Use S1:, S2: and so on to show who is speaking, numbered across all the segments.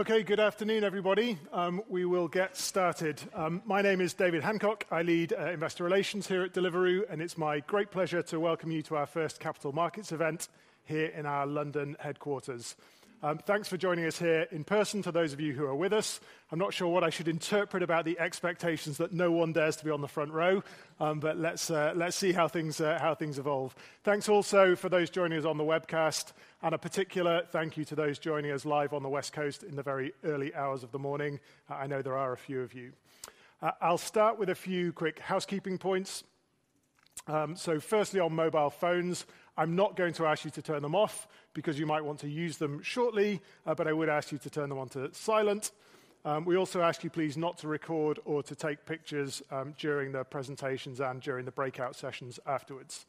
S1: Okay, good afternoon, everybody. We will get started. My name is David Hancock. I lead investor relations here at Deliveroo, and it's my great pleasure to welcome you to our first capital markets event here in our London headquarters. Thanks for joining us here in person, for those of you who are with us. I'm not sure what I should interpret about the expectations that no one dares to be on the front row, but let's see how things evolve. Thanks also for those joining us on the webcast, and a particular thank you to those joining us live on the West Coast in the very early hours of the morning. I know there are a few of you. I'll start with a few quick housekeeping points. So firstly, on mobile phones, I'm not going to ask you to turn them off because you might want to use them shortly, but I would ask you to turn them onto silent. We also ask you please not to record or to take pictures during the presentations and during the breakout sessions afterwards.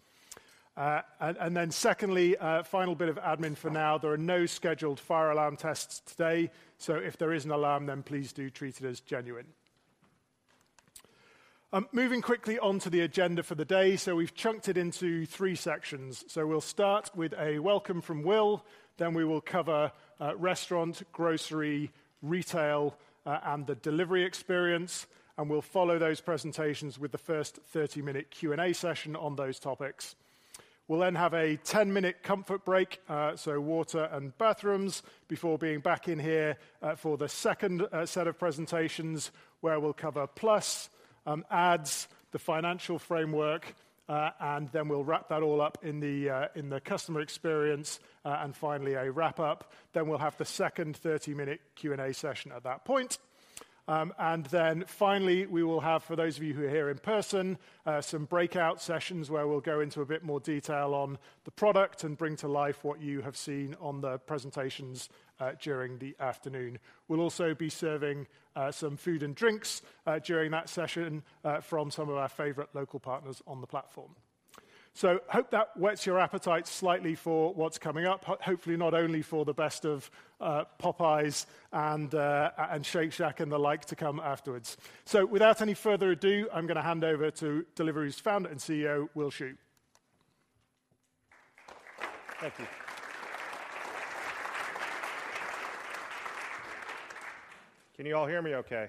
S1: Secondly, a final bit of admin for now, there are no scheduled fire alarm tests today, so if there is an alarm, then please do treat it as genuine. I'm moving quickly on to the agenda for the day. So we've chunked it into three sections. So we'll start with a welcome from Will, then we will cover restaurant, grocery, retail, and the delivery experience, and we'll follow those presentations with the first 30-minute Q&A session on those topics. We'll then have a 10-minute comfort break, so water and bathrooms, before being back in here for the second set of presentations, where we'll cover Plus, ads, the financial framework, and then we'll wrap that all up in the customer experience, and finally, a wrap-up. We'll have the second 30-minute Q&A session at that point. Then finally, we will have, for those of you who are here in person, some breakout sessions where we'll go into a bit more detail on the product and bring to life what you have seen on the presentations during the afternoon. We'll also be serving some food and drinks during that session from some of our favorite local partners on the platform. So hope that whets your appetite slightly for what's coming up, hopefully not only for the best of Popeyes and Shake Shack and the like to come afterwards. So without any further ado, I'm going to hand over to Deliveroo's founder and CEO, Will Shu.
S2: Thank you. Can you all hear me okay?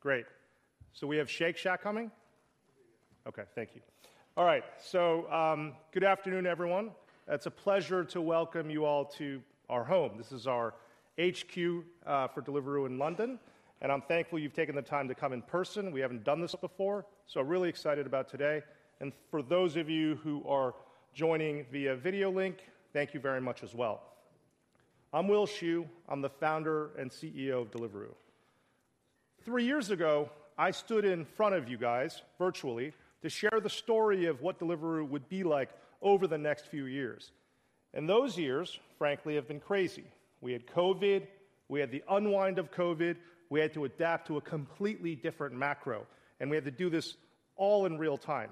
S2: Great. So we have Shake Shack coming? Okay. Thank you. All right, so, good afternoon, everyone. It's a pleasure to welcome you all to our home. This is our HQ for Deliveroo in London, and I'm thankful you've taken the time to come in person. We haven't done this before, so really excited about today. And for those of you who are joining via video link, thank you very much as well. I'm Will Shu. I'm the founder and CEO of Deliveroo. Three years ago, I stood in front of you guys, virtually, to share the story of what Deliveroo would be like over the next few years, and those years, frankly, have been crazy. We had COVID, we had the unwind of COVID, we had to adapt to a completely different macro, and we had to do this all in real time.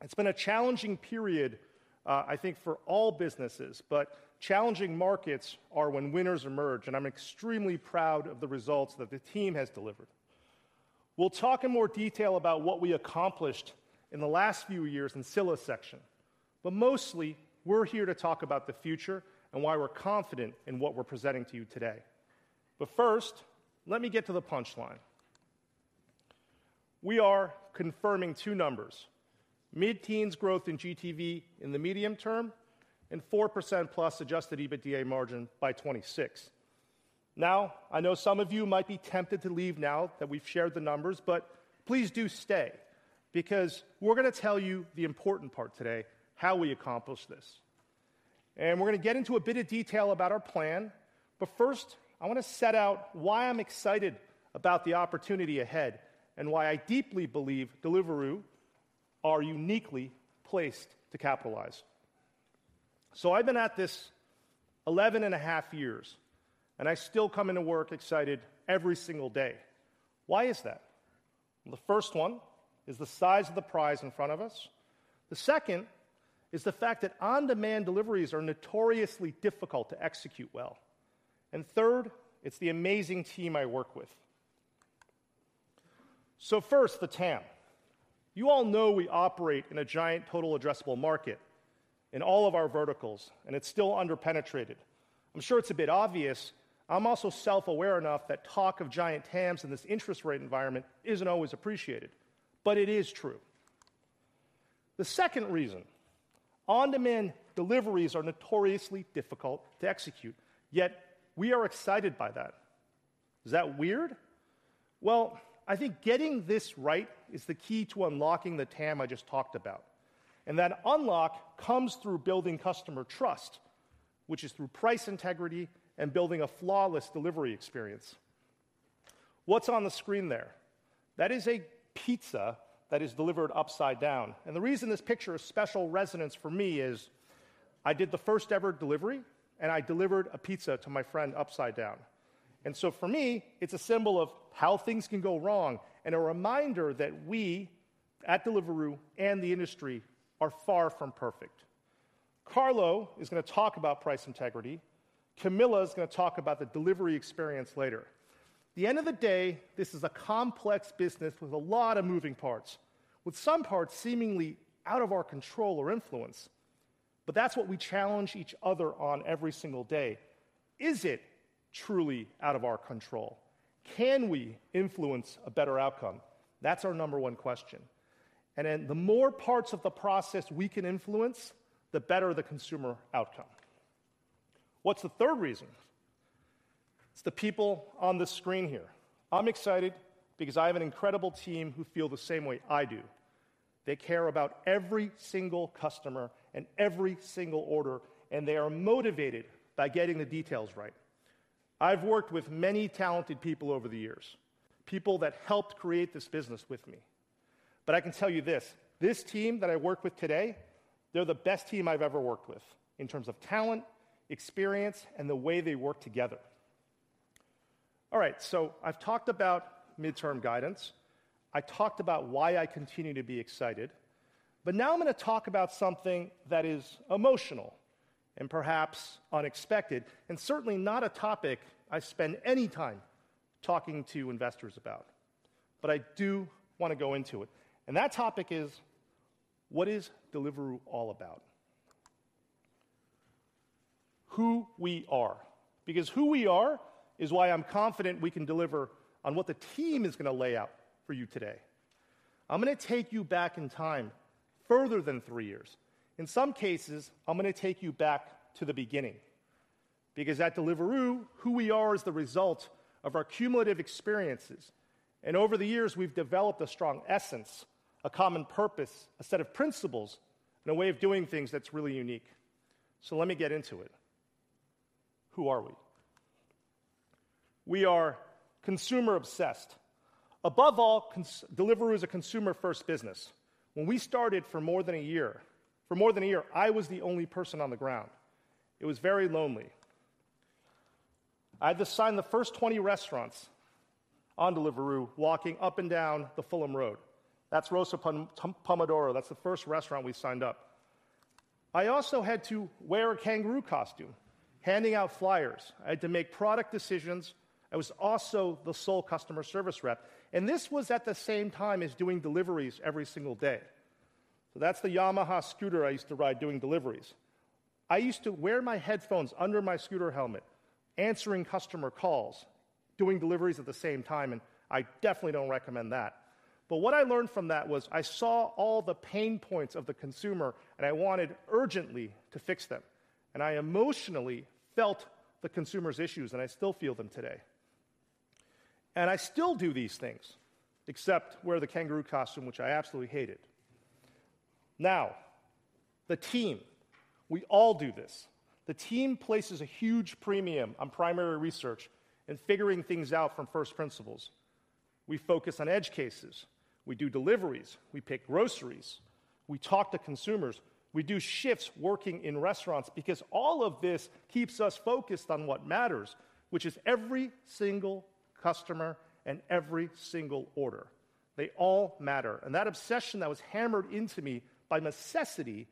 S2: It's been a challenging period, I think for all businesses, but challenging markets are when winners emerge, and I'm extremely proud of the results that the team has delivered. We'll talk in more detail about what we accomplished in the last few years in Scilla's section, but mostly, we're here to talk about the future and why we're confident in what we're presenting to you today. But first, let me get to the punchline. We are confirming two numbers: mid-teens growth in GTV in the medium term and 4%+ adjusted EBITDA margin by 2026. Now, I know some of you might be tempted to leave now that we've shared the numbers, but please do stay, because we're going to tell you the important part today, how we accomplished this. We're going to get into a bit of detail about our plan, but first, I want to set out why I'm excited about the opportunity ahead and why I deeply believe Deliveroo are uniquely placed to capitalize. I've been at this 11.5 years, and I still come into work excited every single day. Why is that? The first one is the size of the prize in front of us. The second is the fact that on-demand deliveries are notoriously difficult to execute well. And third, it's the amazing team I work with. First, the TAM. You all know we operate in a giant total addressable market in all of our verticals, and it's still underpenetrated. I'm sure it's a bit obvious. I'm also self-aware enough that talk of giant TAMs in this interest rate environment isn't always appreciated, but it is true. The second reason: on-demand deliveries are notoriously difficult to execute, yet we are excited by that. Is that weird? Well, I think getting this right is the key to unlocking the TAM I just talked about, and that unlock comes through building customer trust, which is through price integrity and building a flawless delivery experience. What's on the screen there? That is a pizza that is delivered upside down, and the reason this picture is special resonance for me is I did the first-ever delivery, and I delivered a pizza to my friend upside down. And so for me, it's a symbol of how things can go wrong and a reminder that we, at Deliveroo and the industry, are far from perfect. Carlo is going to talk about price integrity. Camilla is going to talk about the delivery experience later. At the end of the day, this is a complex business with a lot of moving parts, with some parts seemingly out of our control or influence... but that's what we challenge each other on every single day. Is it truly out of our control? Can we influence a better outcome? That's our number one question. And then the more parts of the process we can influence, the better the consumer outcome. What's the third reason? It's the people on the screen here. I'm excited because I have an incredible team who feel the same way I do. They care about every single customer and every single order, and they are motivated by getting the details right. I've worked with many talented people over the years, people that helped create this business with me. But I can tell you this, this team that I work with today, they're the best team I've ever worked with in terms of talent, experience, and the way they work together. All right, so I've talked about midterm guidance. I talked about why I continue to be excited, but now I'm gonna talk about something that is emotional and perhaps unexpected, and certainly not a topic I spend any time talking to investors about, but I do wanna go into it, and that topic is: what is Deliveroo all about? Who we are. Because who we are is why I'm confident we can deliver on what the team is gonna lay out for you today. I'm gonna take you back in time, further than three years. In some cases, I'm gonna take you back to the beginning, because at Deliveroo, who we are is the result of our cumulative experiences, and over the years, we've developed a strong essence, a common purpose, a set of principles, and a way of doing things that's really unique. So let me get into it. Who are we? We are consumer obsessed. Above all, Deliveroo is a consumer-first business. When we started, for more than a year, for more than a year, I was the only person on the ground. It was very lonely. I had to sign the first 20 restaurants on Deliveroo, walking up and down the Fulham Road. That's Rossopomodoro, that's the first restaurant we signed up. I also had to wear a kangaroo costume, handing out flyers. I had to make product decisions. I was also the sole customer service rep, and this was at the same time as doing deliveries every single day. So that's the Yamaha scooter I used to ride doing deliveries. I used to wear my headphones under my scooter helmet, answering customer calls, doing deliveries at the same time, and I definitely don't recommend that. But what I learned from that was I saw all the pain points of the consumer, and I wanted urgently to fix them, and I emotionally felt the consumer's issues, and I still feel them today. And I still do these things, except wear the kangaroo costume, which I absolutely hated. Now, the team, we all do this. The team places a huge premium on primary research and figuring things out from first principles. We focus on edge cases. We do deliveries, we pick groceries, we talk to consumers, we do shifts working in restaurants because all of this keeps us focused on what matters, which is every single customer and every single order. They all matter, and that obsession that was hammered into me by necessity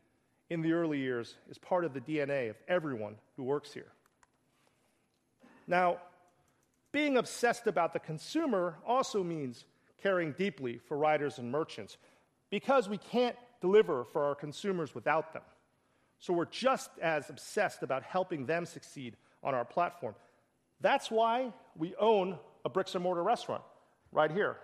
S2: in the early years is part of the DNA of everyone who works here. Now, being obsessed about the consumer also means caring deeply for riders and merchants because we can't deliver for our consumers without them. So we're just as obsessed about helping them succeed on our platform. That's why we own a brick-and-mortar restaurant right here.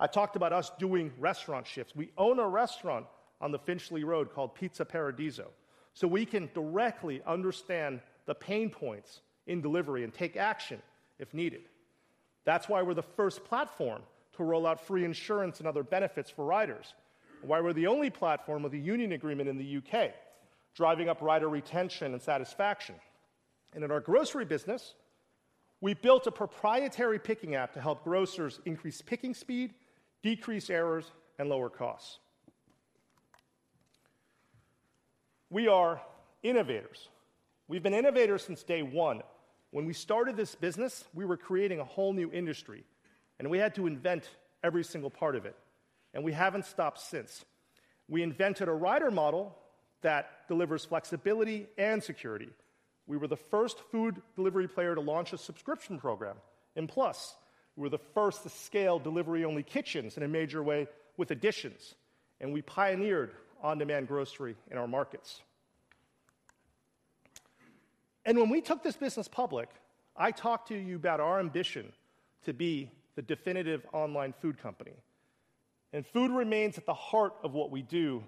S2: I talked about us doing restaurant shifts. We own a restaurant on the Finchley Road called Pizza Paradiso, so we can directly understand the pain points in delivery and take action if needed. That's why we're the first platform to roll out free insurance and other benefits for riders, and why we're the only platform with a union agreement in the UK, driving up rider retention and satisfaction. In our grocery business, we built a proprietary picking app to help grocers increase picking speed, decrease errors, and lower costs. We are innovators. We've been innovators since day one. When we started this business, we were creating a whole new industry, and we had to invent every single part of it, and we haven't stopped since. We invented a rider model that delivers flexibility and security. We were the first food delivery player to launch a subscription program, and Plus, we were the first to scale delivery-only kitchens in a major way with Editions, and we pioneered on-demand grocery in our markets. When we took this business public, I talked to you about our ambition to be the definitive online food company, and food remains at the heart of what we do,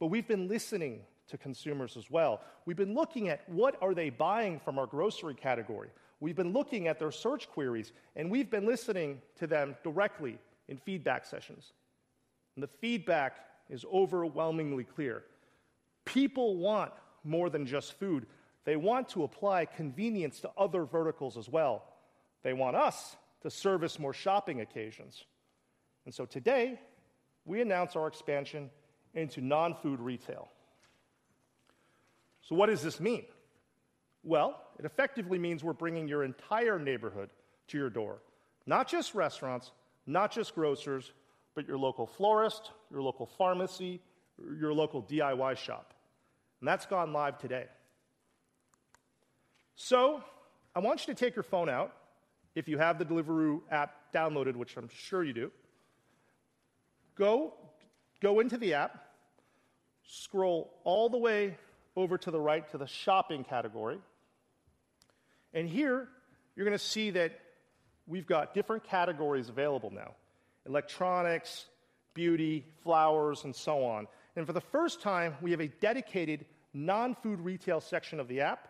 S2: but we've been listening to consumers as well. We've been looking at what are they buying from our grocery category? We've been looking at their search queries, and we've been listening to them directly in feedback sessions, and the feedback is overwhelmingly clear. People want more than just food. They want to apply convenience to other verticals as well. They want us to service more shopping occasions. So today, we announce our expansion into non-food retail. So what does this mean? Well, it effectively means we're bringing your entire neighborhood to your door, not just restaurants, not just grocers, but your local florist, your local pharmacy, your local DIY shop, and that's gone live today. So I want you to take your phone out, if you have the Deliveroo app downloaded, which I'm sure you do. Go, go into the app, scroll all the way over to the right to the Shopping category, and here you're gonna see that we've got different categories available now: Electronics, Beauty, Flowers, and so on. And for the first time, we have a dedicated non-food retail section of the app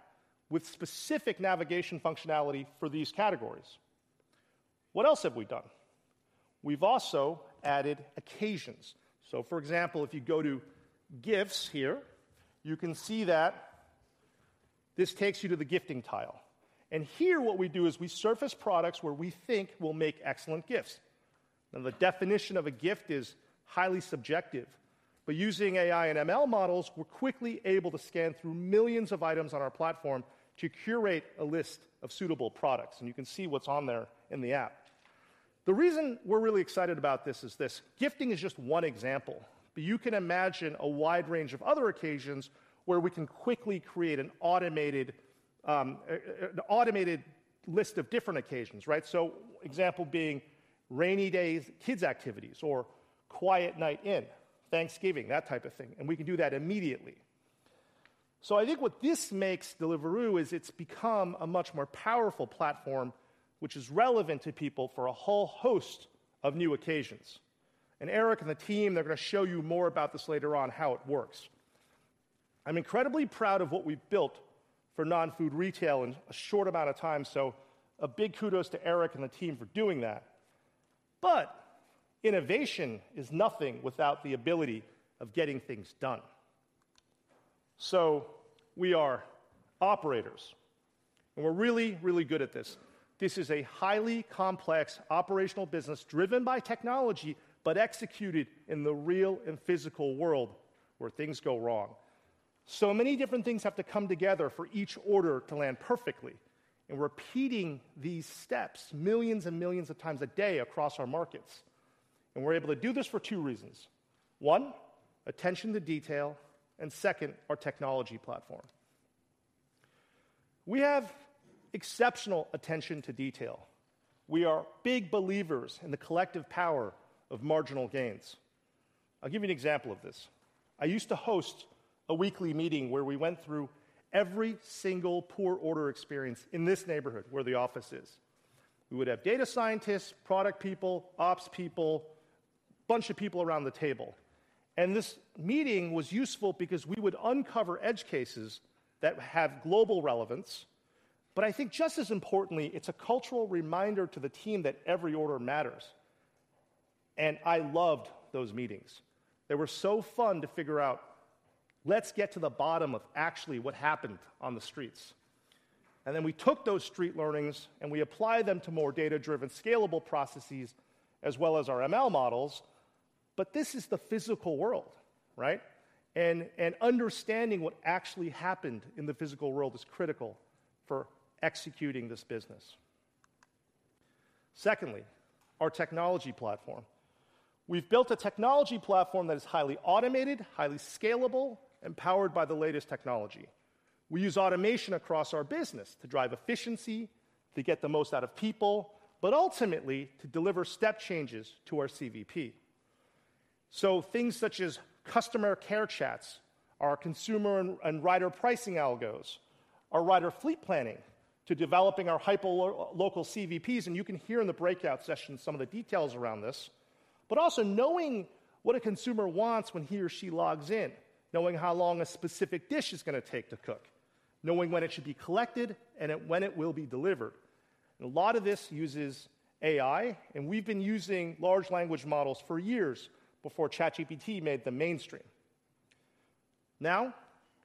S2: with specific navigation functionality for these categories. What else have we done? We've also added occasions. So for example, if you go to Gifts here, you can see that this takes you to the Gifting tile. And here what we do is we surface products where we think will make excellent gifts. Now, the definition of a gift is highly subjective, but using AI and ML models, we're quickly able to scan through millions of items on our platform to curate a list of suitable products, and you can see what's on there in the app. The reason we're really excited about this is this: gifting is just one example, but you can imagine a wide range of other occasions where we can quickly create an automated list of different occasions, right? So example being rainy days, kids' activities, or quiet night in, Thanksgiving, that type of thing, and we can do that immediately. So I think what this makes Deliveroo is it's become a much more powerful platform, which is relevant to people for a whole host of new occasions. Eric and the team, they're gonna show you more about this later on, how it works. I'm incredibly proud of what we've built for non-food retail in a short amount of time, so a big kudos to Eric and the team for doing that. Innovation is nothing without the ability of getting things done. We are operators, and we're really, really good at this. This is a highly complex operational business driven by technology, but executed in the real and physical world, where things go wrong. Many different things have to come together for each order to land perfectly, and repeating these steps millions and millions of times a day across our markets. We're able to do this for two reasons: one, attention to detail, and second, our technology platform. We have exceptional attention to detail. We are big believers in the collective power of marginal gains. I'll give you an example of this. I used to host a weekly meeting where we went through every single poor order experience in this neighborhood where the office is. We would have data scientists, product people, ops people, bunch of people around the table, and this meeting was useful because we would uncover edge cases that have global relevance. But I think just as importantly, it's a cultural reminder to the team that every order matters, and I loved those meetings. They were so fun to figure out, "Let's get to the bottom of actually what happened on the streets." And then we took those street learnings, and we applied them to more data-driven, scalable processes, as well as our ML models. But this is the physical world, right? And understanding what actually happened in the physical world is critical for executing this business. Secondly, our technology platform. We've built a technology platform that is highly automated, highly scalable, and powered by the latest technology. We use automation across our business to drive efficiency, to get the most out of people, but ultimately, to deliver step changes to our CVP. So things such as customer care chats, our consumer and rider pricing algos, our rider fleet planning, to developing our hyperlocal CVPs, and you can hear in the breakout session some of the details around this. But also knowing what a consumer wants when he or she logs in, knowing how long a specific dish is gonna take to cook, knowing when it should be collected and when it will be delivered. And a lot of this uses AI, and we've been using large language models for years before ChatGPT made them mainstream. Now,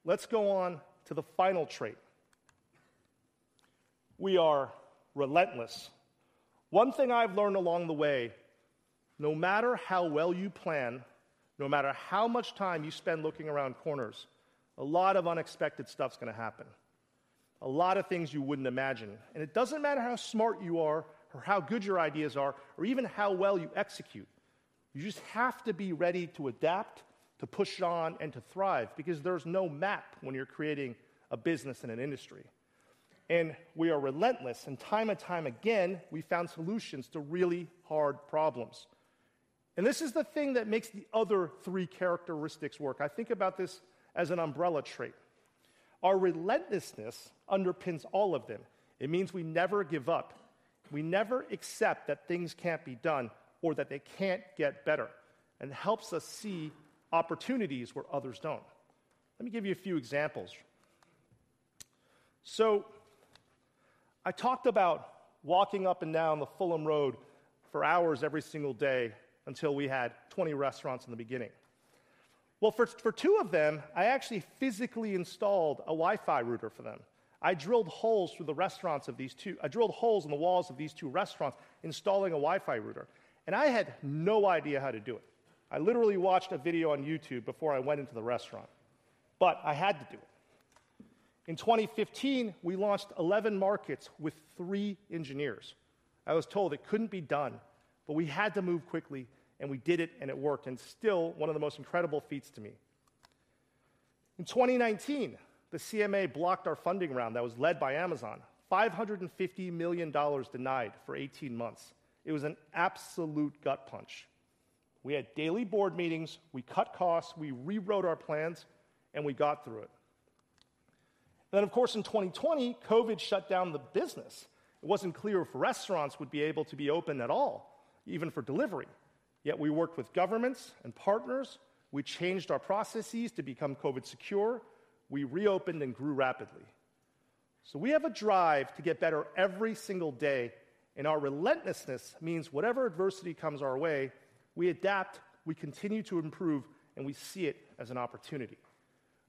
S2: let's go on to the final trait. We are relentless. One thing I've learned along the way, no matter how well you plan, no matter how much time you spend looking around corners, a lot of unexpected stuff's gonna happen, a lot of things you wouldn't imagine. And it doesn't matter how smart you are or how good your ideas are, or even how well you execute, you just have to be ready to adapt, to push on, and to thrive because there's no map when you're creating a business in an industry. And we are relentless, and time and time again, we found solutions to really hard problems. And this is the thing that makes the other three characteristics work. I think about this as an umbrella trait. Our relentlessness underpins all of them. It means we never give up. We never accept that things can't be done or that they can't get better, and it helps us see opportunities where others don't. Let me give you a few examples. So I talked about walking up and down the Fulham Road for hours every single day until we had 20 restaurants in the beginning. Well, for two of them, I actually physically installed a Wi-Fi router for them. I drilled holes through the restaurants of these two, I drilled holes in the walls of these two restaurants, installing a Wi-Fi router, and I had no idea how to do it. I literally watched a video on YouTube before I went into the restaurant, but I had to do it. In 2015, we launched 11 markets with 3 engineers. I was told it couldn't be done, but we had to move quickly, and we did it, and it worked, and still one of the most incredible feats to me. In 2019, the CMA blocked our funding round that was led by Amazon. $550 million denied for 18 months. It was an absolute gut punch. We had daily board meetings, we cut costs, we rewrote our plans, and we got through it. Then, of course, in 2020, COVID shut down the business. It wasn't clear if restaurants would be able to be open at all, even for delivery. Yet we worked with governments and partners, we changed our processes to become COVID secure, we reopened and grew rapidly. So we have a drive to get better every single day, and our relentlessness means whatever adversity comes our way, we adapt, we continue to improve, and we see it as an opportunity.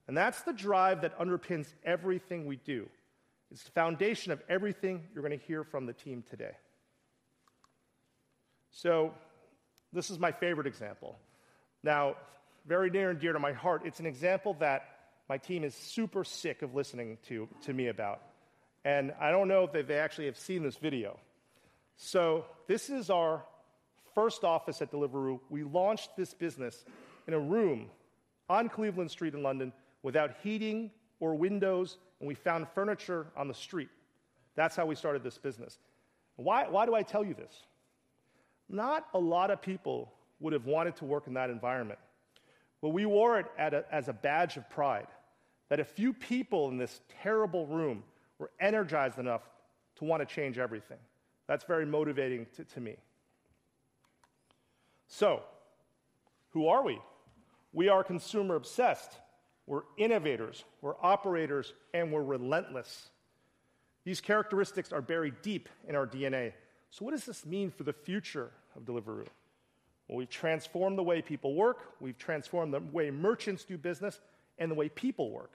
S2: And that's the drive that underpins everything we do. It's the foundation of everything you're gonna hear from the team today. So this is my favorite example. Now, very near and dear to my heart, it's an example that my team is super sick of listening to, to me about, and I don't know if they, they actually have seen this video. So this is our first office at Deliveroo. We launched this business in a room on Cleveland Street in London, without heating or windows, and we found furniture on the street. That's how we started this business. Why, why do I tell you this? Not a lot of people would have wanted to work in that environment, but we wore it as a badge of pride, that a few people in this terrible room were energized enough to want to change everything. That's very motivating to me. So who are we? We are consumer-obsessed, we're innovators, we're operators, and we're relentless. These characteristics are buried deep in our DNA. So what does this mean for the future of Deliveroo? Well, we've transformed the way people work, we've transformed the way merchants do business, and the way people work.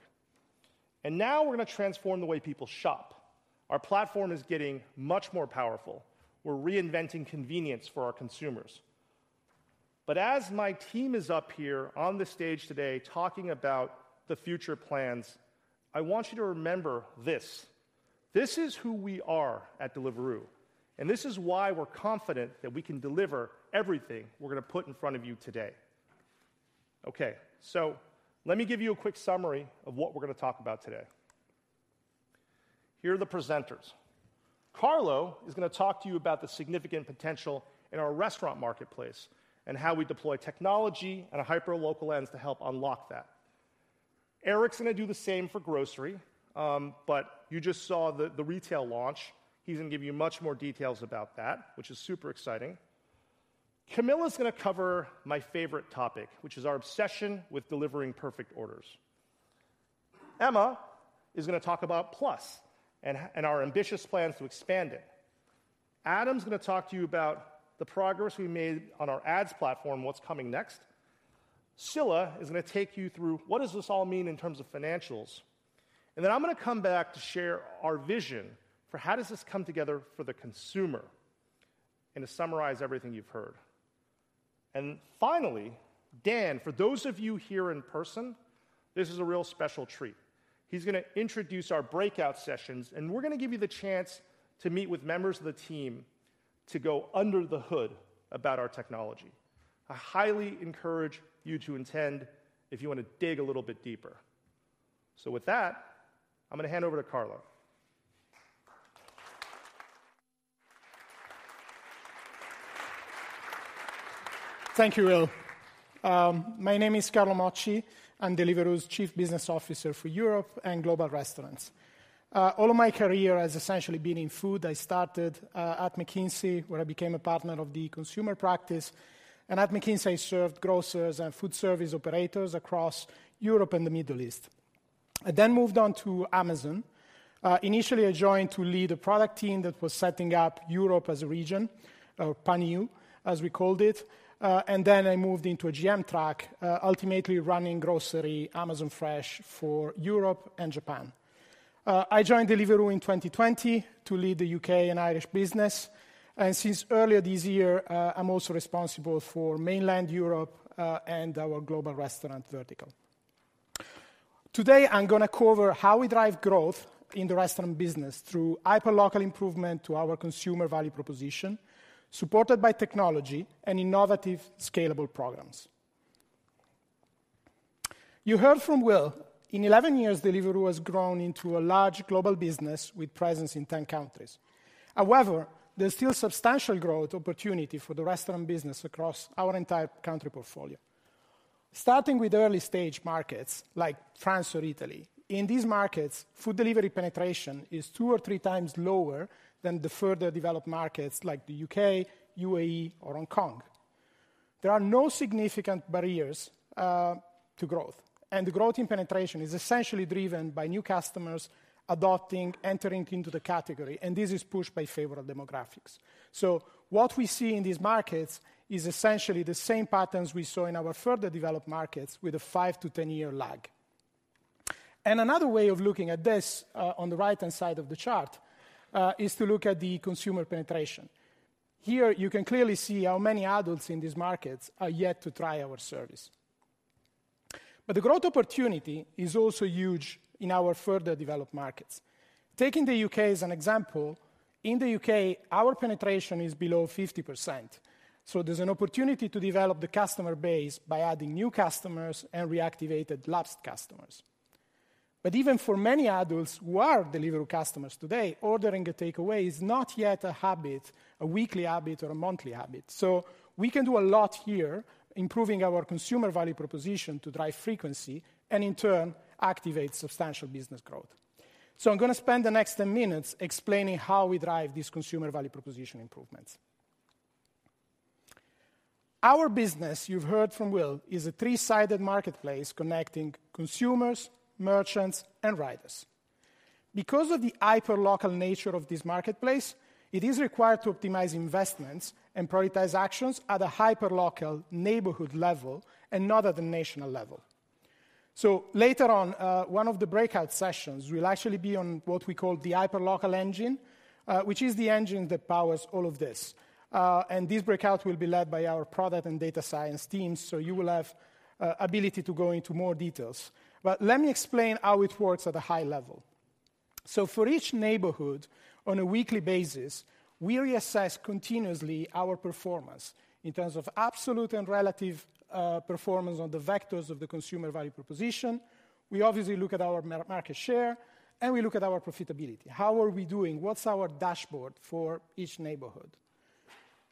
S2: And now we're gonna transform the way people shop. Our platform is getting much more powerful. We're reinventing convenience for our consumers. But as my team is up here on the stage today talking about the future plans, I want you to remember this: This is who we are at Deliveroo, and this is why we're confident that we can deliver everything we're gonna put in front of you today. Okay, so let me give you a quick summary of what we're gonna talk about today. Here are the presenters. Carlo is gonna talk to you about the significant potential in our restaurant marketplace and how we deploy technology and a hyperlocal lens to help unlock that. Eric's gonna do the same for grocery, but you just saw the retail launch. He's gonna give you much more details about that, which is super exciting. Camilla's gonna cover my favorite topic, which is our obsession with delivering perfect orders. Emma is gonna talk about Plus and our ambitious plans to expand it. Adam's gonna talk to you about the progress we made on our ads platform and what's coming next. Scilla is gonna take you through what does this all mean in terms of financials? And then I'm gonna come back to share our vision for how does this come together for the consumer and to summarize everything you've heard. And finally, Dan, for those of you here in person, this is a real special treat. He's gonna introduce our breakout sessions, and we're gonna give you the chance to meet with members of the team to go under the hood about our technology. I highly encourage you to attend if you want to dig a little bit deeper. So with that, I'm gonna hand over to Carlo.
S3: Thank you, Will. My name is Carlo Mocci. I'm Deliveroo's Chief Business Officer for Europe and Global Restaurants. All of my career has essentially been in food. I started at McKinsey, where I became a partner of the consumer practice, and at McKinsey, I served grocers and food service operators across Europe and the Middle East. I then moved on to Amazon. Initially, I joined to lead a product team that was setting up Europe as a region, Pan-EU, as we called it. And then I moved into a GM track, ultimately running grocery, Amazon Fresh, for Europe and Japan. I joined Deliveroo in 2020 to lead the UK and Irish business, and since earlier this year, I'm also responsible for mainland Europe, and our global restaurant vertical. Today, I'm gonna cover how we drive growth in the restaurant business through hyperlocal improvement to our consumer value proposition, supported by technology and innovative, scalable programs. You heard from Will. In 11 years, Deliveroo has grown into a large global business with presence in 10 countries. However, there's still substantial growth opportunity for the restaurant business across our entire country portfolio, starting with early-stage markets like France or Italy. In these markets, food delivery penetration is two or three times lower than the further developed markets like the UK, UAE, or Hong Kong. There are no significant barriers to growth, and the growth in penetration is essentially driven by new customers adopting, entering into the category, and this is pushed by favorable demographics. So what we see in these markets is essentially the same patterns we saw in our further developed markets with a 5- to 10-year lag. Another way of looking at this, on the right-hand side of the chart, is to look at the consumer penetration. Here, you can clearly see how many adults in these markets are yet to try our service. But the growth opportunity is also huge in our further developed markets. Taking the UK as an example. In the UK, our penetration is below 50%, so there's an opportunity to develop the customer base by adding new customers and reactivating lapsed customers. But even for many adults who are Deliveroo customers today, ordering a takeaway is not yet a habit, a weekly habit, or a monthly habit. So we can do a lot here, improving our consumer value proposition to drive frequency, and in turn, activate substantial business growth. So I'm gonna spend the next 10 minutes explaining how we drive these consumer value proposition improvements. Our business, you've heard from Will, is a three-sided marketplace connecting consumers, merchants, and riders. Because of the hyperlocal nature of this marketplace, it is required to optimize investments and prioritize actions at a hyperlocal neighborhood level and not at the national level. So later on, one of the breakout sessions will actually be on what we call the hyperlocal engine, which is the engine that powers all of this. And this breakout will be led by our product and data science teams, so you will have ability to go into more details. But let me explain how it works at a high level. So for each neighborhood, on a weekly basis, we reassess continuously our performance in terms of absolute and relative performance on the vectors of the consumer value proposition. We obviously look at our market share, and we look at our profitability. How are we doing? What's our dashboard for each neighborhood?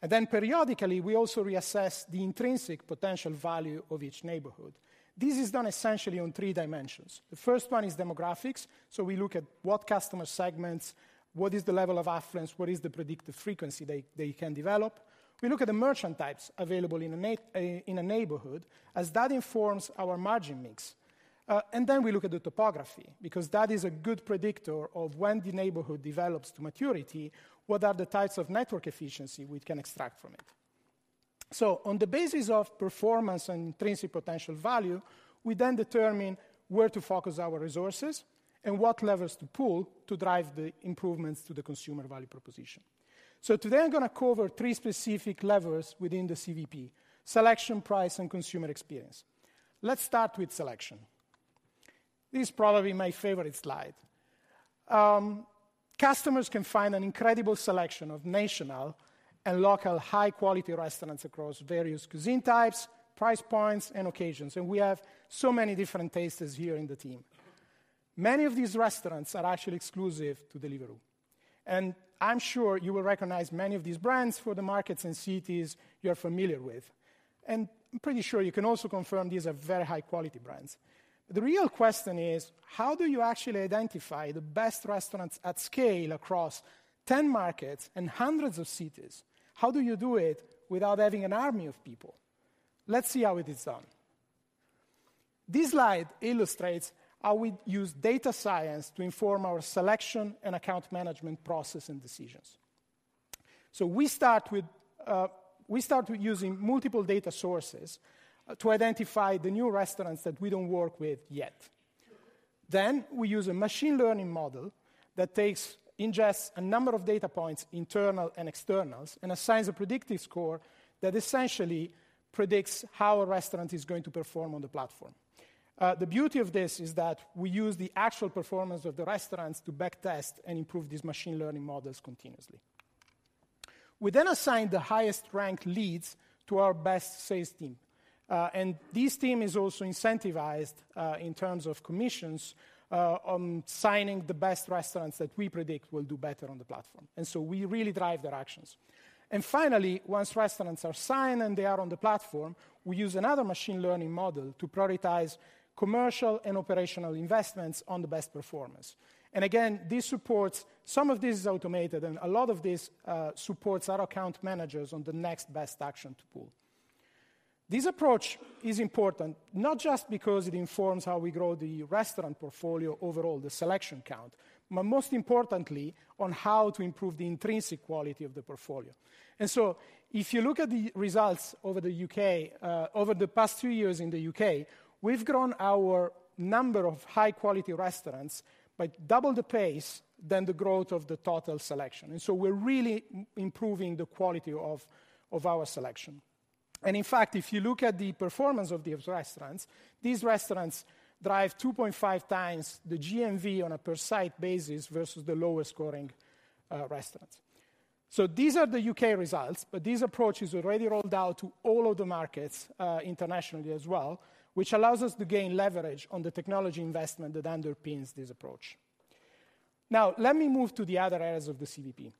S3: Then periodically, we also reassess the intrinsic potential value of each neighborhood. This is done essentially on three dimensions. The first one is demographics. So we look at what customer segments, what is the level of affluence, what is the predicted frequency they, they can develop? We look at the merchant types available in a neighborhood, as that informs our margin mix. And then we look at the topography because that is a good predictor of when the neighborhood develops to maturity, what are the types of network efficiency we can extract from it? So on the basis of performance and intrinsic potential value, we then determine where to focus our resources and what levers to pull to drive the improvements to the consumer value proposition. So today I'm gonna cover three specific levers within the CVP: selection, price, and consumer experience. Let's start with selection. This is probably my favorite slide. Customers can find an incredible selection of national and local high-quality restaurants across various cuisine types, price points, and occasions, and we have so many different tastes here in the team. Many of these restaurants are actually exclusive to Deliveroo, and I'm sure you will recognize many of these brands for the markets and cities you're familiar with. And I'm pretty sure you can also confirm these are very high-quality brands. The real question is: how do you actually identify the best restaurants at scale across 10 markets and hundreds of cities? How do you do it without adding an army of people? Let's see how it is done. This slide illustrates how we use data science to inform our selection and account management process and decisions. We start with using multiple data sources to identify the new restaurants that we don't work with yet. Then, we use a machine learning model that ingests a number of data points, internal and external, and assigns a predictive score that essentially predicts how a restaurant is going to perform on the platform. The beauty of this is that we use the actual performance of the restaurants to backtest and improve these machine learning models continuously. We then assign the highest ranked leads to our best sales team, and this team is also incentivized, in terms of commissions, on signing the best restaurants that we predict will do better on the platform, and so we really drive their actions. Finally, once restaurants are signed and they are on the platform, we use another machine learning model to prioritize commercial and operational investments on the best performers. Again, this supports, some of this is automated, and a lot of this, supports our account managers on the next best action to pull. This approach is important, not just because it informs how we grow the restaurant portfolio overall, the selection count, but most importantly, on how to improve the intrinsic quality of the portfolio. And so if you look at the results over the U.K., over the past two years in the U.K., we've grown our number of high-quality restaurants by double the pace than the growth of the total selection. And so we're really improving the quality of our selection. And in fact, if you look at the performance of these restaurants, these restaurants drive 2.5 times the GMV on a per site basis versus the lowest scoring restaurants. So these are the U.K. results, but this approach is already rolled out to all of the markets internationally as well, which allows us to gain leverage on the technology investment that underpins this approach. Now, let me move to the other areas of the CVP.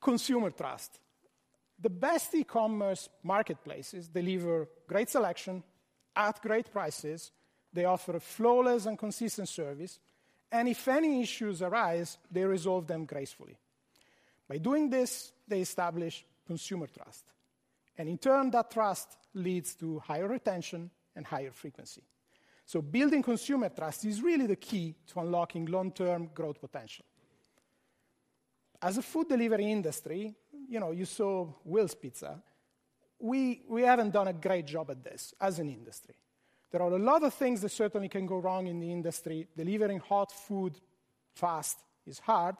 S3: Consumer trust. The best e-commerce marketplaces deliver great selection at great prices, they offer a flawless and consistent service, and if any issues arise, they resolve them gracefully. By doing this, they establish consumer trust, and in turn, that trust leads to higher retention and higher frequency. So building consumer trust is really the key to unlocking long-term growth potential. As a food delivery industry, you know, you saw Will's pizza, we, we haven't done a great job at this as an industry. There are a lot of things that certainly can go wrong in the industry. Delivering hot food fast is hard.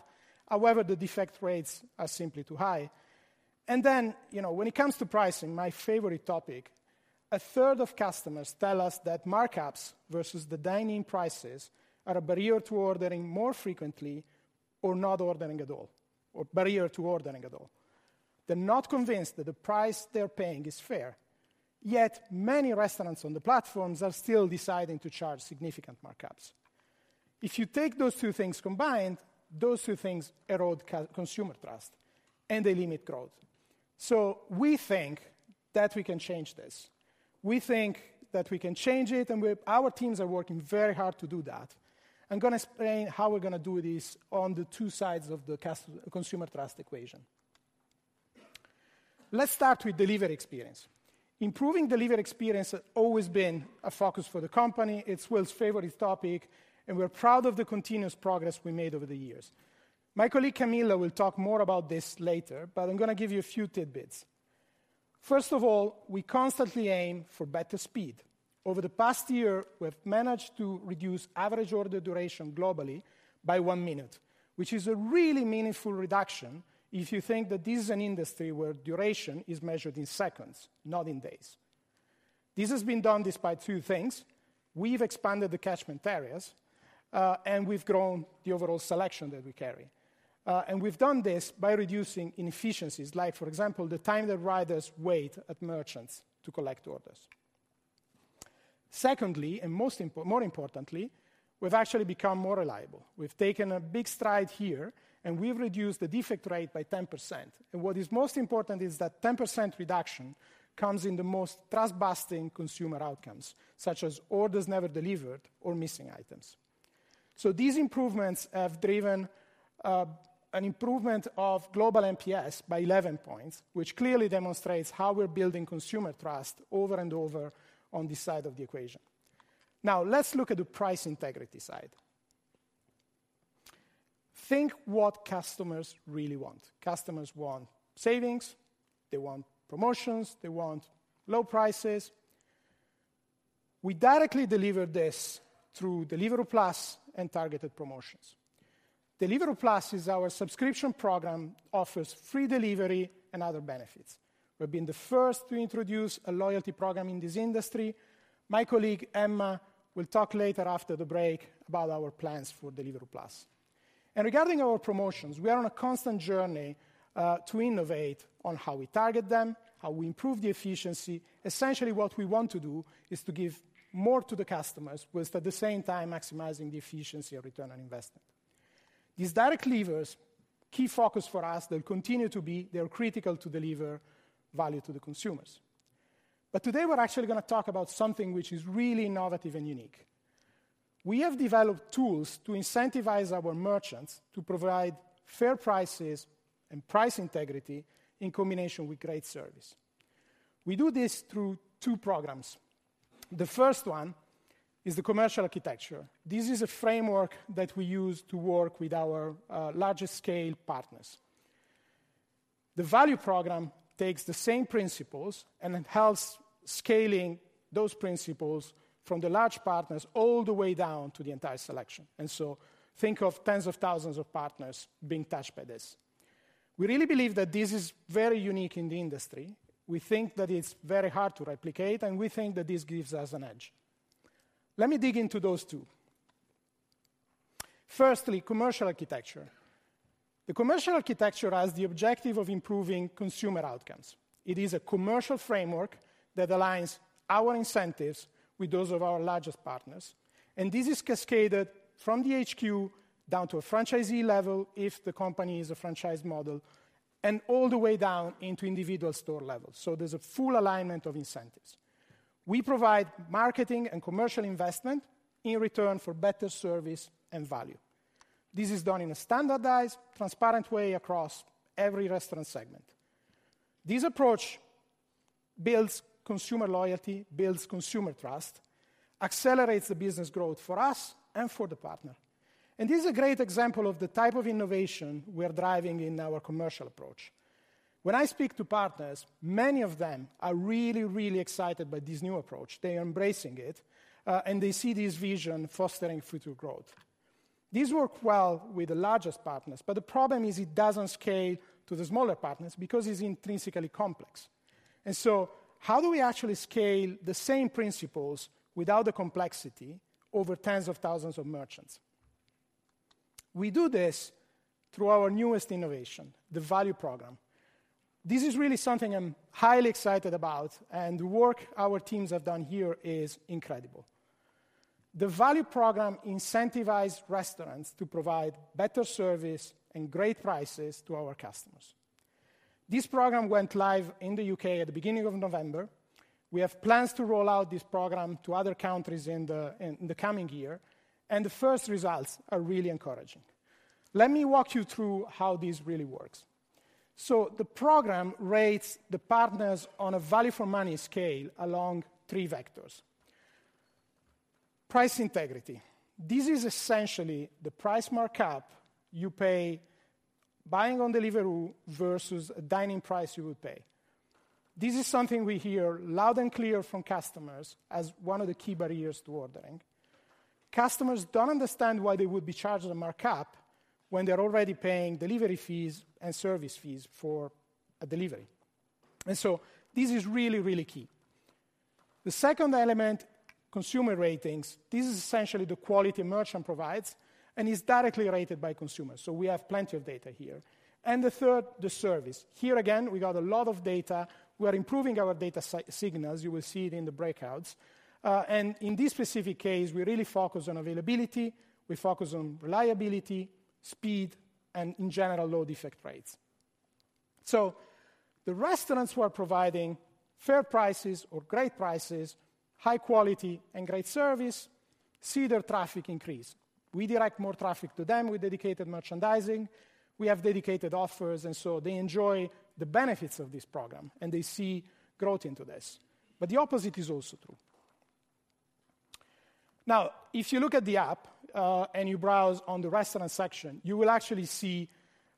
S3: However, the defect rates are simply too high. And then, you know, when it comes to pricing, my favorite topic... A third of customers tell us that markups versus the dine-in prices are a barrier to ordering more frequently or not ordering at all, or barrier to ordering at all. They're not convinced that the price they're paying is fair, yet many restaurants on the platforms are still deciding to charge significant markups. If you take those two things combined, those two things erode consumer trust, and they limit growth. So we think that we can change this. We think that we can change it, and our teams are working very hard to do that. I'm gonna explain how we're gonna do this on the two sides of the consumer trust equation. Let's start with delivery experience. Improving delivery experience has always been a focus for the company. It's Will's favorite topic, and we're proud of the continuous progress we made over the years. My colleague, Camilla, will talk more about this later, but I'm gonna give you a few tidbits. First of all, we constantly aim for better speed. Over the past year, we have managed to reduce average order duration globally by one minute, which is a really meaningful reduction if you think that this is an industry where duration is measured in seconds, not in days. This has been done despite two things: We've expanded the catchment areas, and we've grown the overall selection that we carry. And we've done this by reducing inefficiencies, like, for example, the time that riders wait at merchants to collect orders. Secondly, and more importantly, we've actually become more reliable. We've taken a big stride here, and we've reduced the defect rate by 10%. What is most important is that 10% reduction comes in the most trust-busting consumer outcomes, such as orders never delivered or missing items. These improvements have driven an improvement of global NPS by 11 points, which clearly demonstrates how we're building consumer trust over and over on this side of the equation. Now, let's look at the price integrity side. Think what customers really want. Customers want savings, they want promotions, they want low prices. We directly deliver this through Deliveroo Plus and targeted promotions. Deliveroo Plus is our subscription program, offers free delivery and other benefits. We've been the first to introduce a loyalty program in this industry. My colleague, Emma, will talk later after the break about our plans for Deliveroo Plus. Regarding our promotions, we are on a constant journey to innovate on how we target them, how we improve the efficiency. Essentially, what we want to do is to give more to the customers, whilst at the same time maximizing the efficiency of return on investment. These direct levers, key focus for us, they'll continue to be. They are critical to deliver value to the consumers. But today, we're actually gonna talk about something which is really innovative and unique. We have developed tools to incentivize our merchants to provide fair prices and price integrity in combination with great service. We do this through two programs. The first one is the Commercial Architecture. This is a framework that we use to work with our larger scale partners. The Value Programme takes the same principles and helps scaling those principles from the large partners all the way down to the entire selection, and so think of tens of thousands of partners being touched by this. We really believe that this is very unique in the industry. We think that it's very hard to replicate, and we think that this gives us an edge. Let me dig into those two. Firstly, commercial architecture. The commercial architecture has the objective of improving consumer outcomes. It is a commercial framework that aligns our incentives with those of our largest partners, and this is cascaded from the HQ down to a franchisee level, if the company is a franchise model, and all the way down into individual store levels, so there's a full alignment of incentives. We provide marketing and commercial investment in return for better service and value. This is done in a standardized, transparent way across every restaurant segment. This approach builds consumer loyalty, builds consumer trust, accelerates the business growth for us and for the partner, and this is a great example of the type of innovation we are driving in our commercial approach. When I speak to partners, many of them are really, really excited by this new approach. They are embracing it, and they see this vision fostering future growth. This work well with the largest partners, but the problem is it doesn't scale to the smaller partners because it's intrinsically complex. And so how do we actually scale the same principles without the complexity over tens of thousands of merchants? We do this through our newest innovation, the Value Programme. This is really something I'm highly excited about, and the work our teams have done here is incredible. The Value Programme incentivized restaurants to provide better service and great prices to our customers. This program went live in the U.K. at the beginning of November. We have plans to roll out this program to other countries in the coming year, and the first results are really encouraging. Let me walk you through how this really works. So the program rates the partners on a value for money scale along three vectors. Price integrity. This is essentially the price markup you pay buying on Deliveroo versus a dine-in price you would pay. This is something we hear loud and clear from customers as one of the key barriers to ordering.... Customers don't understand why they would be charged a markup when they're already paying delivery fees and service fees for a delivery. And so this is really, really key. The second element, consumer ratings. This is essentially the quality a merchant provides, and is directly rated by consumers, so we have plenty of data here. And the third, the service. Here again, we got a lot of data. We are improving our data signals, you will see it in the breakouts. And in this specific case, we really focus on availability, we focus on reliability, speed, and in general, low defect rates. So the restaurants who are providing fair prices or great prices, high quality, and great service see their traffic increase. We direct more traffic to them with dedicated merchandising. We have dedicated offers, and so they enjoy the benefits of this program, and they see growth into this. But the opposite is also true. Now, if you look at the app, and you browse on the restaurant section, you will actually see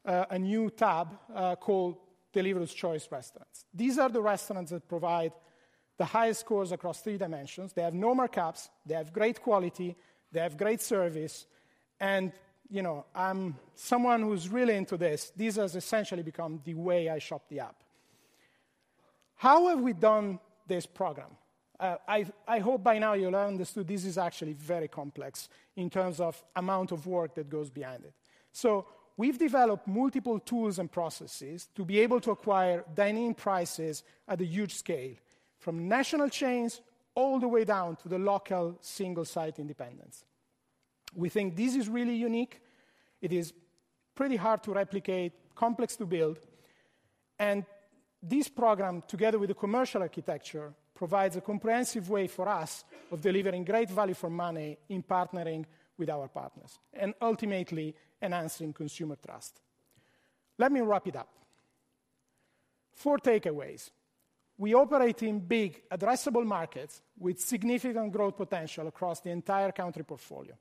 S3: a new tab called Deliveroo's Choice Restaurants. These are the restaurants that provide the highest scores across three dimensions. They have no markups, they have great quality, they have great service, and, you know, I'm someone who's really into this. This has essentially become the way I shop the app. How have we done this program? I hope by now you'll understand this is actually very complex in terms of amount of work that goes behind it. So we've developed multiple tools and processes to be able to acquire dine-in prices at a huge scale, from national chains all the way down to the local, single-site independents. We think this is really unique. It is pretty hard to replicate, complex to build, and this program, together with the commercial architecture, provides a comprehensive way for us of delivering great value for money in partnering with our partners, and ultimately enhancing consumer trust. Let me wrap it up. Four takeaways: We operate in big, addressable markets with significant growth potential across the entire country portfolio.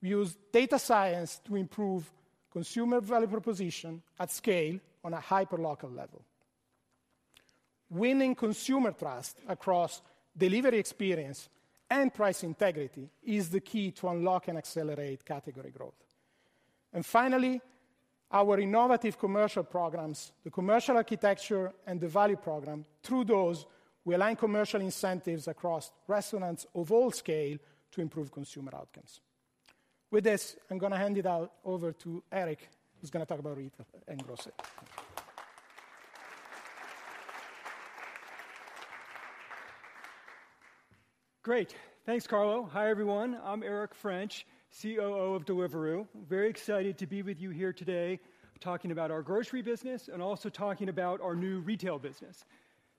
S3: We use data science to improve consumer value proposition at scale on a hyper-local level. Winning consumer trust across delivery experience and price integrity is the key to unlock and accelerate category growth. And finally, our innovative commercial programs, the commercial architecture and the Value Programme, through those, we align commercial incentives across restaurants of all scale to improve consumer outcomes. With this, I'm gonna hand it over to Eric, who's gonna talk about retail and grocery.
S4: Great! Thanks, Carlo. Hi, everyone. I'm Eric French, COO of Deliveroo. Very excited to be with you here today, talking about our grocery business and also talking about our new retail business.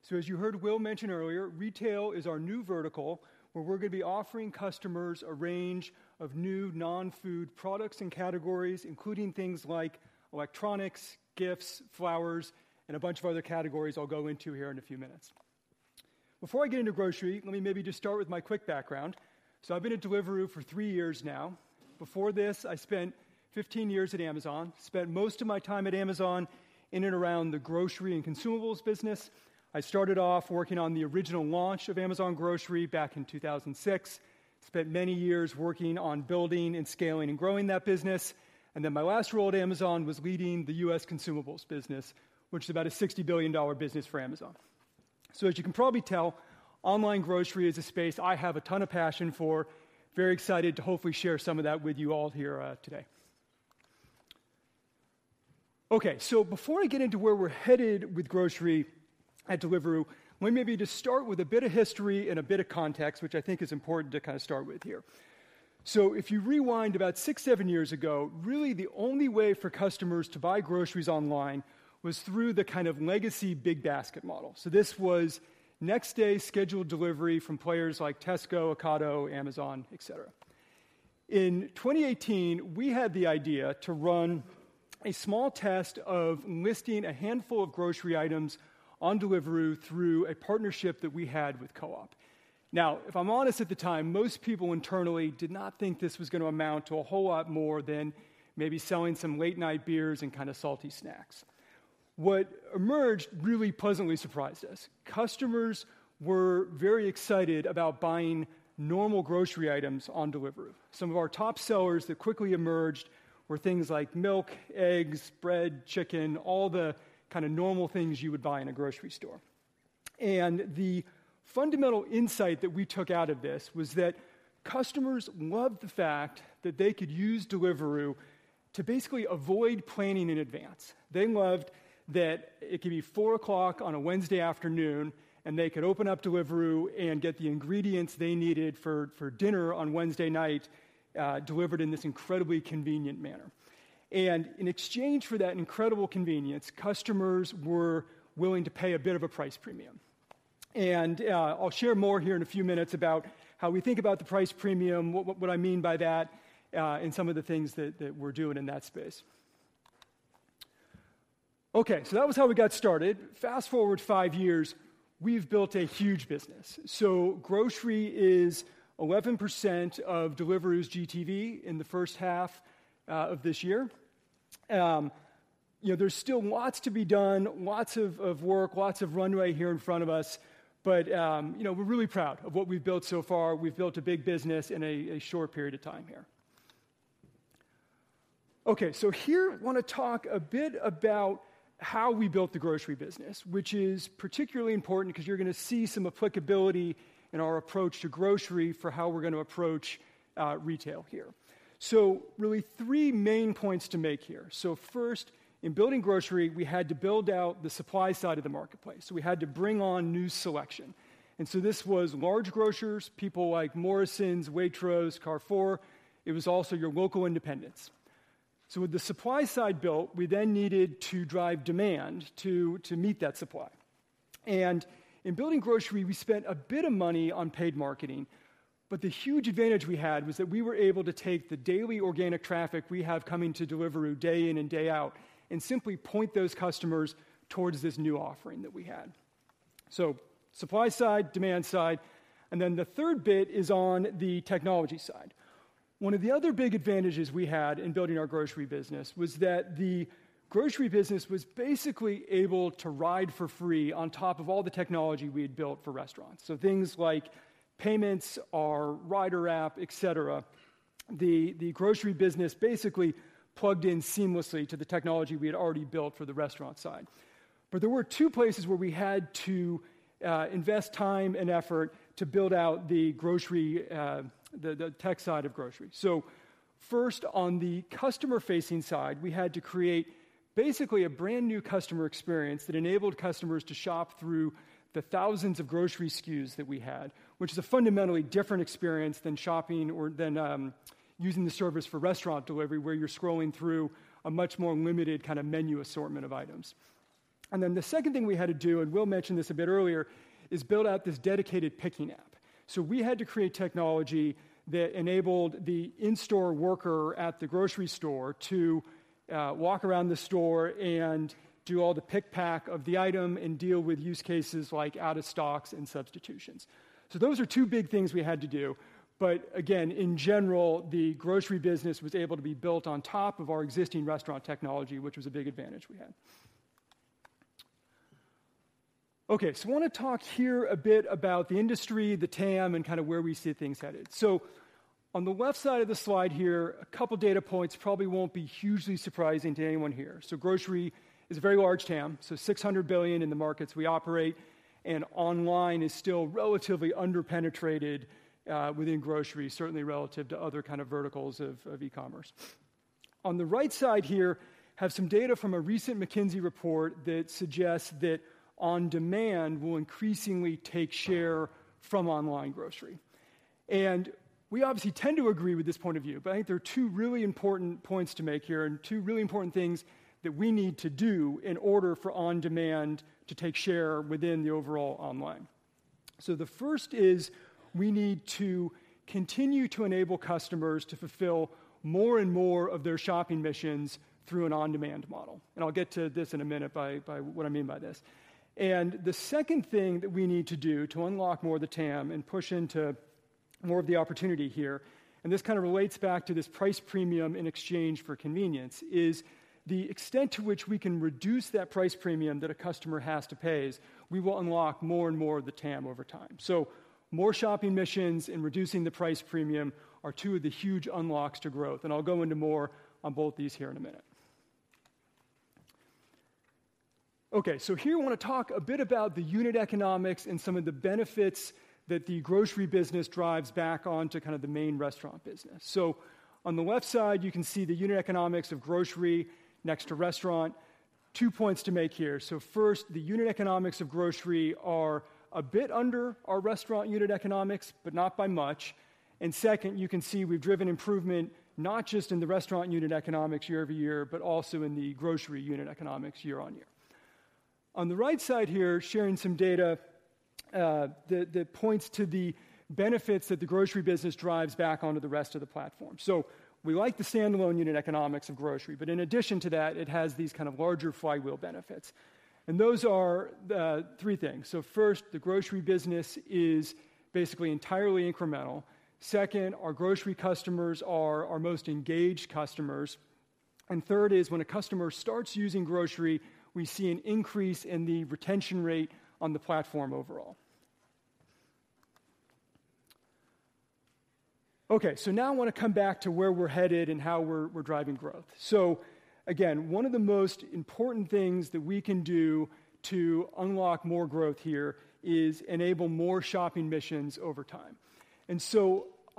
S4: So as you heard Will mention earlier, retail is our new vertical, where we're gonna be offering customers a range of new non-food products and categories, including things like electronics, gifts, flowers, and a bunch of other categories I'll go into here in a few minutes. Before I get into grocery, let me maybe just start with my quick background. So I've been at Deliveroo for 3 years now. Before this, I spent 15 years at Amazon. Spent most of my time at Amazon in and around the grocery and consumables business. I started off working on the original launch of Amazon Grocery back in 2006, spent many years working on building and scaling and growing that business, and then my last role at Amazon was leading the U.S. consumables business, which is about a $60 billion business for Amazon. So as you can probably tell, online grocery is a space I have a ton of passion for. Very excited to hopefully share some of that with you all here, today. Okay, so before I get into where we're headed with grocery at Deliveroo, let me maybe just start with a bit of history and a bit of context, which I think is important to kind of start with here. So if you rewind about 6-7 years ago, really the only way for customers to buy groceries online was through the kind of legacy big basket model. So this was next day scheduled delivery from players like Tesco, Ocado, Amazon, et cetera. In 2018, we had the idea to run a small test of listing a handful of grocery items on Deliveroo through a partnership that we had with Co-op. Now, if I'm honest, at the time, most people internally did not think this was gonna amount to a whole lot more than maybe selling some late night beers and kind of salty snacks. What emerged really pleasantly surprised us. Customers were very excited about buying normal grocery items on Deliveroo. Some of our top sellers that quickly emerged were things like milk, eggs, bread, Chicken, all the kind of normal things you would buy in a grocery store. And the fundamental insight that we took out of this was that customers loved the fact that they could use Deliveroo to basically avoid planning in advance. They loved that it could be 4 o'clock on a Wednesday afternoon, and they could open up Deliveroo and get the ingredients they needed for dinner on Wednesday night, delivered in this incredibly convenient manner. And in exchange for that incredible convenience, customers were willing to pay a bit of a price premium. And I'll share more here in a few minutes about how we think about the price premium, what I mean by that, and some of the things that we're doing in that space. Okay, so that was how we got started. Fast-forward 5 years, we've built a huge business. So grocery is 11% of Deliveroo's GTV in the first half of this year.... You know, there's still lots to be done, lots of work, lots of runway here in front of us, but, you know, we're really proud of what we've built so far. We've built a big business in a short period of time here. Okay, so here, I wanna talk a bit about how we built the grocery business, which is particularly important 'cause you're gonna see some applicability in our approach to grocery for how we're gonna approach retail here. So really, three main points to make here. So first, in building grocery, we had to build out the supply side of the marketplace. We had to bring on new selection, and so this was large grocers, people like Morrisons, Waitrose, Carrefour, it was also your local independents. So with the supply side built, we then needed to drive demand to meet that supply. In building grocery, we spent a bit of money on paid marketing, but the huge advantage we had was that we were able to take the daily organic traffic we have coming to Deliveroo day in and day out, and simply point those customers towards this new offering that we had. So supply side, demand side, and then the third bit is on the technology side. One of the other big advantages we had in building our grocery business was that the grocery business was basically able to ride for free on top of all the technology we had built for restaurants. So things like payments, our rider app, et cetera. The grocery business basically plugged in seamlessly to the technology we had already built for the restaurant side. But there were two places where we had to invest time and effort to build out the grocery, the tech side of grocery. So first, on the customer-facing side, we had to create basically a brand-new customer experience that enabled customers to shop through the thousands of grocery SKUs that we had, which is a fundamentally different experience than shopping or than using the service for restaurant delivery, where you're scrolling through a much more limited kind of menu assortment of items. And then the second thing we had to do, and Will mentioned this a bit earlier, is build out this dedicated picking app. So we had to create technology that enabled the in-store worker at the grocery store to walk around the store and do all the pick-pack of the item and deal with use cases like out of stocks and substitutions. So those are two big things we had to do, but again, in general, the grocery business was able to be built on top of our existing restaurant technology, which was a big advantage we had. Okay, so I wanna talk here a bit about the industry, the TAM, and kind of where we see things headed. So on the left side of the slide here, a couple data points, probably won't be hugely surprising to anyone here. So grocery is a very large TAM, so $600 billion in the markets we operate, and online is still relatively under-penetrated within grocery, certainly relative to other kind of verticals of e-commerce. On the right side here, have some data from a recent McKinsey report that suggests that on-demand will increasingly take share from online grocery. We obviously tend to agree with this point of view, but I think there are two really important points to make here, and two really important things that we need to do in order for on-demand to take share within the overall online. So the first is, we need to continue to enable customers to fulfill more and more of their shopping missions through an on-demand model, and I'll get to this in a minute by what I mean by this. The second thing that we need to do to unlock more of the TAM and push into more of the opportunity here, and this kind of relates back to this price premium in exchange for convenience, is the extent to which we can reduce that price premium that a customer has to pay. We will unlock more and more of the TAM over time. So more shopping missions and reducing the price premium are two of the huge unlocks to growth, and I'll go into more on both these here in a minute. Okay, so here I wanna talk a bit about the unit economics and some of the benefits that the grocery business drives back onto kind of the main restaurant business. So on the left side, you can see the unit economics of grocery next to restaurant. Two points to make here. So first, the unit economics of grocery are a bit under our restaurant unit economics, but not by much. And second, you can see we've driven improvement not just in the restaurant unit economics year over year, but also in the grocery unit economics year on year. On the right side here, sharing some data that points to the benefits that the grocery business drives back onto the rest of the platform. So we like the standalone unit economics of grocery, but in addition to that, it has these kind of larger flywheel benefits, and those are three things. So first, the grocery business is basically entirely incremental. Second, our grocery customers are our most engaged customers. And third is, when a customer starts using grocery, we see an increase in the retention rate on the platform overall. Okay, so now I wanna come back to where we're headed and how we're driving growth. So again, one of the most important things that we can do to unlock more growth here is enable more shopping missions over time.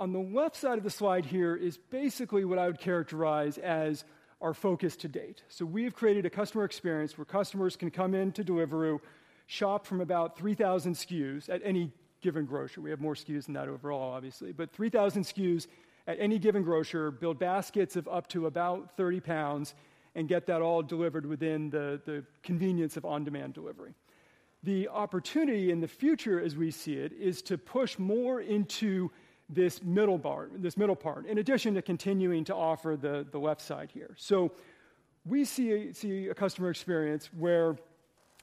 S4: On the left side of the slide here is basically what I would characterize as our focus to date. We have created a customer experience where customers can come into Deliveroo, shop from about 3,000 SKUs at any given grocer. We have more SKUs than that overall, obviously, but 3,000 SKUs at any given grocer, build baskets of up to about £30, and get that all delivered within the, the convenience of on-demand delivery. The opportunity in the future, as we see it, is to push more into this middle bar, this middle part, in addition to continuing to offer the, the left side here. We see a, see a customer experience where-...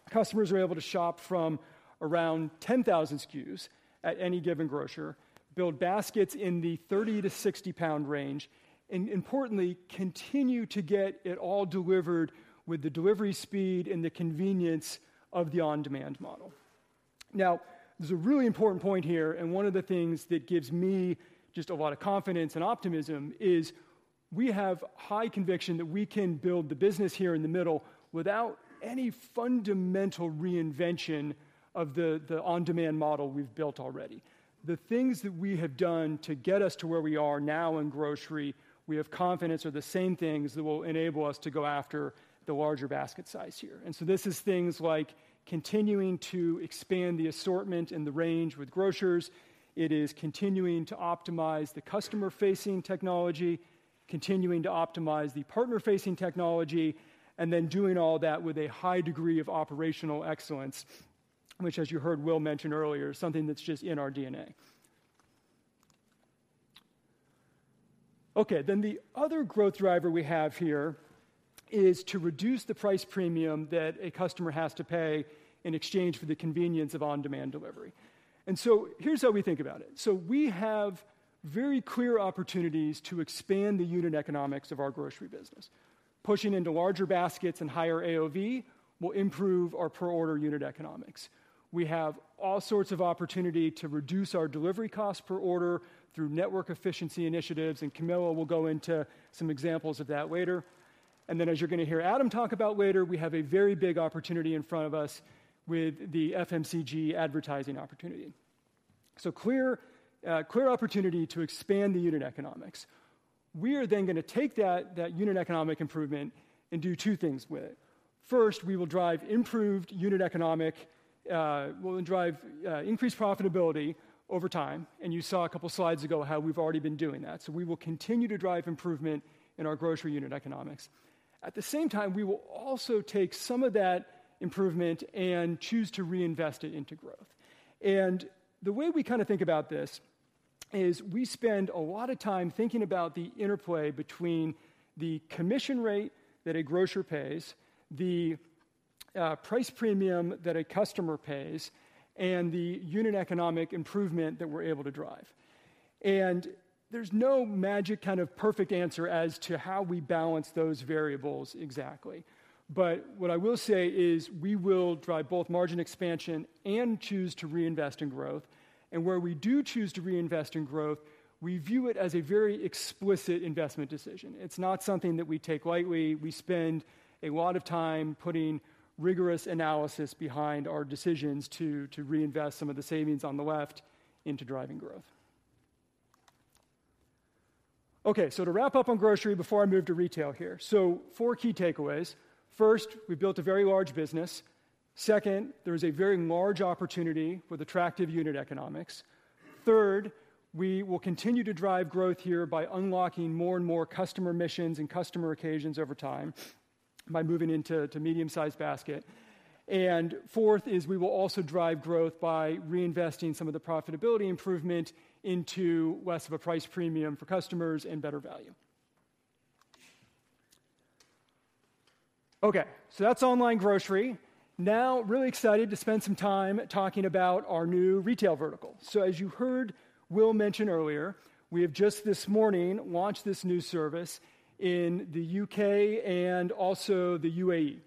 S4: Customers are able to shop from around 10,000 SKUs at any given grocer, build baskets in the £30-£60 range, and importantly, continue to get it all delivered with the delivery speed and the convenience of the on-demand model. Now, there's a really important point here, and one of the things that gives me just a lot of confidence and optimism is we have high conviction that we can build the business here in the middle without any fundamental reinvention of the on-demand model we've built already. The things that we have done to get us to where we are now in grocery, we have confidence are the same things that will enable us to go after the larger basket size here. And so this is things like continuing to expand the assortment and the range with grocers. It is continuing to optimize the customer-facing technology, continuing to optimize the partner-facing technology, and then doing all that with a high degree of operational excellence, which, as you heard Will mention earlier, is something that's just in our DNA. Okay, then the other growth driver we have here is to reduce the price premium that a customer has to pay in exchange for the convenience of on-demand delivery. And so here's how we think about it. So we have very clear opportunities to expand the unit economics of our grocery business. Pushing into larger baskets and higher AOV will improve our per order unit economics. We have all sorts of opportunity to reduce our delivery costs per order through network efficiency initiatives, and Camilla will go into some examples of that later. And then, as you're going to hear Adam talk about later, we have a very big opportunity in front of us with the FMCG advertising opportunity. So clear, clear opportunity to expand the unit economics. We are then going to take that, that unit economic improvement and do two things with it. First, we will drive improved unit economic... we'll drive, increased profitability over time, and you saw a couple of slides ago how we've already been doing that. So we will continue to drive improvement in our grocery unit economics. At the same time, we will also take some of that improvement and choose to reinvest it into growth. The way we kind of think about this is we spend a lot of time thinking about the interplay between the commission rate that a grocer pays, the price premium that a customer pays, and the unit economics improvement that we're able to drive. There's no magic kind of perfect answer as to how we balance those variables exactly, but what I will say is we will drive both margin expansion and choose to reinvest in growth. Where we do choose to reinvest in growth, we view it as a very explicit investment decision. It's not something that we take lightly. We spend a lot of time putting rigorous analysis behind our decisions to reinvest some of the savings on the left into driving growth. Okay, so to wrap up on grocery before I move to retail here. So 4 key takeaways. First, we built a very large business. Second, there is a very large opportunity with attractive unit economics. Third, we will continue to drive growth here by unlocking more and more customer missions and customer occasions over time by moving into the medium-sized basket. And fourth, is we will also drive growth by reinvesting some of the profitability improvement into less of a price premium for customers and better value. Okay, so that's online grocery. Now, really excited to spend some time talking about our new retail vertical. So as you heard Will mention earlier, we have just this morning launched this new service in the UK and also the UAE.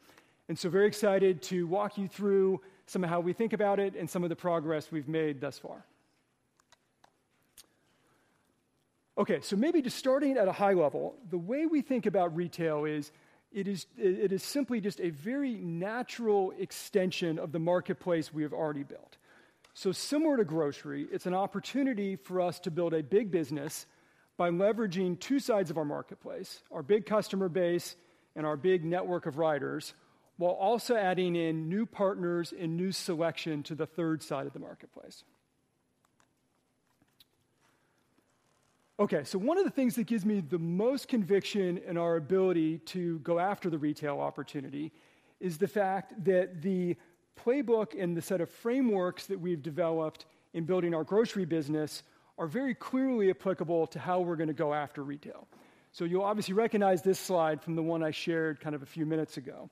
S4: And so very excited to walk you through some of how we think about it and some of the progress we've made thus far. Okay, so maybe just starting at a high level, the way we think about retail is, it is, it is simply just a very natural extension of the marketplace we have already built. So similar to grocery, it's an opportunity for us to build a big business by leveraging two sides of our marketplace, our big customer base and our big network of riders, while also adding in new partners and new selection to the third side of the marketplace. Okay, so one of the things that gives me the most conviction in our ability to go after the retail opportunity is the fact that the playbook and the set of frameworks that we've developed in building our grocery business are very clearly applicable to how we're going to go after retail. So you'll obviously recognize this slide from the one I shared kind of a few minutes ago.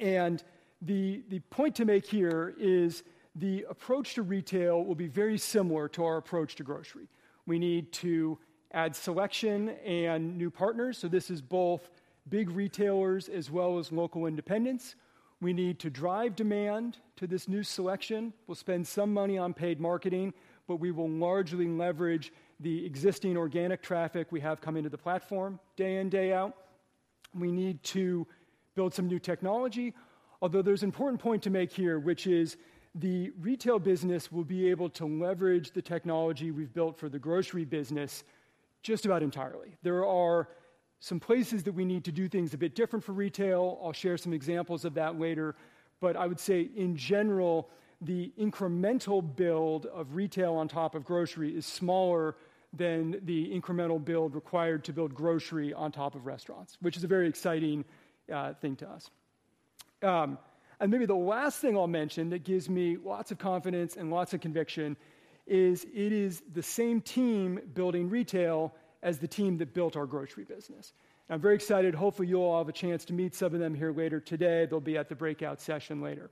S4: The point to make here is the approach to retail will be very similar to our approach to grocery. We need to add selection and new partners, so this is both big retailers as well as local independents. We need to drive demand to this new selection. We'll spend some money on paid marketing, but we will largely leverage the existing organic traffic we have coming to the platform day in, day out. We need to build some new technology, although there's an important point to make here, which is the retail business will be able to leverage the technology we've built for the grocery business just about entirely. There are some places that we need to do things a bit different for retail. I'll share some examples of that later, but I would say, in general, the incremental build of retail on top of grocery is smaller than the incremental build required to build grocery on top of restaurants, which is a very exciting thing to us. And maybe the last thing I'll mention that gives me lots of confidence and lots of conviction is it is the same team building retail as the team that built our grocery business. I'm very excited. Hopefully, you'll all have a chance to meet some of them here later today. They'll be at the breakout session later.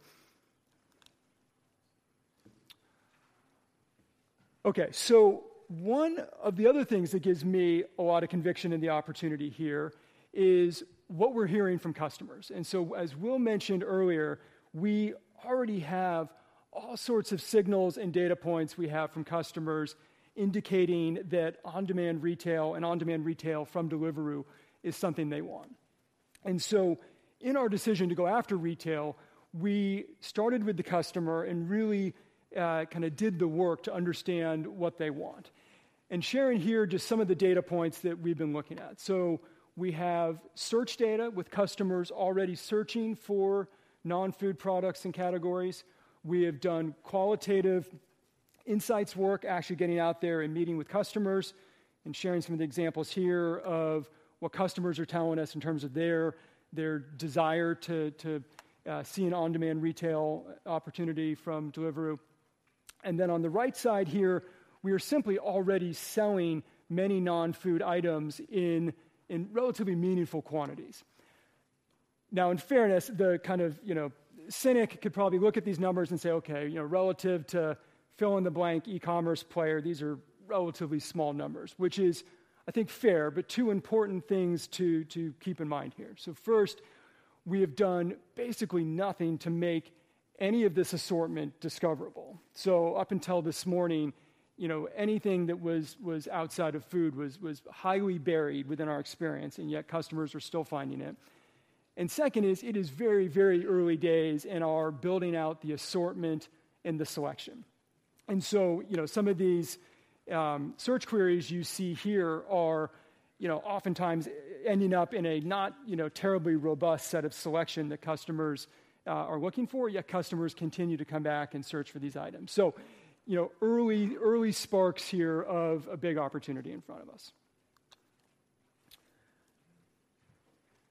S4: Okay, so one of the other things that gives me a lot of conviction in the opportunity here is what we're hearing from customers. As Will mentioned earlier, we already have all sorts of signals and data points we have from customers indicating that on-demand retail and on-demand retail from Deliveroo is something they want. In our decision to go after retail, we started with the customer and really kind of did the work to understand what they want. Sharing here just some of the data points that we've been looking at. We have search data with customers already searching for non-food products and categories. We have done qualitative insights work, actually getting out there and meeting with customers and sharing some of the examples here of what customers are telling us in terms of their desire to see an on-demand retail opportunity from Deliveroo. And then on the right side here, we are simply already selling many non-food items in relatively meaningful quantities. Now, in fairness, the kind of, you know, cynic could probably look at these numbers and say, "Okay, you know, relative to fill-in-the-blank e-commerce player, these are relatively small numbers," which is, I think, fair, but two important things to keep in mind here. So first, we have done basically nothing to make any of this assortment discoverable. So up until this morning, you know, anything that was outside of food was highly buried within our experience, and yet customers are still finding it. And second is, it is very, very early days in our building out the assortment and the selection. So, you know, some of these search queries you see here are, you know, oftentimes ending up in a not, you know, terribly robust set of selection that customers are looking for, yet customers continue to come back and search for these items. So, you know, early sparks here of a big opportunity in front of us.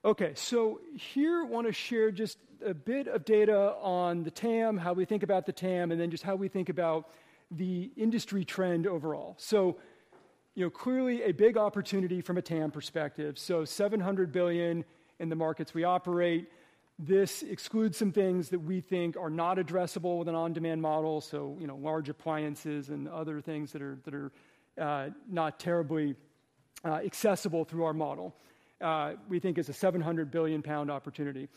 S4: Okay, so here I want to share just a bit of data on the TAM, how we think about the TAM, and then just how we think about the industry trend overall. So, you know, clearly a big opportunity from a TAM perspective. So $700 billion in the markets we operate. This excludes some things that we think are not addressable with an on-demand model, so, you know, large appliances and other things that are not terribly accessible through our model. We think it's a £700 billion opportunity.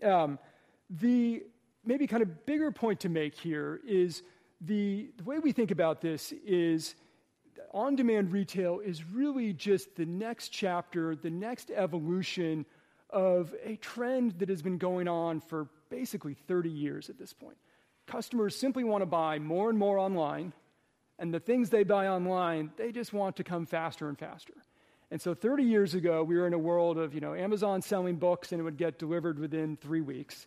S4: The maybe kind of bigger point to make here is the way we think about this is on-demand retail is really just the next chapter, the next evolution of a trend that has been going on for basically 30 years at this point. Customers simply want to buy more and more online, and the things they buy online, they just want to come faster and faster. And so 30 years ago, we were in a world of, you know, Amazon selling books, and it would get delivered within three weeks.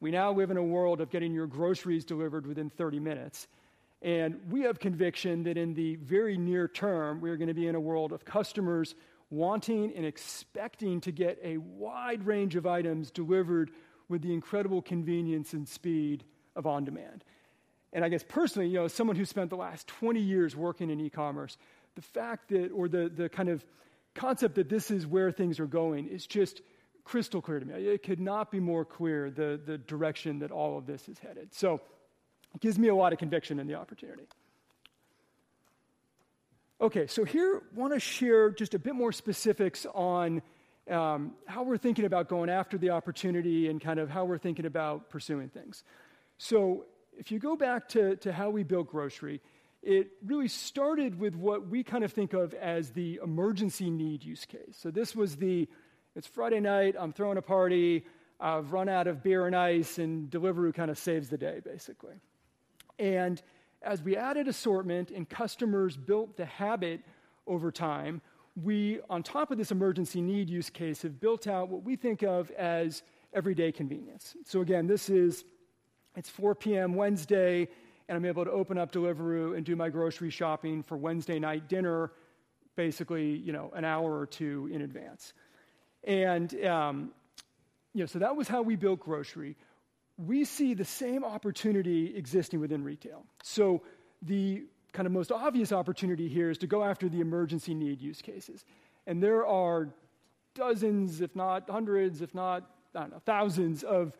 S4: We now live in a world of getting your groceries delivered within 30 minutes, and we have conviction that in the very near term, we are going to be in a world of customers wanting and expecting to get a wide range of items delivered with the incredible convenience and speed of on-demand. And I guess personally, you know, as someone who spent the last 20 years working in e-commerce, the fact that or the, the kind of concept that this is where things are going is just crystal clear to me. It could not be more clear, the, the direction that all of this is headed. So it gives me a lot of conviction in the opportunity. Okay, so here, want to share just a bit more specifics on how we're thinking about going after the opportunity and kind of how we're thinking about pursuing things. So if you go back to how we built Grocery, it really started with what we kind of think of as the emergency need use case. So this was the, "It's Friday night, I'm throwing a party. I've run out of beer and ice," and Deliveroo kind of saves the day, basically. And as we added assortment and customers built the habit over time, we, on top of this emergency need use case, have built out what we think of as everyday convenience. So again, this is, "It's 4 P.M. Wednesday, and I'm able to open up Deliveroo and do my grocery shopping for Wednesday night dinner," basically, you know, an hour or two in advance. And, you know, so that was how we built Grocery. We see the same opportunity existing within retail. The kind of most obvious opportunity here is to go after the emergency need use cases. There are dozens, if not hundreds, if not, I don't know, thousands of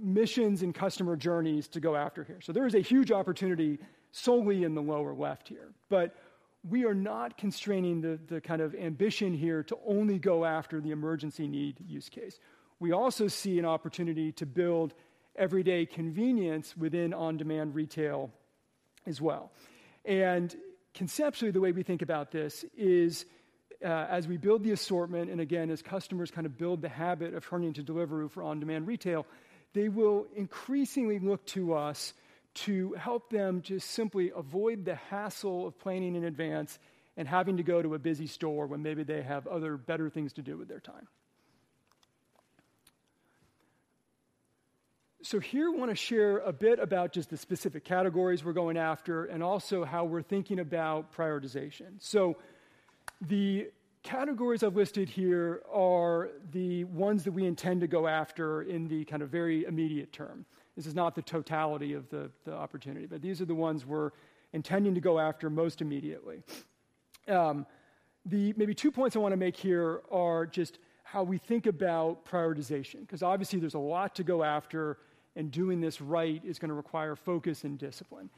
S4: missions and customer journeys to go after here. There is a huge opportunity solely in the lower left here, but we are not constraining the kind of ambition here to only go after the emergency need use case. We also see an opportunity to build everyday convenience within on-demand retail as well. Conceptually, the way we think about this is, as we build the assortment, and again, as customers kind of build the habit of turning to Deliveroo for on-demand retail, they will increasingly look to us to help them just simply avoid the hassle of planning in advance and having to go to a busy store when maybe they have other better things to do with their time. Here I want to share a bit about just the specific categories we're going after and also how we're thinking about prioritization. The categories I've listed here are the ones that we intend to go after in the kind of very immediate term. This is not the totality of the opportunity, but these are the ones we're intending to go after most immediately. The main two points I want to make here are just how we think about prioritization, because obviously there's a lot to go after, and doing this right is going to require focus and discipline.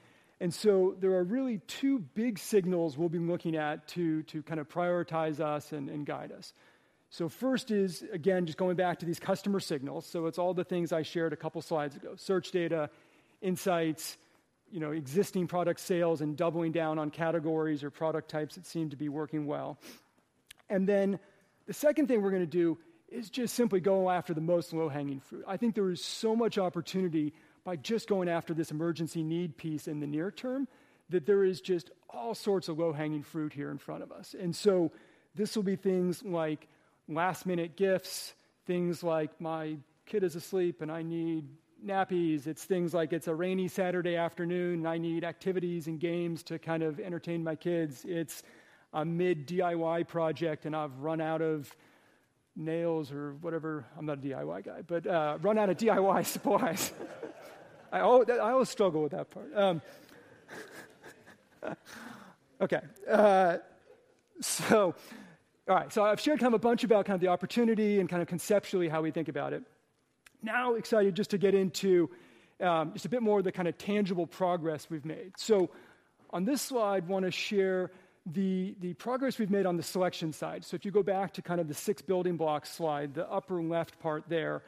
S4: So there are really two big signals we'll be looking at to kind of prioritize us and guide us. First is, again, just going back to these customer signals. So it's all the things I shared a couple slides ago: search data, insights, you know, existing product sales, and doubling down on categories or product types that seem to be working well. And then the second thing we're going to do is just simply go after the most low-hanging fruit. I think there is so much opportunity by just going after this emergency need piece in the near term, that there is just all sorts of low-hanging fruit here in front of us. And so this will be things like last-minute gifts, things like, "My kid is asleep, and I need nappies." It's things like, "It's a rainy Saturday afternoon, and I need activities and games to kind of entertain my kids." It's, "I'm mid DIY project, and I've run out of nails or whatever." I'm not a DIY guy, but run out of DIY supplies. I always struggle with that part. Um, okay. Uh, so all right. So I've shared kind of a bunch about kind of the opportunity and kind of conceptually how we think about it. Now, excited just to get into just a bit more of the kind of tangible progress we've made. So on this slide, want to share the progress we've made on the selection side. So if you go back to kind of the six building blocks slide, the upper left part there,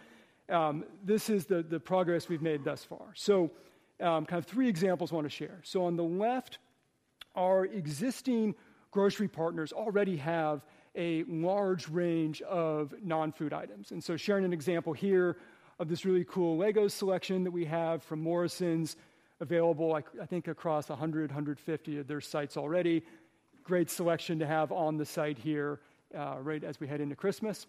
S4: this is the progress we've made thus far. So, kind of three examples I want to share. So on the left, our existing grocery partners already have a large range of non-food items. And so sharing an example here of this really cool Lego selection that we have from Morrisons, available, like, I think, across 150 of their sites already. Great selection to have on the site here, right as we head into Christmas.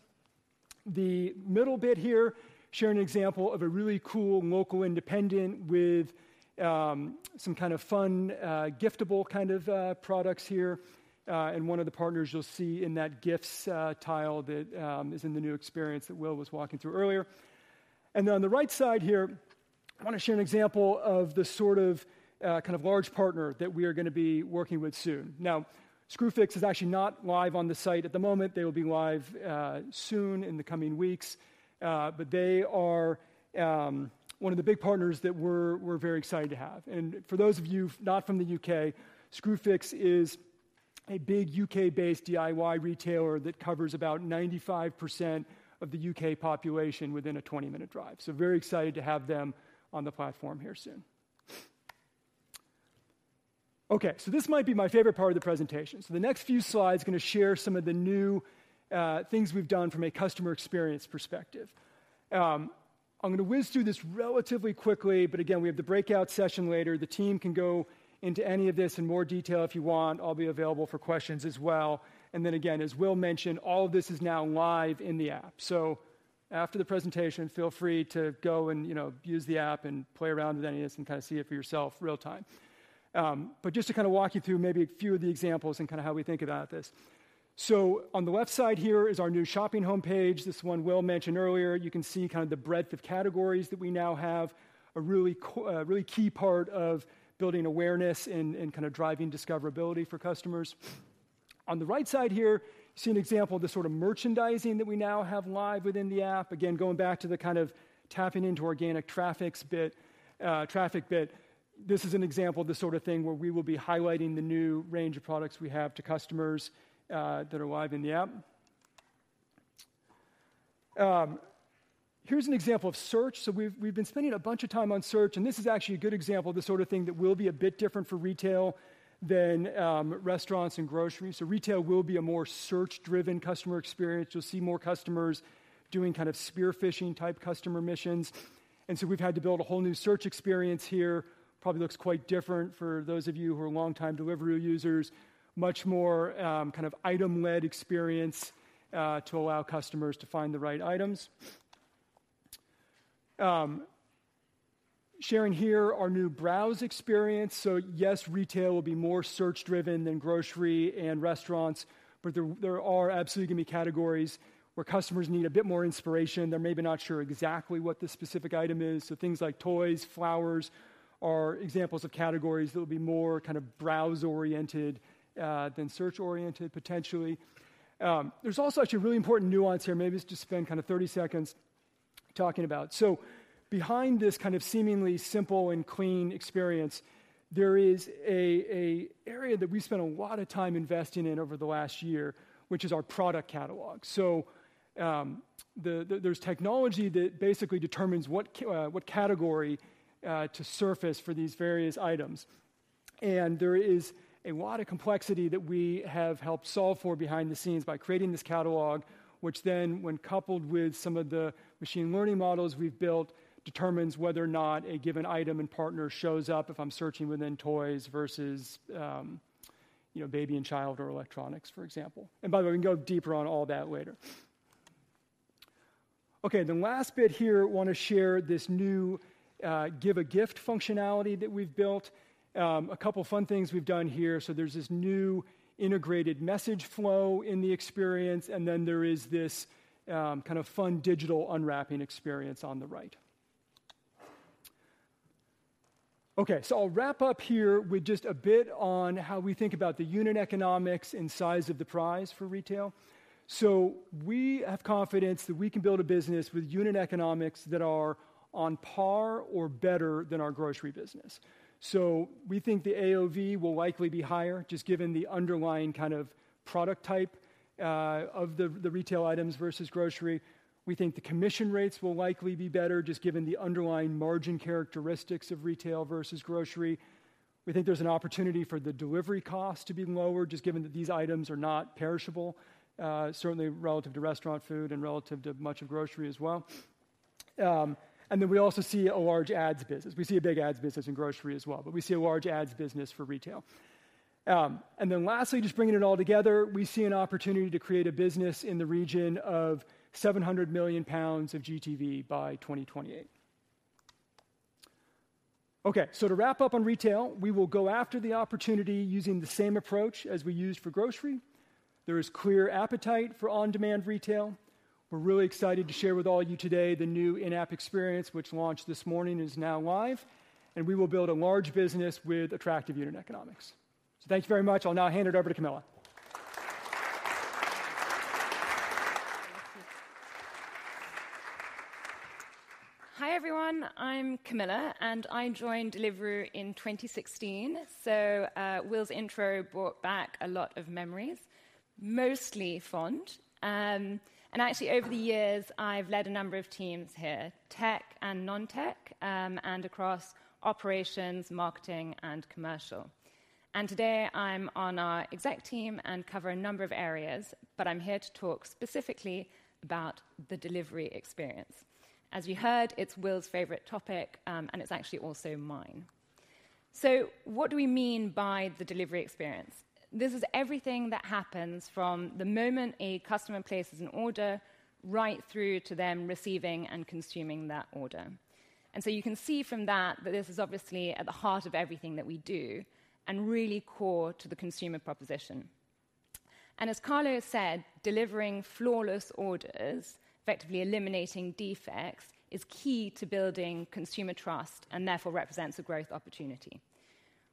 S4: The middle bit here, share an example of a really cool local independent with some kind of fun, giftable kind of products here. And one of the partners you'll see in that Gifts tile that is in the new experience that Will was walking through earlier. And then on the right side here, I want to share an example of the sort of kind of large partner that we are going to be working with soon. Now, Screwfix is actually not live on the site at the moment. They will be live soon in the coming weeks, but they are one of the big partners that we're very excited to have. For those of you not from the UK, Screwfix is a big UK-based DIY retailer that covers about 95% of the UK population within a 20-minute drive. So very excited to have them on the platform here soon. Okay, so this might be my favorite part of the presentation. So the next few slides are going to share some of the new things we've done from a customer experience perspective. I'm going to whiz through this relatively quickly, but again, we have the breakout session later. The team can go into any of this in more detail if you want. I'll be available for questions as well. And then again, as Will mentioned, all of this is now live in the app. So after the presentation, feel free to go and, you know, use the app and play around with any of this and kind of see it for yourself real-time. But just to kind of walk you through maybe a few of the examples and kind of how we think about this. So on the left side here is our new shopping homepage. This one Will mentioned earlier. You can see kind of the breadth of categories that we now have, a really key part of building awareness and kind of driving discoverability for customers. On the right side here, you see an example of the sort of merchandising that we now have live within the app. Again, going back to the kind of tapping into organic traffic bit, this is an example of the sort of thing where we will be highlighting the new range of products we have to customers that are live in the app. Here's an example of search. So we've been spending a bunch of time on search, and this is actually a good example of the sort of thing that will be a bit different for retail than restaurants and grocery. So retail will be a more search-driven customer experience. You'll see more customers doing kind of spearfishing-type customer missions, and so we've had to build a whole new search experience here. Probably looks quite different for those of you who are longtime Deliveroo users. Much more kind of item-led experience to allow customers to find the right items. Sharing here our new browse experience. So yes, retail will be more search-driven than grocery and restaurants, but there are absolutely going to be categories where customers need a bit more inspiration. They're maybe not sure exactly what the specific item is, so things like toys, flowers are examples of categories that will be more kind of browse-oriented than search-oriented, potentially. There's also actually a really important nuance here. Maybe just spend kind of 30 seconds talking about. So behind this kind of seemingly simple and clean experience, there is an area that we spent a lot of time investing in over the last year, which is our product catalog. So, there's technology that basically determines what category to surface for these various items. There is a lot of complexity that we have helped solve for behind the scenes by creating this catalog, which then, when coupled with some of the machine learning models we've built, determines whether or not a given item and partner shows up if I'm searching within toys versus, you know, baby and child, or electronics, for example. By the way, we can go deeper on all that later. Okay, the last bit here, want to share this new Give a Gift functionality that we've built. A couple fun things we've done here. So there's this new integrated message flow in the experience, and then there is this kind of fun digital unwrapping experience on the right.... Okay, so I'll wrap up here with just a bit on how we think about the unit economics and size of the prize for retail. So we have confidence that we can build a business with unit economics that are on par or better than our grocery business. So we think the AOV will likely be higher, just given the underlying kind of product type, of the, the retail items versus grocery. We think the commission rates will likely be better, just given the underlying margin characteristics of retail versus grocery. We think there's an opportunity for the delivery cost to be lower, just given that these items are not perishable, certainly relative to restaurant food and relative to much of grocery as well. And then we also see a large ads business. We see a big ads business in grocery as well, but we see a large ads business for retail. And then lastly, just bringing it all together, we see an opportunity to create a business in the region of £700 million of GTV by 2028. Okay, so to wrap up on retail, we will go after the opportunity using the same approach as we used for grocery. There is clear appetite for on-demand retail. We're really excited to share with all of you today the new in-app experience, which launched this morning, is now live, and we will build a large business with attractive unit economics. So thank you very much. I'll now hand it over to Camilla.
S5: Hi, everyone. I'm Camilla, and I joined Deliveroo in 2016. So, Will's intro brought back a lot of memories, mostly fond. And actually, over the years, I've led a number of teams here, tech and non-tech, and across operations, marketing, and commercial. And today I'm on our exec team and cover a number of areas, but I'm here to talk specifically about the delivery experience. As you heard, it's Will's favorite topic, and it's actually also mine. So what do we mean by the delivery experience? This is everything that happens from the moment a customer places an order right through to them receiving and consuming that order. And so you can see from that, that this is obviously at the heart of everything that we do and really core to the consumer proposition. As Carlo said, delivering flawless orders, effectively eliminating defects, is key to building consumer trust and therefore represents a growth opportunity.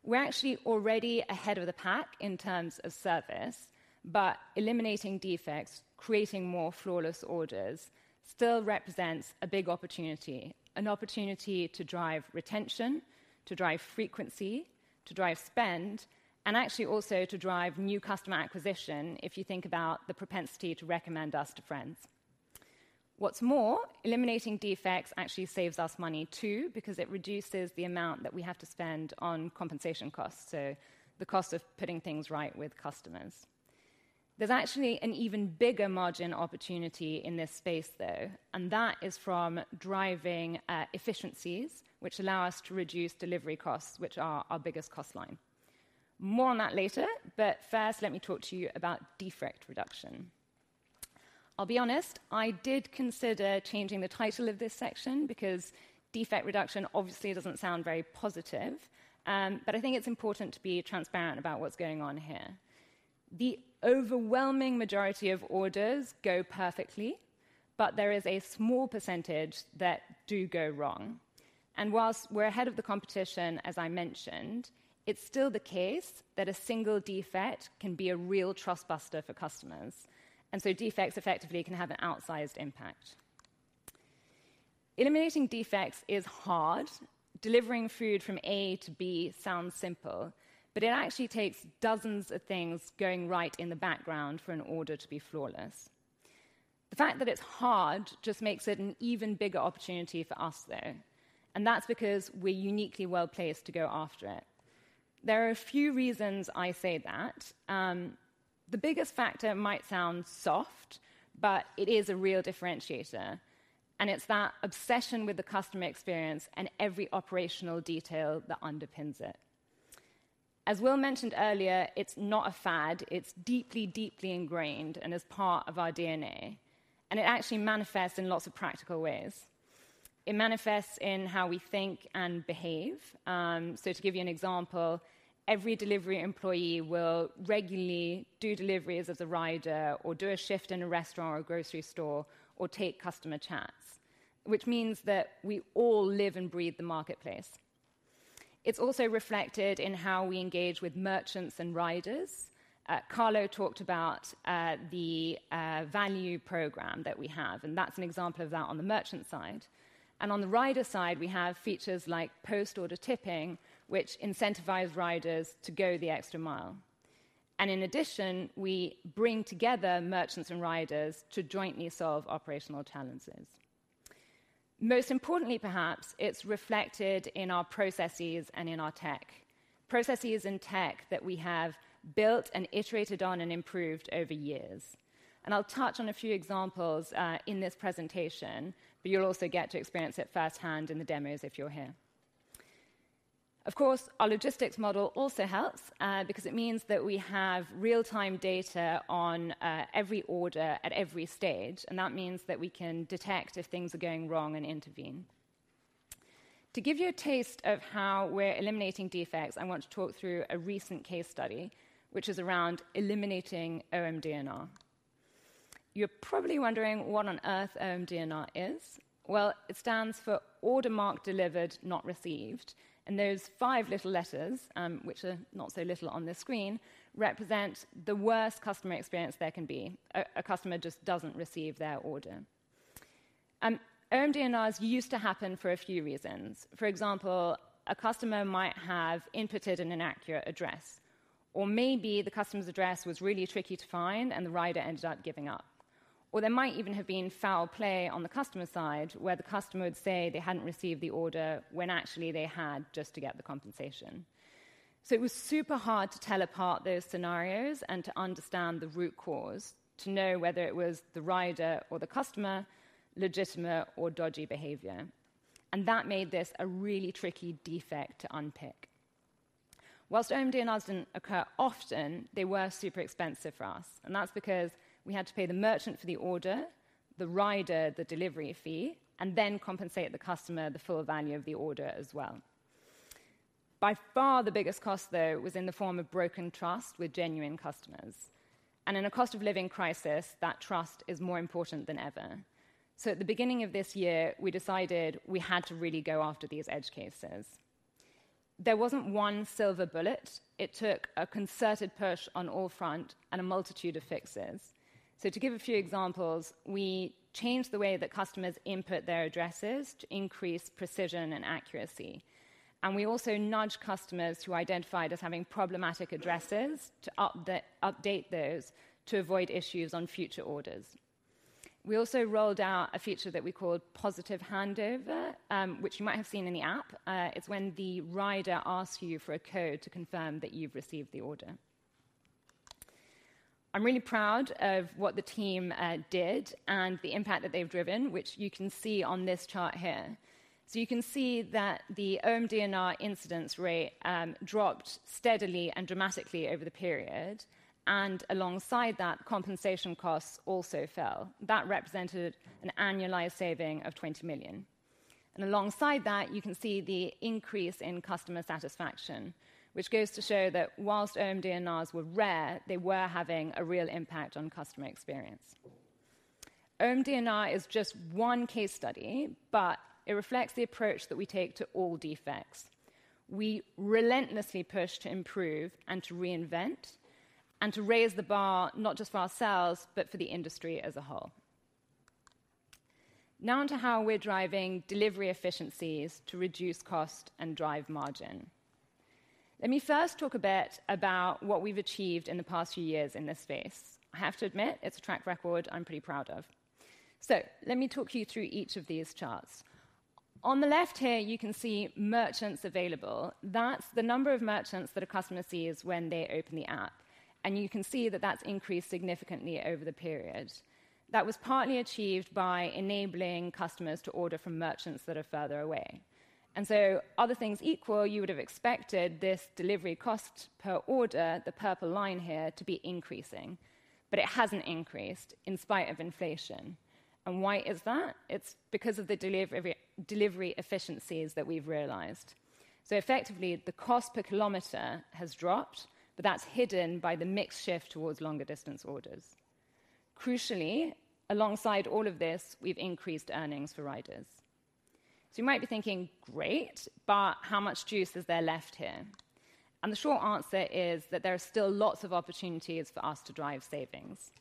S5: We're actually already ahead of the pack in terms of service, but eliminating defects, creating more flawless orders, still represents a big opportunity. An opportunity to drive retention, to drive frequency, to drive spend, and actually also to drive new customer acquisition, if you think about the propensity to recommend us to friends. What's more, eliminating defects actually saves us money, too, because it reduces the amount that we have to spend on compensation costs, so the cost of putting things right with customers. There's actually an even bigger margin opportunity in this space, though, and that is from driving efficiencies, which allow us to reduce delivery costs, which are our biggest cost line. More on that later, but first, let me talk to you about defect reduction. I'll be honest, I did consider changing the title of this section because defect reduction obviously doesn't sound very positive, but I think it's important to be transparent about what's going on here. The overwhelming majority of orders go perfectly, but there is a small percentage that do go wrong. While we're ahead of the competition, as I mentioned, it's still the case that a single defect can be a real trust buster for customers, and so defects effectively can have an outsized impact. Eliminating defects is hard. Delivering food from A to B sounds simple, but it actually takes dozens of things going right in the background for an order to be flawless. The fact that it's hard just makes it an even bigger opportunity for us, though, and that's because we're uniquely well-placed to go after it. There are a few reasons I say that. The biggest factor might sound soft, but it is a real differentiator, and it's that obsession with the customer experience and every operational detail that underpins it. As Will mentioned earlier, it's not a fad, it's deeply, deeply ingrained and is part of our DNA, and it actually manifests in lots of practical ways. It manifests in how we think and behave. So to give you an example, every delivery employee will regularly do deliveries as a rider or do a shift in a restaurant or a grocery store or take customer chats, which means that we all live and breathe the marketplace. It's also reflected in how we engage with merchants and riders. Carlo talked about the Value Programme that we have, and that's an example of that on the merchant side. And on the rider side, we have features like post-order tipping, which incentivize riders to go the extra mile. And in addition, we bring together merchants and riders to jointly solve operational challenges. Most importantly, perhaps, it's reflected in our processes and in our tech. Processes and tech that we have built and iterated on and improved over years. And I'll touch on a few examples in this presentation, but you'll also get to experience it firsthand in the demos if you're here. Of course, our logistics model also helps because it means that we have real-time data on every order at every stage, and that means that we can detect if things are going wrong and intervene. To give you a taste of how we're eliminating defects, I want to talk through a recent case study, which is around eliminating OMDNR. You're probably wondering what on earth OMDNR is. Well, it stands for Order Marked Delivered Not Received, and those five little letters, which are not so little on this screen, represent the worst customer experience there can be. A customer just doesn't receive their order. OMDNRs used to happen for a few reasons. For example, a customer might have inputted an inaccurate address, or maybe the customer's address was really tricky to find, and the rider ended up giving up. Or there might even have been foul play on the customer side, where the customer would say they hadn't received the order, when actually they had, just to get the compensation. It was super hard to tell apart those scenarios and to understand the root cause, to know whether it was the rider or the customer, legitimate or dodgy behavior, and that made this a really tricky defect to unpick. While OMDNRs didn't occur often, they were super expensive for us, and that's because we had to pay the merchant for the order, the rider the delivery fee, and then compensate the customer the full value of the order as well. By far, the biggest cost, though, was in the form of broken trust with genuine customers, and in a cost of living crisis, that trust is more important than ever. At the beginning of this year, we decided we had to really go after these edge cases. There wasn't one silver bullet. It took a concerted push on all fronts and a multitude of fixes. So to give a few examples, we changed the way that customers input their addresses to increase precision and accuracy, and we also nudged customers who identified as having problematic addresses to update those to avoid issues on future orders. We also rolled out a feature that we called Positive Handover, which you might have seen in the app. It's when the rider asks you for a code to confirm that you've received the order. I'm really proud of what the team did and the impact that they've driven, which you can see on this chart here. So you can see that the OMDNR incidence rate dropped steadily and dramatically over the period, and alongside that, compensation costs also fell. That represented an annualized saving of £20 million. Alongside that, you can see the increase in customer satisfaction, which goes to show that while OMDNRs were rare, they were having a real impact on customer experience. OMDNR is just one case study, but it reflects the approach that we take to all defects. We relentlessly push to improve and to reinvent and to raise the bar, not just for ourselves, but for the industry as a whole. Now onto how we're driving delivery efficiencies to reduce cost and drive margin. Let me first talk a bit about what we've achieved in the past few years in this space. I have to admit, it's a track record I'm pretty proud of. Let me talk you through each of these charts. On the left here, you can see merchants available. That's the number of merchants that a customer sees when they open the app, and you can see that that's increased significantly over the period. That was partly achieved by enabling customers to order from merchants that are further away. And so other things equal, you would have expected this delivery cost per order, the purple line here, to be increasing, but it hasn't increased in spite of inflation. And why is that? It's because of the delivery, delivery efficiencies that we've realized. So effectively, the cost per kilometer has dropped, but that's hidden by the mix shift towards longer distance orders. Crucially, alongside all of this, we've increased earnings for riders. So you might be thinking: Great, but how much juice is there left here? And the short answer is that there are still lots of opportunities for us to drive savings.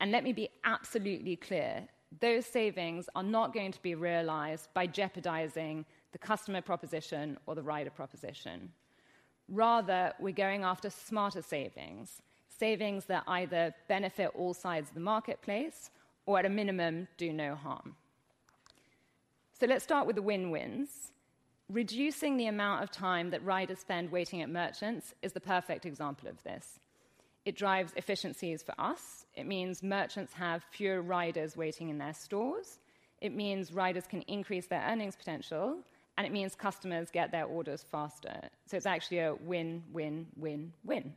S5: Let me be absolutely clear, those savings are not going to be realized by jeopardizing the customer proposition or the rider proposition. Rather, we're going after smarter savings, savings that either benefit all sides of the marketplace or at a minimum, do no harm. So let's start with the win-wins. Reducing the amount of time that riders spend waiting at merchants is the perfect example of this. It drives efficiencies for us. It means merchants have fewer riders waiting in their stores. It means riders can increase their earnings potential, and it means customers get their orders faster. So it's actually a win, win, win, win.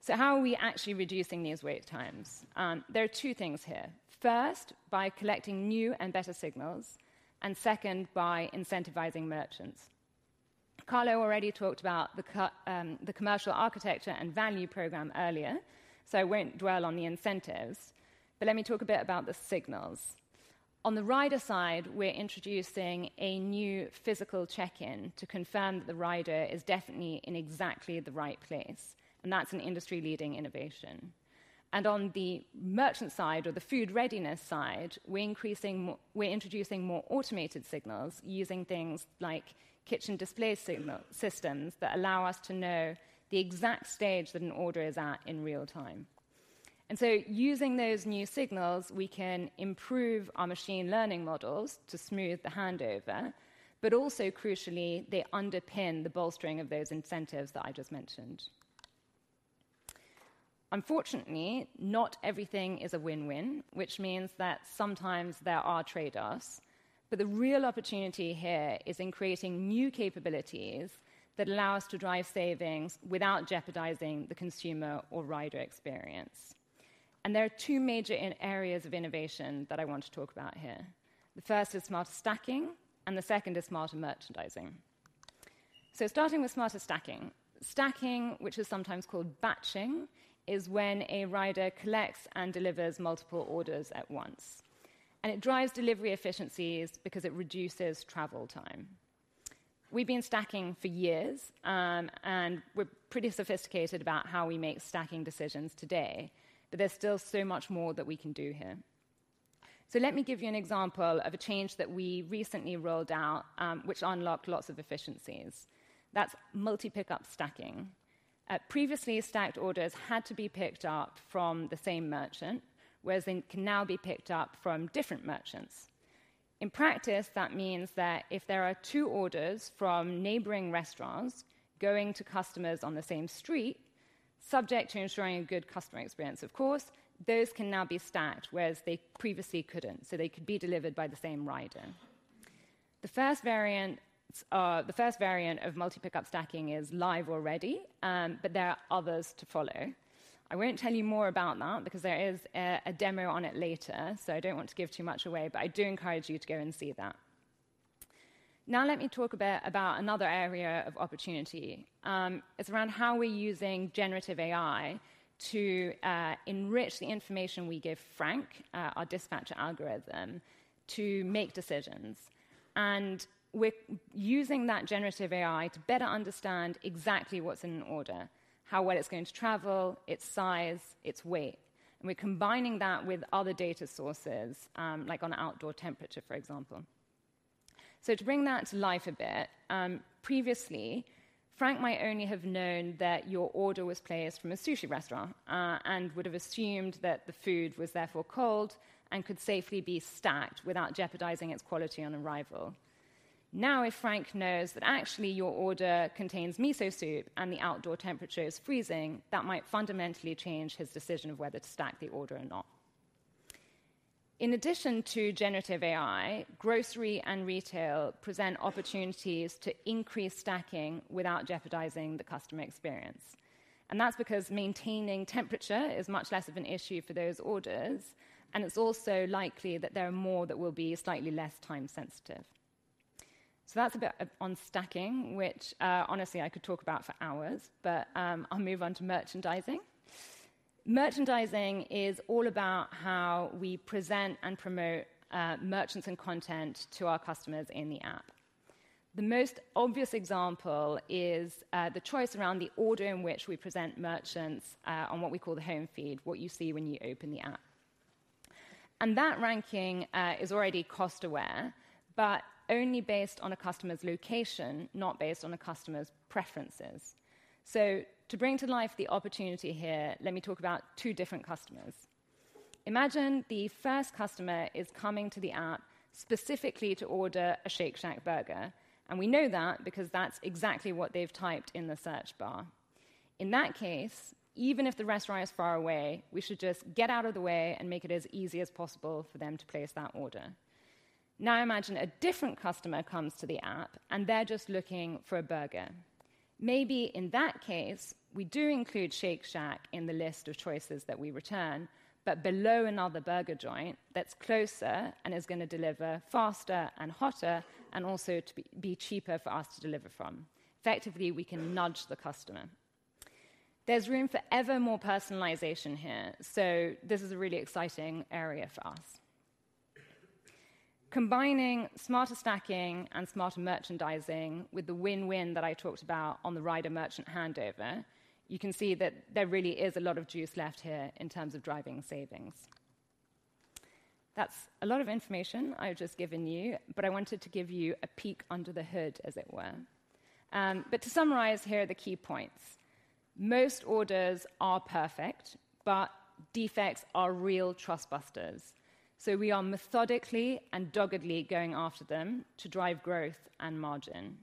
S5: So how are we actually reducing these wait times? There are two things here. First, by collecting new and better signals, and second, by incentivizing merchants. Carlo already talked about the commercial architecture and Value Programme earlier, so I won't dwell on the incentives, but let me talk a bit about the signals. On the rider side, we're introducing a new physical check-in to confirm that the rider is definitely in exactly the right place, and that's an industry-leading innovation. And on the merchant side, or the food readiness side, we're introducing more automated signals using things like Kitchen Display Systems that allow us to know the exact stage that an order is at in real time. And so using those new signals, we can improve our machine learning models to smooth the handover, but also, crucially, they underpin the bolstering of those incentives that I just mentioned. Unfortunately, not everything is a win-win, which means that sometimes there are trade-offs, but the real opportunity here is in creating new capabilities that allow us to drive savings without jeopardizing the consumer or rider experience. There are two major areas of innovation that I want to talk about here. The first is smarter stacking, and the second is smarter merchandising. So starting with smarter stacking. Stacking, which is sometimes called batching, is when a rider collects and delivers multiple orders at once. And it drives delivery efficiencies because it reduces travel time. We've been stacking for years, and we're pretty sophisticated about how we make stacking decisions today, but there's still so much more that we can do here. So let me give you an example of a change that we recently rolled out, which unlocked lots of efficiencies. That's Multi-Pickup Stacking. Previously, stacked orders had to be picked up from the same merchant, whereas they can now be picked up from different merchants. In practice, that means that if there are two orders from neighboring restaurants going to customers on the same street, subject to ensuring a good customer experience, of course, those can now be stacked, whereas they previously couldn't, so they could be delivered by the same rider. The first variant of multi-pickup stacking is live already, but there are others to follow. I won't tell you more about that because there is a demo on it later, so I don't want to give too much away, but I do encourage you to go and see that. Now let me talk a bit about another area of opportunity. It's around how we're using generative AI to enrich the information we give Frank, our dispatcher algorithm, to make decisions. And we're using that generative AI to better understand exactly what's in an order, how well it's going to travel, its size, its weight, and we're combining that with other data sources, like on outdoor temperature, for example. So to bring that to life a bit, previously, Frank might only have known that your order was placed from a sushi restaurant, and would have assumed that the food was therefore cold and could safely be stacked without jeopardizing its quality on arrival. Now, if Frank knows that actually your order contains miso soup and the outdoor temperature is freezing, that might fundamentally change his decision of whether to stack the order or not. In addition to generative AI, grocery and retail present opportunities to increase stacking without jeopardizing the customer experience. And that's because maintaining temperature is much less of an issue for those orders, and it's also likely that there are more that will be slightly less time sensitive. So that's a bit on stacking, which, honestly, I could talk about for hours, but, I'll move on to merchandising. Merchandising is all about how we present and promote merchants and content to our customers in the app. The most obvious example is the choice around the order in which we present merchants on what we call the home feed, what you see when you open the app. And that ranking is already cost aware, but only based on a customer's location, not based on a customer's preferences. So to bring to life the opportunity here, let me talk about two different customers. Imagine the first customer is coming to the app specifically to order a Shake Shack burger, and we know that because that's exactly what they've typed in the search bar. In that case, even if the restaurant is far away, we should just get out of the way and make it as easy as possible for them to place that order. Now, imagine a different customer comes to the app, and they're just looking for a burger. Maybe in that case, we do include Shake Shack in the list of choices that we return, but below another burger joint that's closer and is gonna deliver faster and hotter and also to be cheaper for us to deliver from. Effectively, we can nudge the customer. There's room for ever more personalization here, so this is a really exciting area for us. Combining smarter stacking and smarter merchandising with the win-win that I talked about on the rider-merchant handover, you can see that there really is a lot of juice left here in terms of driving savings. That's a lot of information I've just given you, but I wanted to give you a peek under the hood, as it were. To summarize, here are the key points. Most orders are perfect, but defects are real trust busters, so we are methodically and doggedly going after them to drive growth and margin.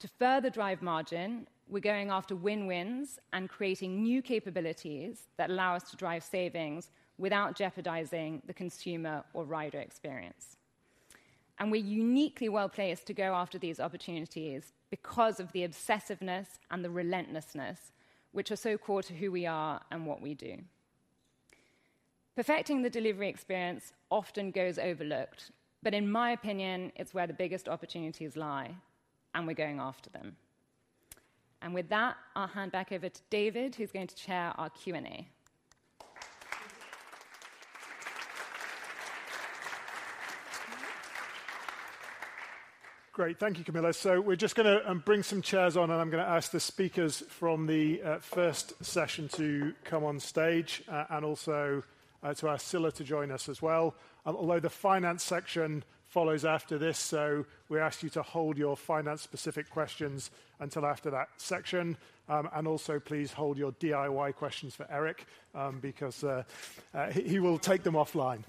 S5: To further drive margin, we're going after win-wins and creating new capabilities that allow us to drive savings without jeopardizing the consumer or rider experience. And we're uniquely well-placed to go after these opportunities because of the obsessiveness and the relentlessness, which are so core to who we are and what we do. Perfecting the delivery experience often goes overlooked, but in my opinion, it's where the biggest opportunities lie, and we're going after them. And with that, I'll hand back over to David, who's going to chair our Q&A.
S1: Great. Thank you, Camilla. So we're just gonna bring some chairs on, and I'm going to ask the speakers from the first session to come on stage, and also to ask Scilla to join us as well. Although the finance section follows after this, so we ask you to hold your finance-specific questions until after that section. And also, please hold your DIY questions for Eric, because he will take them offline.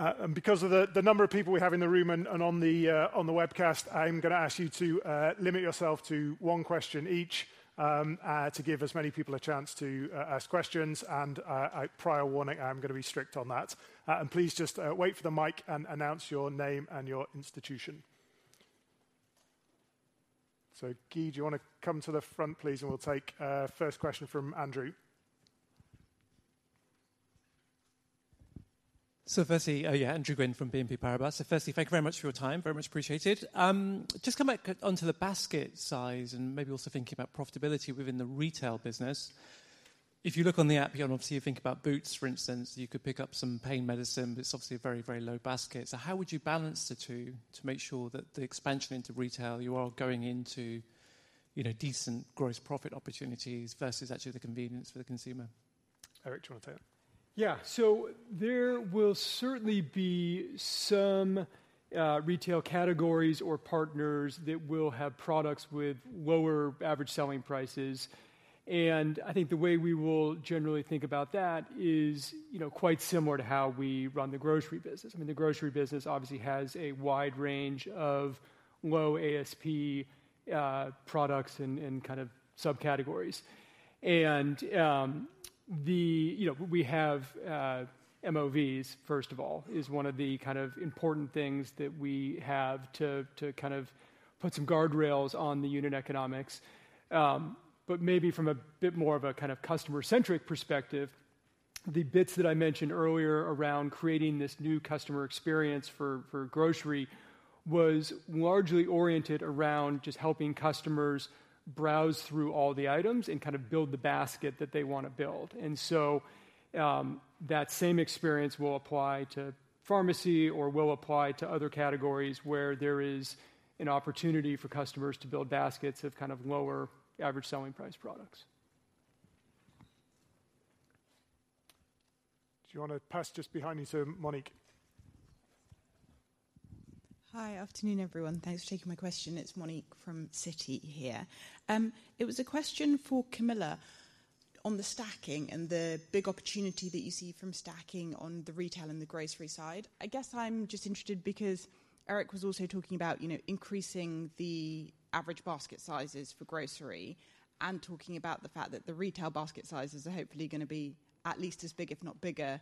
S1: And because of the number of people we have in the room and on the webcast, I'm gonna ask you to limit yourself to one question each, to give as many people a chance to ask questions. And a prior warning, I'm gonna be strict on that. Please just wait for the mic and announce your name and your institution.... So, Guy, do you want to come to the front, please? And we'll take first question from Andrew.
S6: So firstly, yeah, Andrew Gwynn from BNP Paribas. So firstly, thank you very much for your time. Very much appreciated. Just come back onto the basket size and maybe also thinking about profitability within the retail business. If you look on the app, you know, obviously, you think about Boots, for instance, you could pick up some pain medicine, but it's obviously a very, very low basket. So how would you balance the two to make sure that the expansion into retail, you are going into, you know, decent gross profit opportunities versus actually the convenience for the consumer?
S1: Eric, do you want to take that?
S4: Yeah. So there will certainly be some retail categories or partners that will have products with lower average selling prices, and I think the way we will generally think about that is, you know, quite similar to how we run the grocery business. I mean, the grocery business obviously has a wide range of low ASP products and kind of subcategories. And you know, we have MOVs, first of all, is one of the kind of important things that we have to kind of put some guardrails on the unit economics. But maybe from a bit more of a kind of customer-centric perspective, the bits that I mentioned earlier around creating this new customer experience for grocery was largely oriented around just helping customers browse through all the items and kind of build the basket that they want to build. That same experience will apply to pharmacy or will apply to other categories where there is an opportunity for customers to build baskets of kind of lower average selling price products.
S1: Do you want to pass just behind you to Monique?
S7: Hi. Afternoon, everyone. Thanks for taking my question. It's Monique from Citi here. It was a question for Camilla on the stacking and the big opportunity that you see from stacking on the retail and the grocery side. I guess I'm just interested because Eric was also talking about, you know, increasing the average basket sizes for grocery and talking about the fact that the retail basket sizes are hopefully going to be at least as big, if not bigger,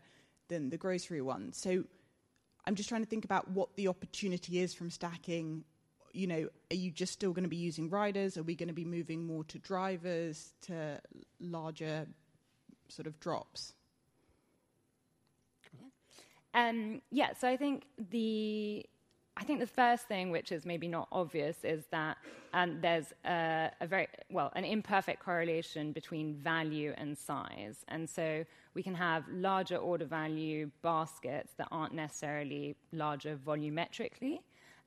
S7: than the grocery ones. So I'm just trying to think about what the opportunity is from stacking. You know, are you just still going to be using riders? Are we going to be moving more to drivers to larger sort of drops?
S5: Yeah. So I think the first thing, which is maybe not obvious, is that there's a very, well, an imperfect correlation between value and size, and so we can have larger order value baskets that aren't necessarily larger volumetrically.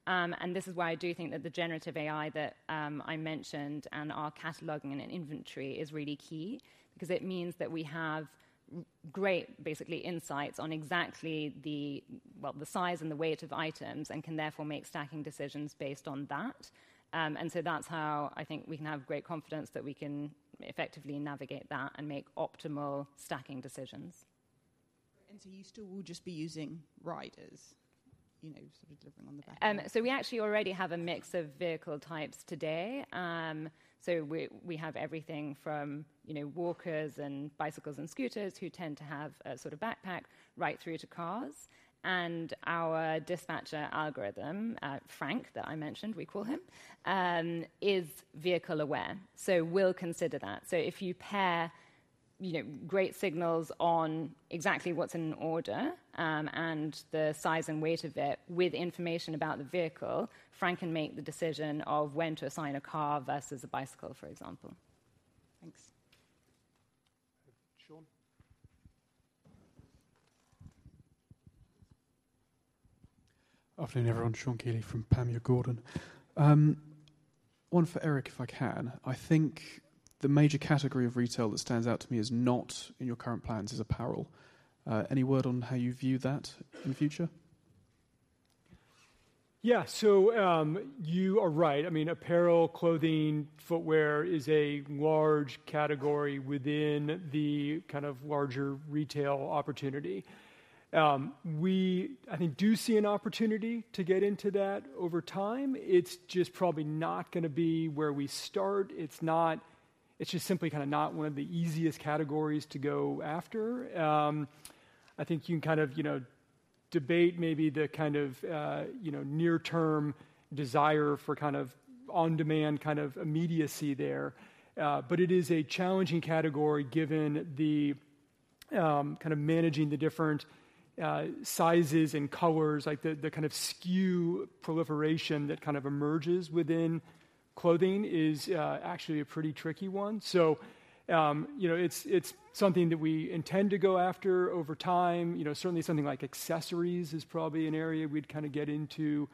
S5: And this is why I do think that the generative AI that I mentioned and our cataloging and inventory is really key because it means that we have great, basically, insights on exactly the, well, the size and the weight of items and can therefore make stacking decisions based on that. And so that's how I think we can have great confidence that we can effectively navigate that and make optimal stacking decisions.
S7: So you still will just be using riders, you know, sort of delivering on the back?
S5: So we actually already have a mix of vehicle types today. So we have everything from, you know, walkers and bicycles and scooters, who tend to have a sort of backpack, right through to cars. And our dispatcher algorithm, Frank, that I mentioned, we call him, is vehicle aware, so we'll consider that. So if you pair, you know, great signals on exactly what's in an order, and the size and weight of it with information about the vehicle, Frank can make the decision of when to assign a car versus a bicycle, for example.
S7: Thanks.
S1: Sean.
S8: Afternoon, everyone. Sean Sherwin from Panmure Gordon. One for Eric, if I can. I think the major category of retail that stands out to me is not in your current plans is apparel. Any word on how you view that in the future?
S4: Yeah. So, you are right. I mean, apparel, clothing, footwear is a large category within the kind of larger retail opportunity. We, I think, do see an opportunity to get into that over time. It's just probably not going to be where we start. It's not. It's just simply kind of not one of the easiest categories to go after. I think you can kind of, you know, debate maybe the kind of, you know, near term desire for kind of on-demand, kind of immediacy there. But it is a challenging category, given the kind of managing the different sizes and colors, like the kind of SKU proliferation that kind of emerges within clothing is actually a pretty tricky one. So, you know, it's something that we intend to go after over time. You know, certainly something like accessories is probably an area we'd kind of get into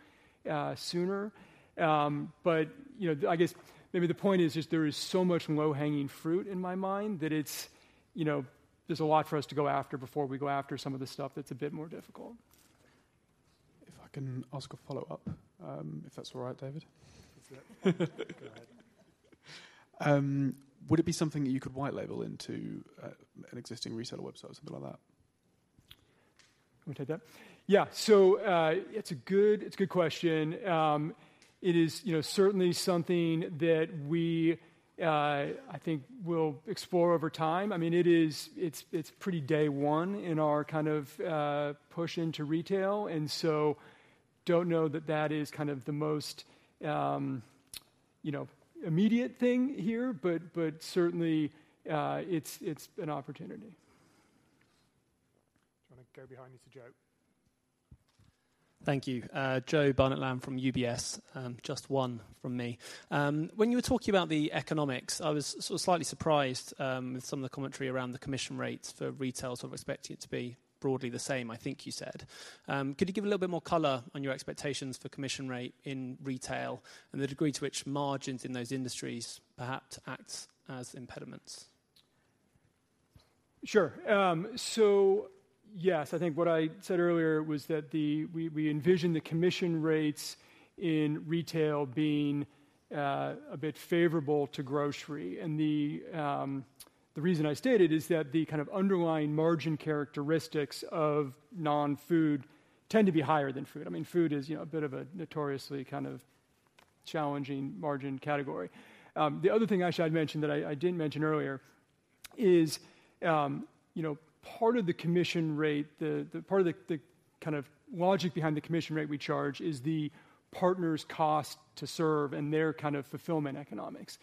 S4: sooner. But, you know, I guess maybe the point is just there is so much low-hanging fruit in my mind that it's, you know, there's a lot for us to go after before we go after some of the stuff that's a bit more difficult.
S8: If I can ask a follow-up, if that's all right, David?
S1: Go ahead.
S8: Would it be something that you could white label into an existing reseller website or something like that?
S4: Let me take that. Yeah. So, it's a good, it's a good question. It is, you know, certainly something that we, I think will explore over time. I mean, it is, it's pretty day one in our kind of push into retail, and so I don't know that that is kind of the most, you know, immediate thing here, but certainly, it's an opportunity.
S1: Do you want to go behind me to Joe?
S9: Thank you. Jo Barnet-Lamb from UBS. Just one from me. When you were talking about the economics, I was so slightly surprised with some of the commentary around the commission rates for retail, sort of expecting it to be broadly the same, I think you said. Could you give a little bit more color on your expectations for commission rate in retail and the degree to which margins in those industries perhaps act as impediments?
S4: Sure. So yes, I think what I said earlier was that we envision the commission rates in retail being a bit favorable to grocery. And the reason I state it is that the kind of underlying margin characteristics of non-food tend to be higher than food. I mean, food is, you know, a bit of a notoriously kind of challenging margin category. The other thing actually I'd mention that I didn't mention earlier is, you know, part of the commission rate, the part of the kind of logic behind the commission rate we charge is the partners' cost to serve and their kind of fulfillment economics.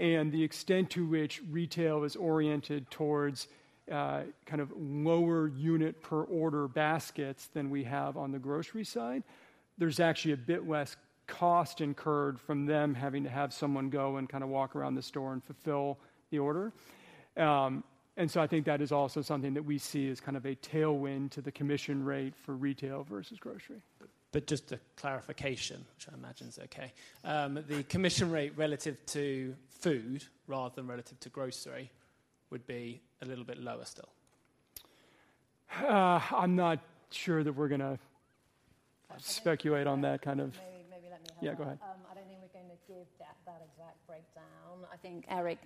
S4: And the extent to which retail is oriented towards kind of lower unit per order baskets than we have on the grocery side. There's actually a bit less cost incurred from them having to have someone go and kind of walk around the store and fulfill the order. And so I think that is also something that we see as kind of a tailwind to the commission rate for retail versus grocery.
S9: Just a clarification, which I imagine is okay. The commission rate relative to food rather than relative to grocery, would be a little bit lower still?
S4: I'm not sure that we're gonna speculate on that kind of-
S10: Maybe let me have a-
S4: Yeah, go ahead.
S10: I don't think we're going to give that, that exact breakdown. I think Eric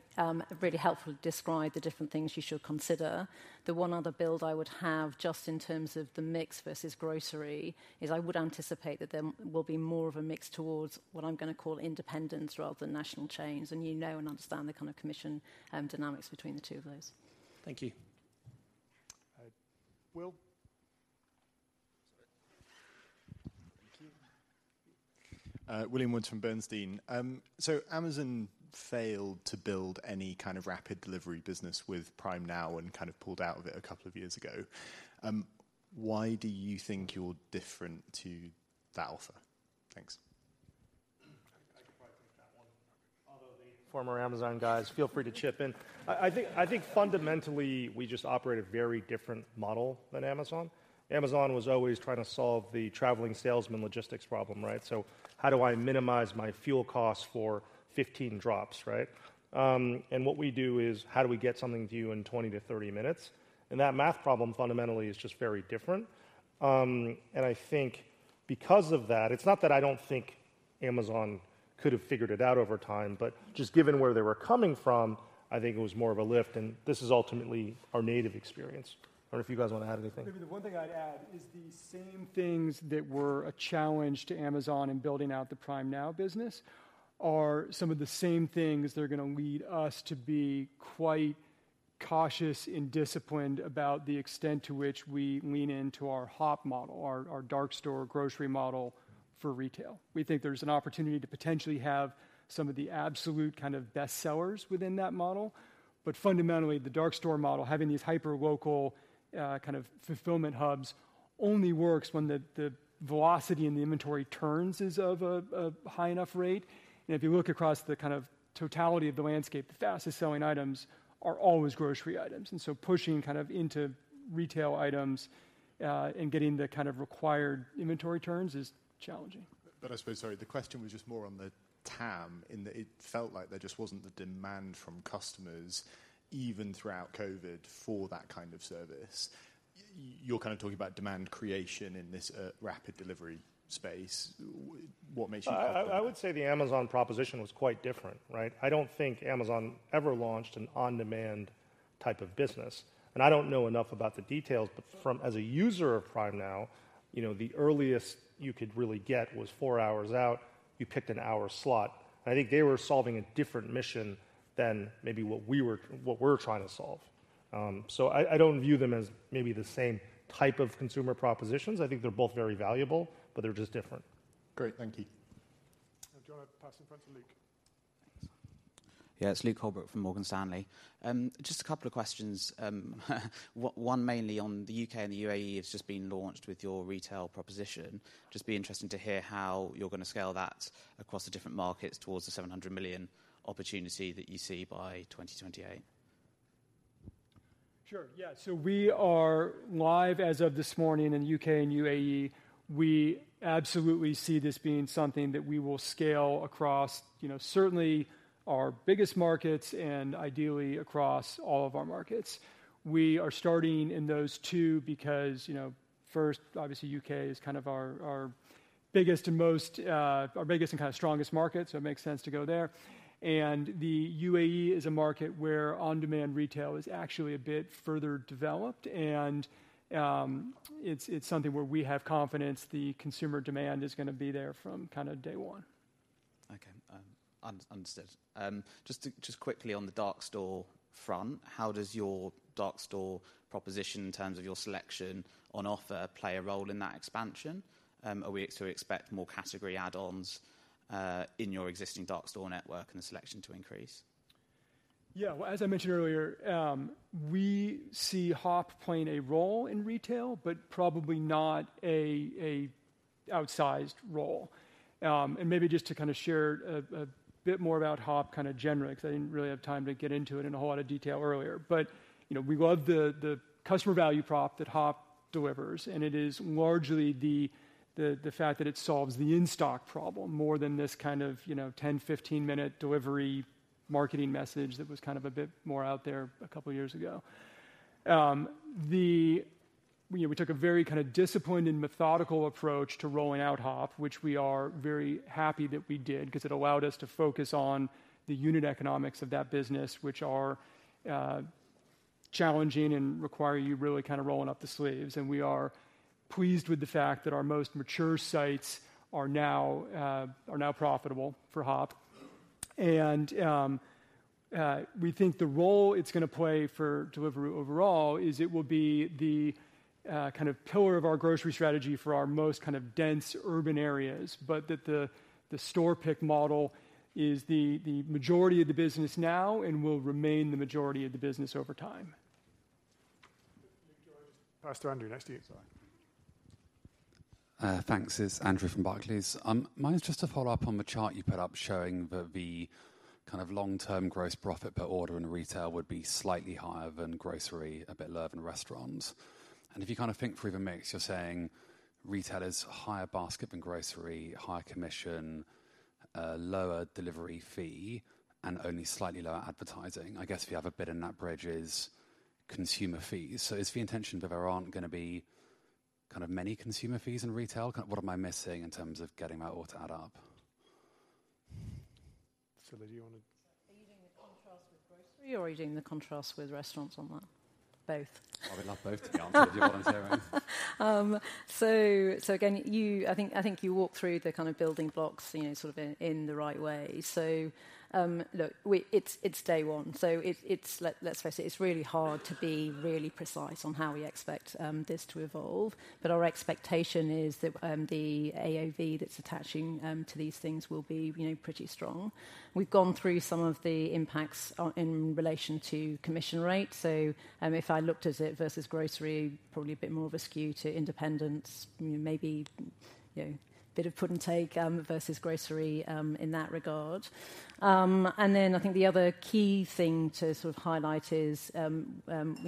S10: really helpfully described the different things you should consider. The one other build I would have, just in terms of the mix versus grocery, is I would anticipate that there will be more of a mix towards what I'm going to call independence rather than national chains, and you know and understand the kind of commission dynamics between the two of those.
S9: Thank you.
S1: Uh, Will.
S11: Thank you. William Woods from Bernstein. So Amazon failed to build any kind of rapid delivery business with Prime Now and kind of pulled out of it a couple of years ago. Why do you think you're different to that offer? Thanks.
S1: I can probably take that one.
S2: Although the former Amazon guys feel free to chip in. I think fundamentally we just operate a very different model than Amazon. Amazon was always trying to solve the traveling salesman logistics problem, right? So how do I minimize my fuel costs for 15 drops, right? And what we do is, how do we get something to you in 20-30 minutes? And that math problem fundamentally is just very different. And I think because of that, it's not that I don't think Amazon could have figured it out over time, but just given where they were coming from, I think it was more of a lift, and this is ultimately our native experience. I don't know if you guys want to add anything.
S4: Maybe the one thing I'd add is the same things that were a challenge to Amazon in building out the Prime Now business are some of the same things that are going to lead us to be quite cautious and disciplined about the extent to which we lean into our Hop model, our dark store grocery model for retail. We think there's an opportunity to potentially have some of the absolute kind of best sellers within that model, but fundamentally, the dark store model, having these hyperlocal kind of fulfillment hubs, only works when the velocity and the inventory turns is of a high enough rate. And if you look across the kind of totality of the landscape, the fastest-selling items are always grocery items. And so pushing kind of into retail items and getting the kind of required inventory turns is challenging.
S11: But I suppose, sorry, the question was just more on the TAM, in that it felt like there just wasn't the demand from customers, even throughout COVID, for that kind of service. You're kind of talking about demand creation in this rapid delivery space. What makes you-
S2: I would say the Amazon proposition was quite different, right? I don't think Amazon ever launched an on-demand type of business, and I don't know enough about the details, but from as a user of Prime Now, you know, the earliest you could really get was four hours out. You picked an hour slot. I think they were solving a different mission than maybe what we were, what we're trying to solve. So I don't view them as maybe the same type of consumer propositions. I think they're both very valuable, but they're just different.
S11: Great. Thank you.
S1: Do you want to pass in front to Luke?
S12: Yeah, it's Luke Holbrook from Morgan Stanley. Just a couple of questions. One mainly on the UK and the UAE. It's just been launched with your retail proposition. Just be interesting to hear how you're going to scale that across the different markets towards the £ 700 million opportunity that you see by 2028.
S4: Sure. Yeah. So we are live as of this morning in the UK and UAE. We absolutely see this being something that we will scale across, you know, certainly our biggest markets and ideally across all of our markets. We are starting in those two because, you know, first, obviously, UK is kind of our biggest and kind of strongest market, so it makes sense to go there. And the UAE is a market where on-demand retail is actually a bit further developed, and it's something where we have confidence the consumer demand is going to be there from kind of day one.
S12: Understood. Just quickly on the dark store front, how does your dark store proposition in terms of your selection on offer play a role in that expansion? Are we to expect more category add-ons in your existing dark store network and the selection to increase?
S4: Yeah, well, as I mentioned earlier, we see Hop playing a role in retail, but probably not an outsized role. And maybe just to kind of share a bit more about Hop kind of generally, because I didn't really have time to get into it in a whole lot of detail earlier. But, you know, we love the customer value prop that Hop delivers, and it is largely the fact that it solves the in-stock problem more than this kind of, you know, 10-15-minute delivery marketing message that was kind of a bit more out there a couple of years ago. We took a very kind of disciplined and methodical approach to rolling out Hop, which we are very happy that we did, because it allowed us to focus on the unit economics of that business, which are challenging and require you really kind of rolling up the sleeves. And we are pleased with the fact that our most mature sites are now profitable for Hop. And we think the role it's going to play for Deliveroo overall is it will be the kind of pillar of our grocery strategy for our most kind of dense urban areas, but that the store pick model is the majority of the business now and will remain the majority of the business over time.
S1: Pass to Andrew, next to you. Sorry.
S13: Thanks. It's Andrew from Barclays. Mine's just to follow up on the chart you put up showing that the kind of long-term gross profit per order in retail would be slightly higher than grocery, a bit lower than restaurant. And if you kind of think through the mix, you're saying retail is higher basket than grocery, higher commission, lower delivery fee, and only slightly lower advertising. I guess if you have a bit in that bridge is consumer fees. So is the intention that there aren't going to be kind of many consumer fees in retail? Kind of, what am I missing in terms of getting my order to add up?
S1: Scilla, do you want to-
S10: Are you doing the contrast with grocery or are you doing the contrast with restaurants on that? Both.
S13: I would love both to be honest, if you're willing to go.
S10: So again, you—I think you walk through the kind of building blocks, you know, sort of in the right way. So, look, we... It's day one, so it's—let's face it, it's really hard to be really precise on how we expect this to evolve, but our expectation is that the AOV that's attaching to these things will be, you know, pretty strong. We've gone through some of the impacts in relation to commission rate. So, if I looked at it versus grocery, probably a bit more of a skew to independents, maybe, you know, a bit of give and take versus grocery in that regard. And then I think the other key thing to sort of highlight is, you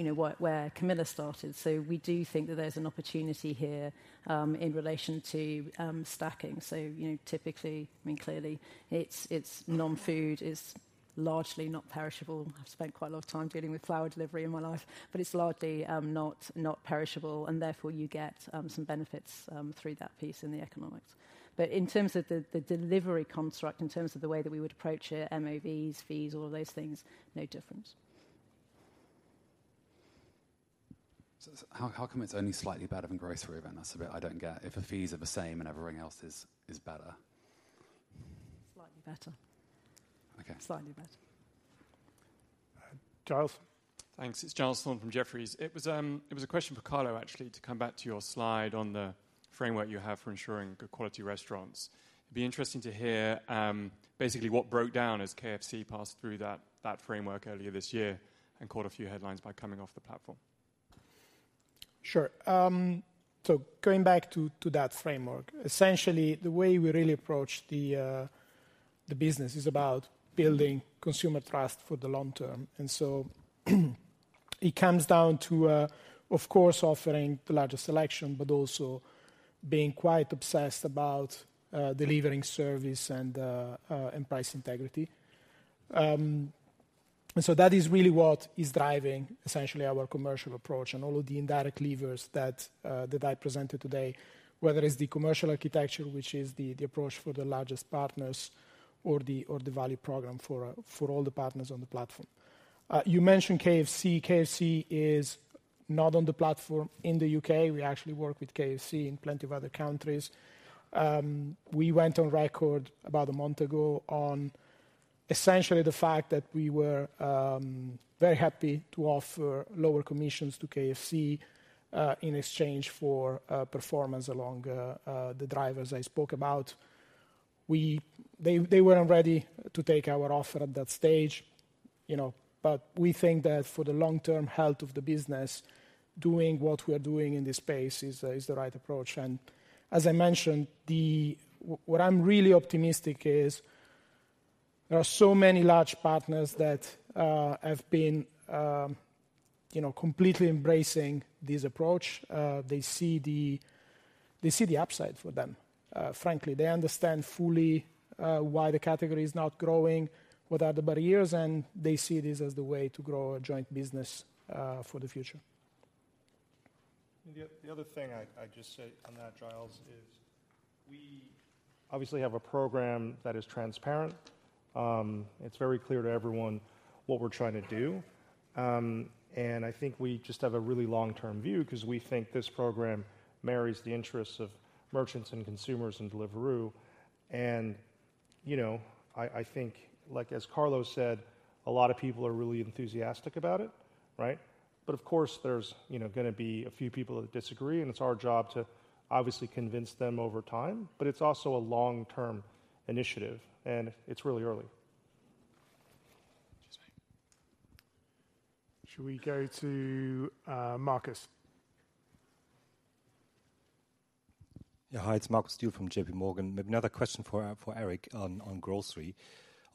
S10: know, where Camilla started. So we do think that there's an opportunity here, in relation to stacking. So, you know, typically, I mean, clearly, it's non-food, it's largely not perishable. I've spent quite a lot of time dealing with flower delivery in my life, but it's largely not perishable, and therefore, you get some benefits through that piece in the economics. But in terms of the delivery construct, in terms of the way that we would approach it, MOVs, fees, all of those things, no difference.
S13: So how come it's only slightly better than grocery then? That's the bit I don't get. If the fees are the same and everything else is better.
S10: Slightly better.
S13: Okay.
S10: Slightly better.
S1: Uh, Giles.
S14: Thanks. It's Giles Thorne from Jefferies. It was a question for Carlo, actually, to come back to your slide on the framework you have for ensuring good quality restaurants. It'd be interesting to hear, basically, what broke down as KFC passed through that framework earlier this year and caught a few headlines by coming off the platform.
S3: Sure. So going back to that framework, essentially, the way we really approach the business is about building consumer trust for the long term. And so, it comes down to, of course, offering the largest selection, but also being quite obsessed about delivering service and price integrity. So that is really what is driving essentially our commercial approach and all of the indirect levers that I presented today, whether it's the commercial architecture, which is the approach for the largest partners or the Value Programme for all the partners on the platform. You mentioned KFC. KFC is not on the platform in the UK. We actually work with KFC in plenty of other countries. We went on record about a month ago on essentially the fact that we were very happy to offer lower commissions to KFC in exchange for performance along the drivers I spoke about. They weren't ready to take our offer at that stage, you know, but we think that for the long-term health of the business, doing what we are doing in this space is the right approach. And as I mentioned, what I'm really optimistic is there are so many large partners that have been, you know, completely embracing this approach. They see the upside for them. Frankly, they understand fully why the category is not growing, what are the barriers, and they see this as the way to grow a joint business for the future.
S4: The other thing I'd just say on that, Giles, is we obviously have a program that is transparent. It's very clear to everyone what we're trying to do....
S2: and I think we just have a really long-term view 'cause we think this program marries the interests of merchants and consumers and Deliveroo. And, you know, I think, like as Carlo said, a lot of people are really enthusiastic about it, right? But of course, there's, you know, gonna be a few people that disagree, and it's our job to obviously convince them over time. But it's also a long-term initiative, and it's really early.
S1: Should we go to Marcus?
S15: Yeah. Hi, it's Marcus Diebel from JP Morgan. Maybe another question for Eric on grocery.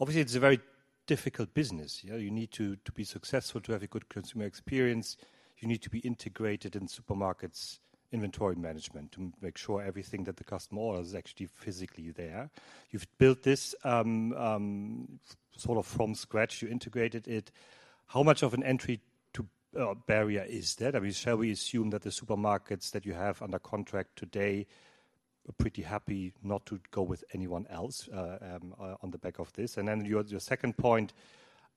S15: Obviously, it's a very difficult business. You know, you need to be successful, to have a good consumer experience, you need to be integrated in supermarkets' inventory management to make sure everything that the customer orders is actually physically there. You've built this sort of from scratch. You integrated it. How much of an entry barrier is that? I mean, shall we assume that the supermarkets that you have under contract today are pretty happy not to go with anyone else on the back of this? And then your second point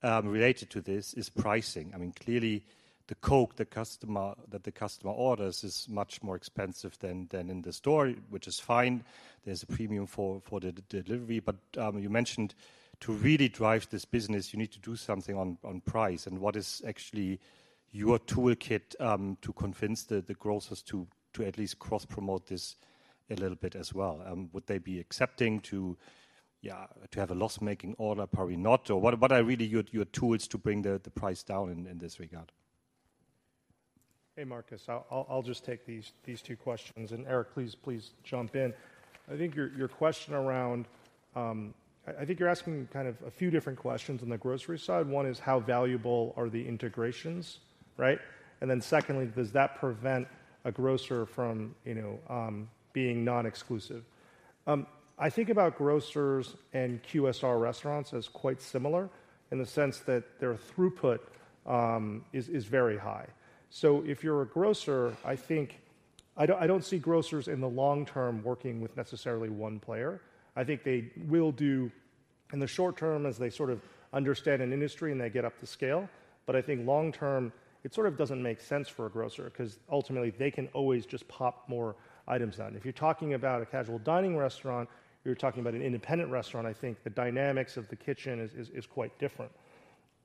S15: related to this is pricing. I mean, clearly, the Coke that the customer orders is much more expensive than in the store, which is fine. There's a premium for the delivery, but you mentioned to really drive this business, you need to do something on price. And what is actually your toolkit to convince the grocers to at least cross-promote this a little bit as well? Would they be accepting to, yeah, to have a loss-making order? Probably not. So what are really your tools to bring the price down in this regard?
S2: Hey, Marcus. I'll just take these two questions, and, Eric, please jump in. I think your question around... I think you're asking kind of a few different questions on the grocery side. One is, how valuable are the integrations, right? And then secondly, does that prevent a grocer from, you know, being non-exclusive? I think about grocers and QSR restaurants as quite similar in the sense that their throughput is very high. So if you're a grocer, I think... I don't see grocers in the long term working with necessarily one player. I think they will do in the short term as they sort of understand an industry, and they get up to scale. But I think long term, it sort of doesn't make sense for a grocer 'cause ultimately they can always just pop more items on. If you're talking about a casual dining restaurant, you're talking about an independent restaurant, I think the dynamics of the kitchen is quite different.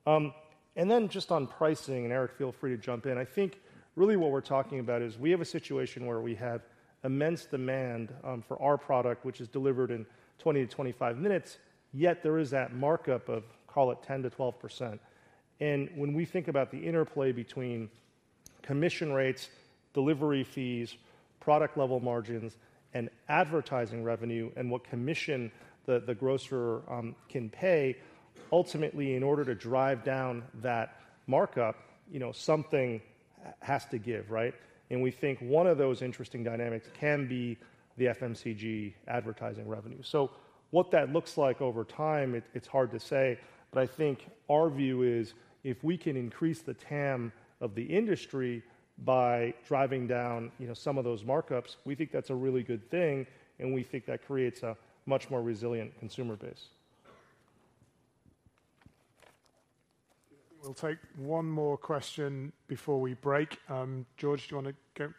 S2: And then just on pricing, and Eric, feel free to jump in. I think really what we're talking about is we have a situation where we have immense demand for our product, which is delivered in 20-25 minutes, yet there is that markup of, call it 10%-12%. And when we think about the interplay between commission rates, delivery fees, product level margins, and advertising revenue, and what commission the, the grocer can pay, ultimately, in order to drive down that markup, you know, something has to give, right? We think one of those interesting dynamics can be the FMCG advertising revenue. So what that looks like over time, it, it's hard to say, but I think our view is if we can increase the TAM of the industry by driving down, you know, some of those markups, we think that's a really good thing, and we think that creates a much more resilient consumer base.
S1: We'll take one more question before we break. George, do you want to go?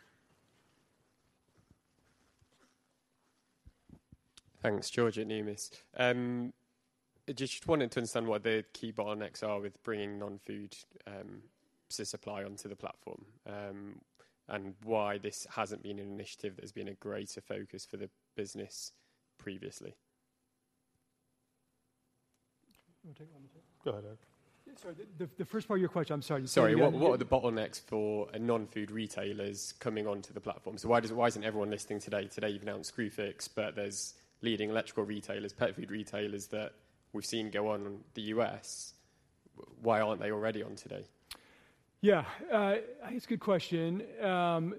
S16: Thanks. George at Numis, just wanted to understand what the key bottlenecks are with bringing non-food supply onto the platform, and why this hasn't been an initiative that's been a greater focus for the business previously?
S4: You want to take one?
S2: Go ahead, Eric.
S4: Sorry, the first part of your question, I'm sorry, you said-
S16: Sorry, what are the bottlenecks for a non-food retailers coming onto the platform? So why isn't everyone listing today? Today, you've announced Screwfix, but there's leading electrical retailers, pet food retailers that we've seen go on in the U.S. Why aren't they already on today?
S4: Yeah, I think it's a good question.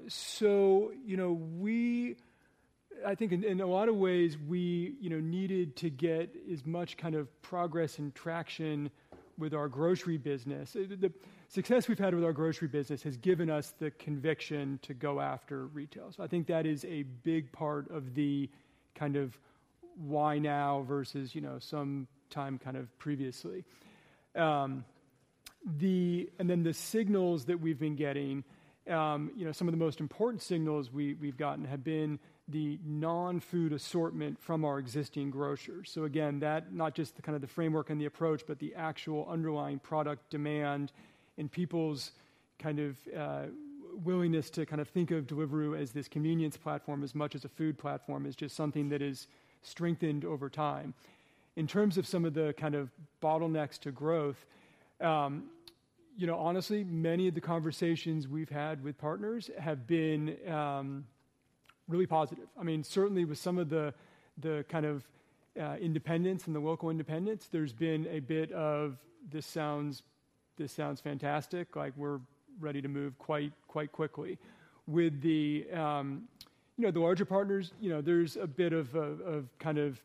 S4: So you know, we, I think in, in a lot of ways, we, you know, needed to get as much kind of progress and traction with our grocery business. The, the success we've had with our grocery business has given us the conviction to go after retail. So I think that is a big part of the kind of why now versus, you know, some time kind of previously. And then the signals that we've been getting, you know, some of the most important signals we, we've gotten have been the non-food assortment from our existing grocers. So again, that not just the kind of the framework and the approach, but the actual underlying product demand and people's kind of, willingness to kind of think of Deliveroo as this convenience platform, as much as a food platform, is just something that has strengthened over time. In terms of some of the kind of bottlenecks to growth, you know, honestly, many of the conversations we've had with partners have been, really positive. I mean, certainly, with some of the, the kind of, independents and the local independents, there's been a bit of, "This sounds, this sounds fantastic, like we're ready to move quite, quite quickly." With the, you know, the larger partners, you know, there's a bit of, of, kind of,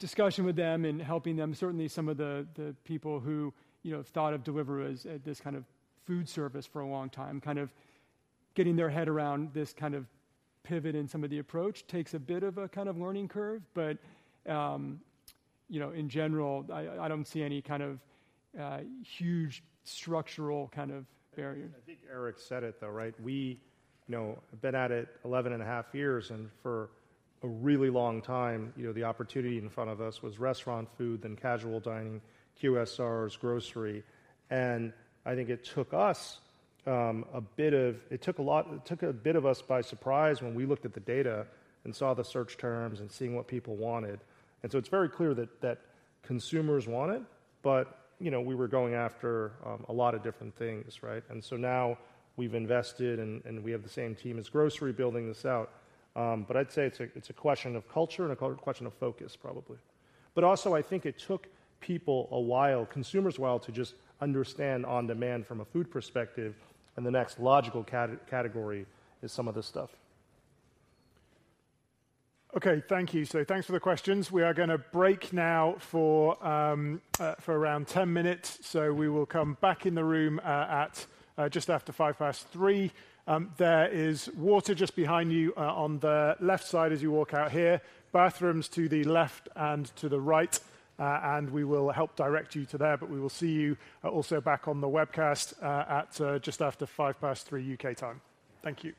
S4: discussion with them and helping them. Certainly, some of the people who, you know, have thought of Deliveroo as this kind of food service for a long time, kind of getting their head around this kind of pivot in some of the approach takes a bit of a kind of learning curve, but, you know, in general, I don't see any kind of huge structural kind of barrier.
S2: I think Eric said it, though, right? We know, been at it 11.5 years, and for a really long time, you know, the opportunity in front of us was restaurant food, then casual dining, QSRs, grocery. And I think it took a bit of us by surprise when we looked at the data and saw the search terms and seeing what people wanted. And so it's very clear that consumers want it, but, you know, we were going after a lot of different things, right? And so now we've invested and we have the same team as grocery building this out. But I'd say it's a question of culture and a question of focus, probably. But also, I think it took people a while, consumers a while, to just understand on-demand from a food perspective, and the next logical category is some of this stuff.
S1: Okay, thank you. Thanks for the questions. We are gonna break now for around 10 minutes. We will come back in the room at just after 3:05 P.M. There is water just behind you on the left side as you walk out here, bathrooms to the left and to the right. We will help direct you to there, but we will see you also back on the webcast at just after 3:05 P.M. U.K. time. Thank you.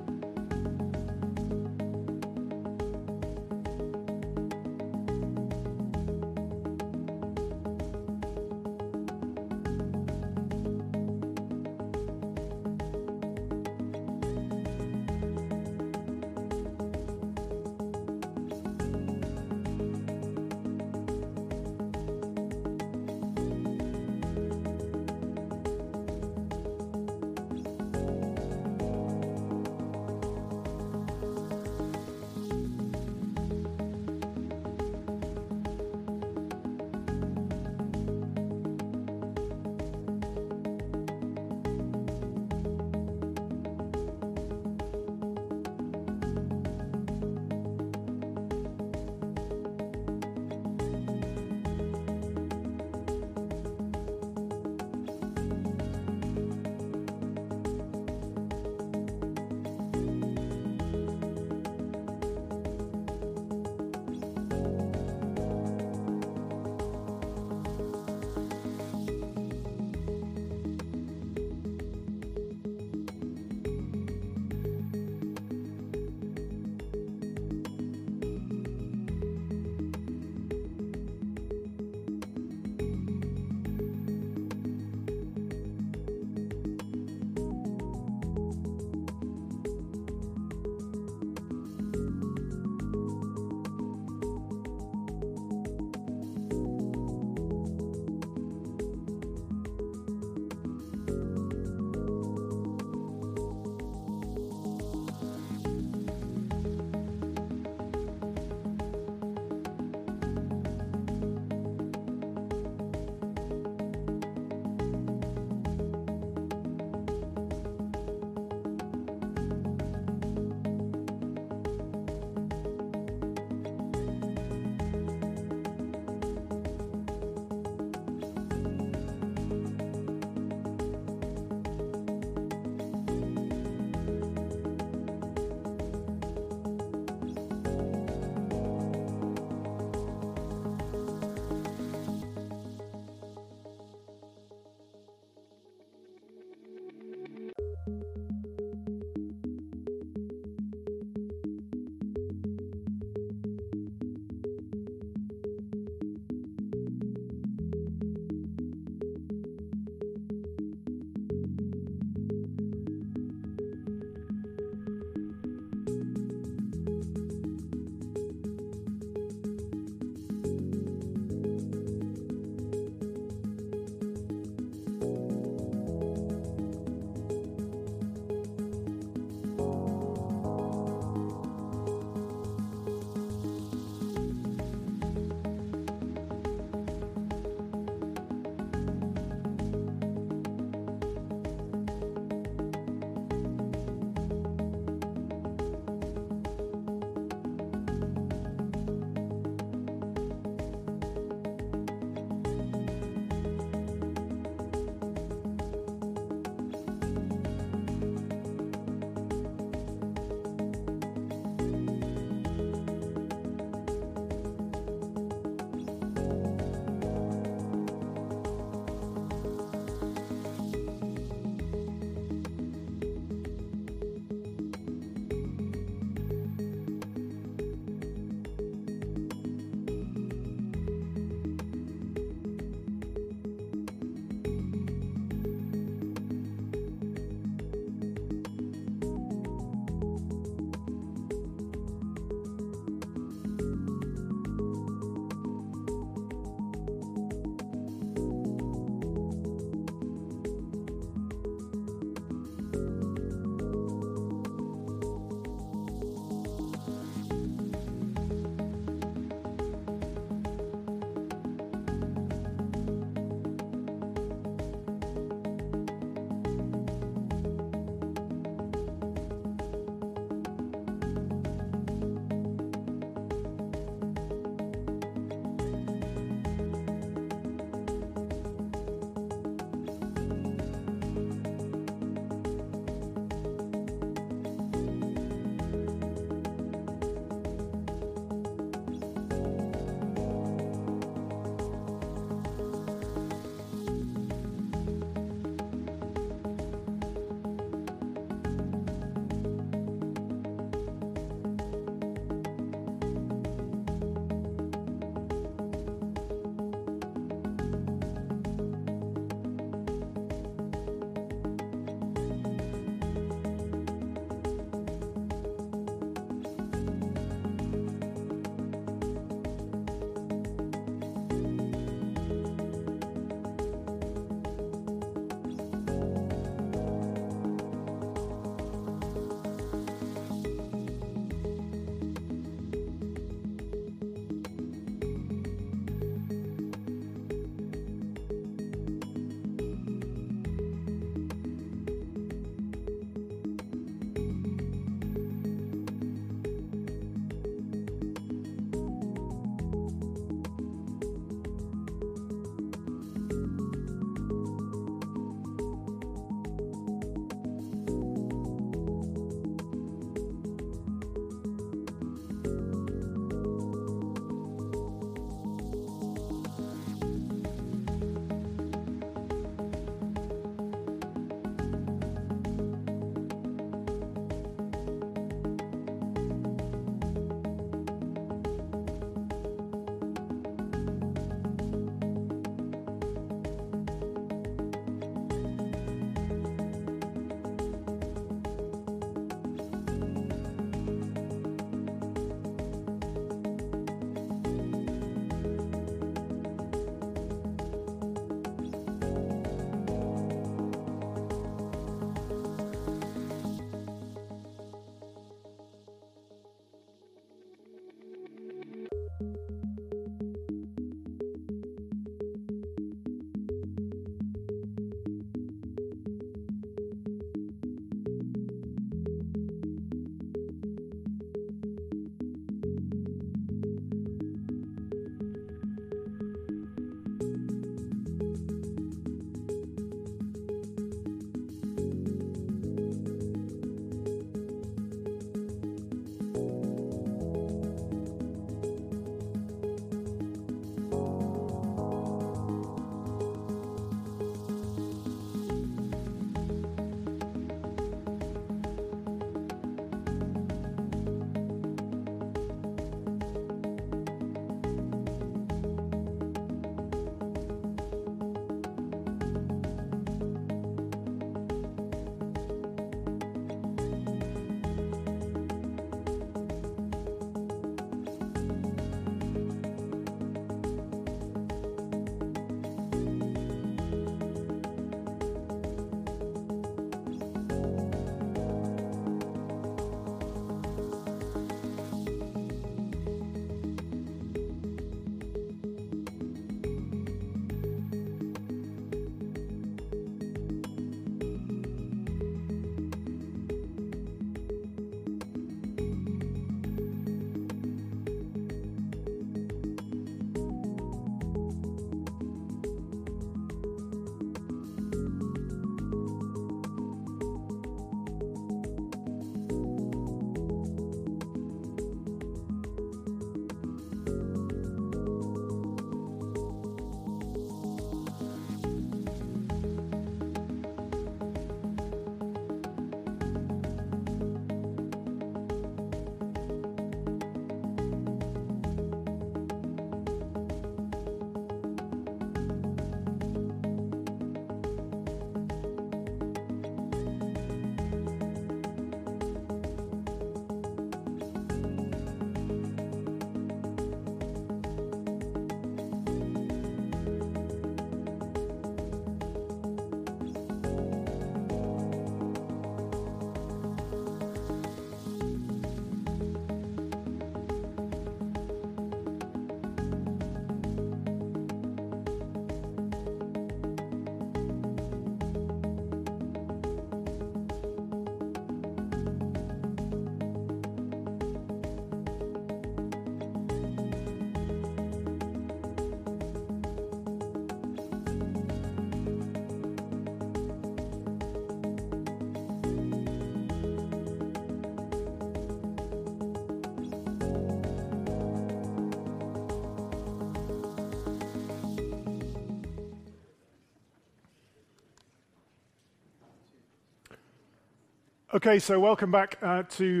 S1: Okay, welcome back to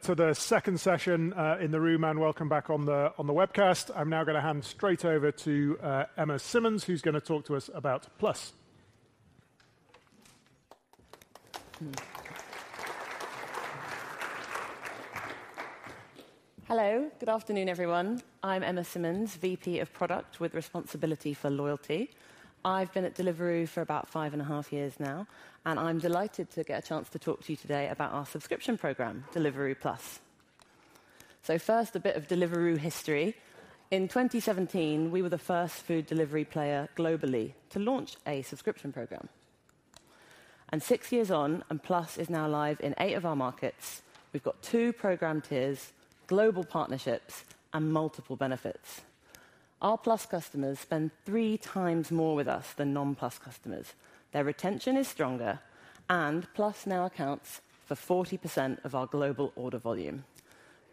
S1: the second session in the room, and welcome back on the webcast. I'm now going to hand straight over to Emma Simmonds, who's going to talk to us about Plus.
S17: Hello. Good afternoon, everyone. I'm Emma Simmonds, VP of Product with responsibility for loyalty. I've been at Deliveroo for about five and a half years now, and I'm delighted to get a chance to talk to you today about our subscription program, Deliveroo Plus. So first, a bit of Deliveroo history. In 2017, we were the first food delivery player globally to launch a subscription program. And six years on, and Plus is now live in eight of our markets. We've got two program tiers, global partnerships, and multiple benefits. Our Plus customers spend three times more with us than non-Plus customers. Their retention is stronger, and Plus now accounts for 40% of our global order volume.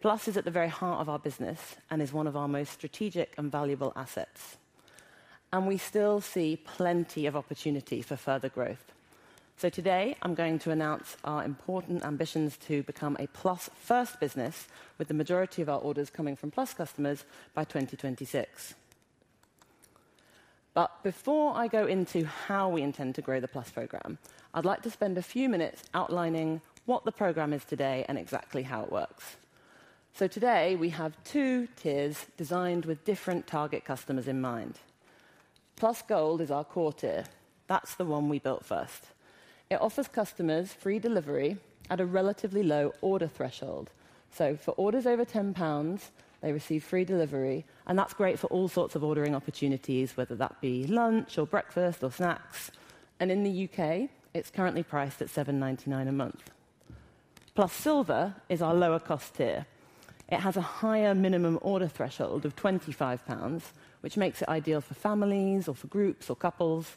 S17: Plus is at the very heart of our business and is one of our most strategic and valuable assets, and we still see plenty of opportunity for further growth. So today, I'm going to announce our important ambitions to become a Plus-first business, with the majority of our orders coming from Plus customers by 2026. But before I go into how we intend to grow the Plus program, I'd like to spend a few minutes outlining what the program is today and exactly how it works. So today, we have two tiers designed with different target customers in mind. Plus Gold is our core tier. That's the one we built first. It offers customers free delivery at a relatively low order threshold. So for orders over £ 10, they receive free delivery, and that's great for all sorts of ordering opportunities, whether that be lunch or breakfast or snacks. And in the UK, it's currently priced at £ 7.99 a month. Plus Silver is our lower cost tier. It has a higher minimum order threshold of £ 25, which makes it ideal for families or for groups or couples.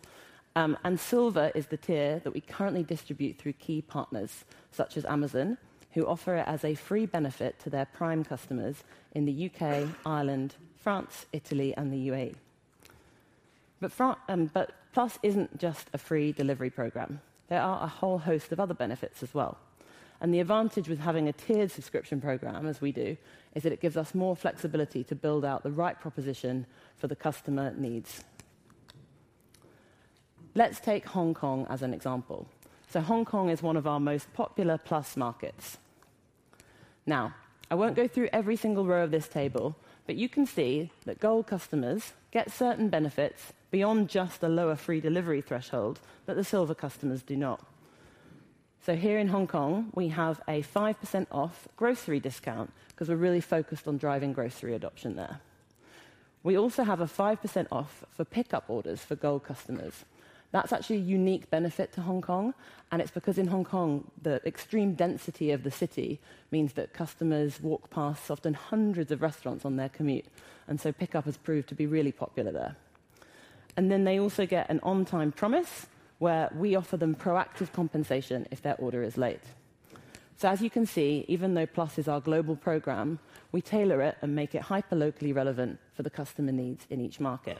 S17: Silver is the tier that we currently distribute through key partners, such as Amazon, who offer it as a free benefit to their Prime customers in the UK, Ireland, France, Italy, and the UAE. But Plus isn't just a free delivery program. There are a whole host of other benefits as well, and the advantage with having a tiered subscription program, as we do, is that it gives us more flexibility to build out the right proposition for the customer needs. Let's take Hong Kong as an example. So Hong Kong is one of our most popular Plus markets. Now, I won't go through every single row of this table, but you can see that Gold customers get certain benefits beyond just the lower free delivery threshold that the Silver customers do not. So here in Hong Kong, we have a 5% off grocery discount because we're really focused on driving grocery adoption there. We also have a 5% off for pickup orders for Gold customers. That's actually a unique benefit to Hong Kong, and it's because in Hong Kong, the extreme density of the city means that customers walk past often hundreds of restaurants on their commute, and so pickup has proved to be really popular there. And then they also get an On-Time promise, where we offer them proactive compensation if their order is late. So as you can see, even though Plus is our global program, we tailor it and make it hyperlocal for the customer needs in each market.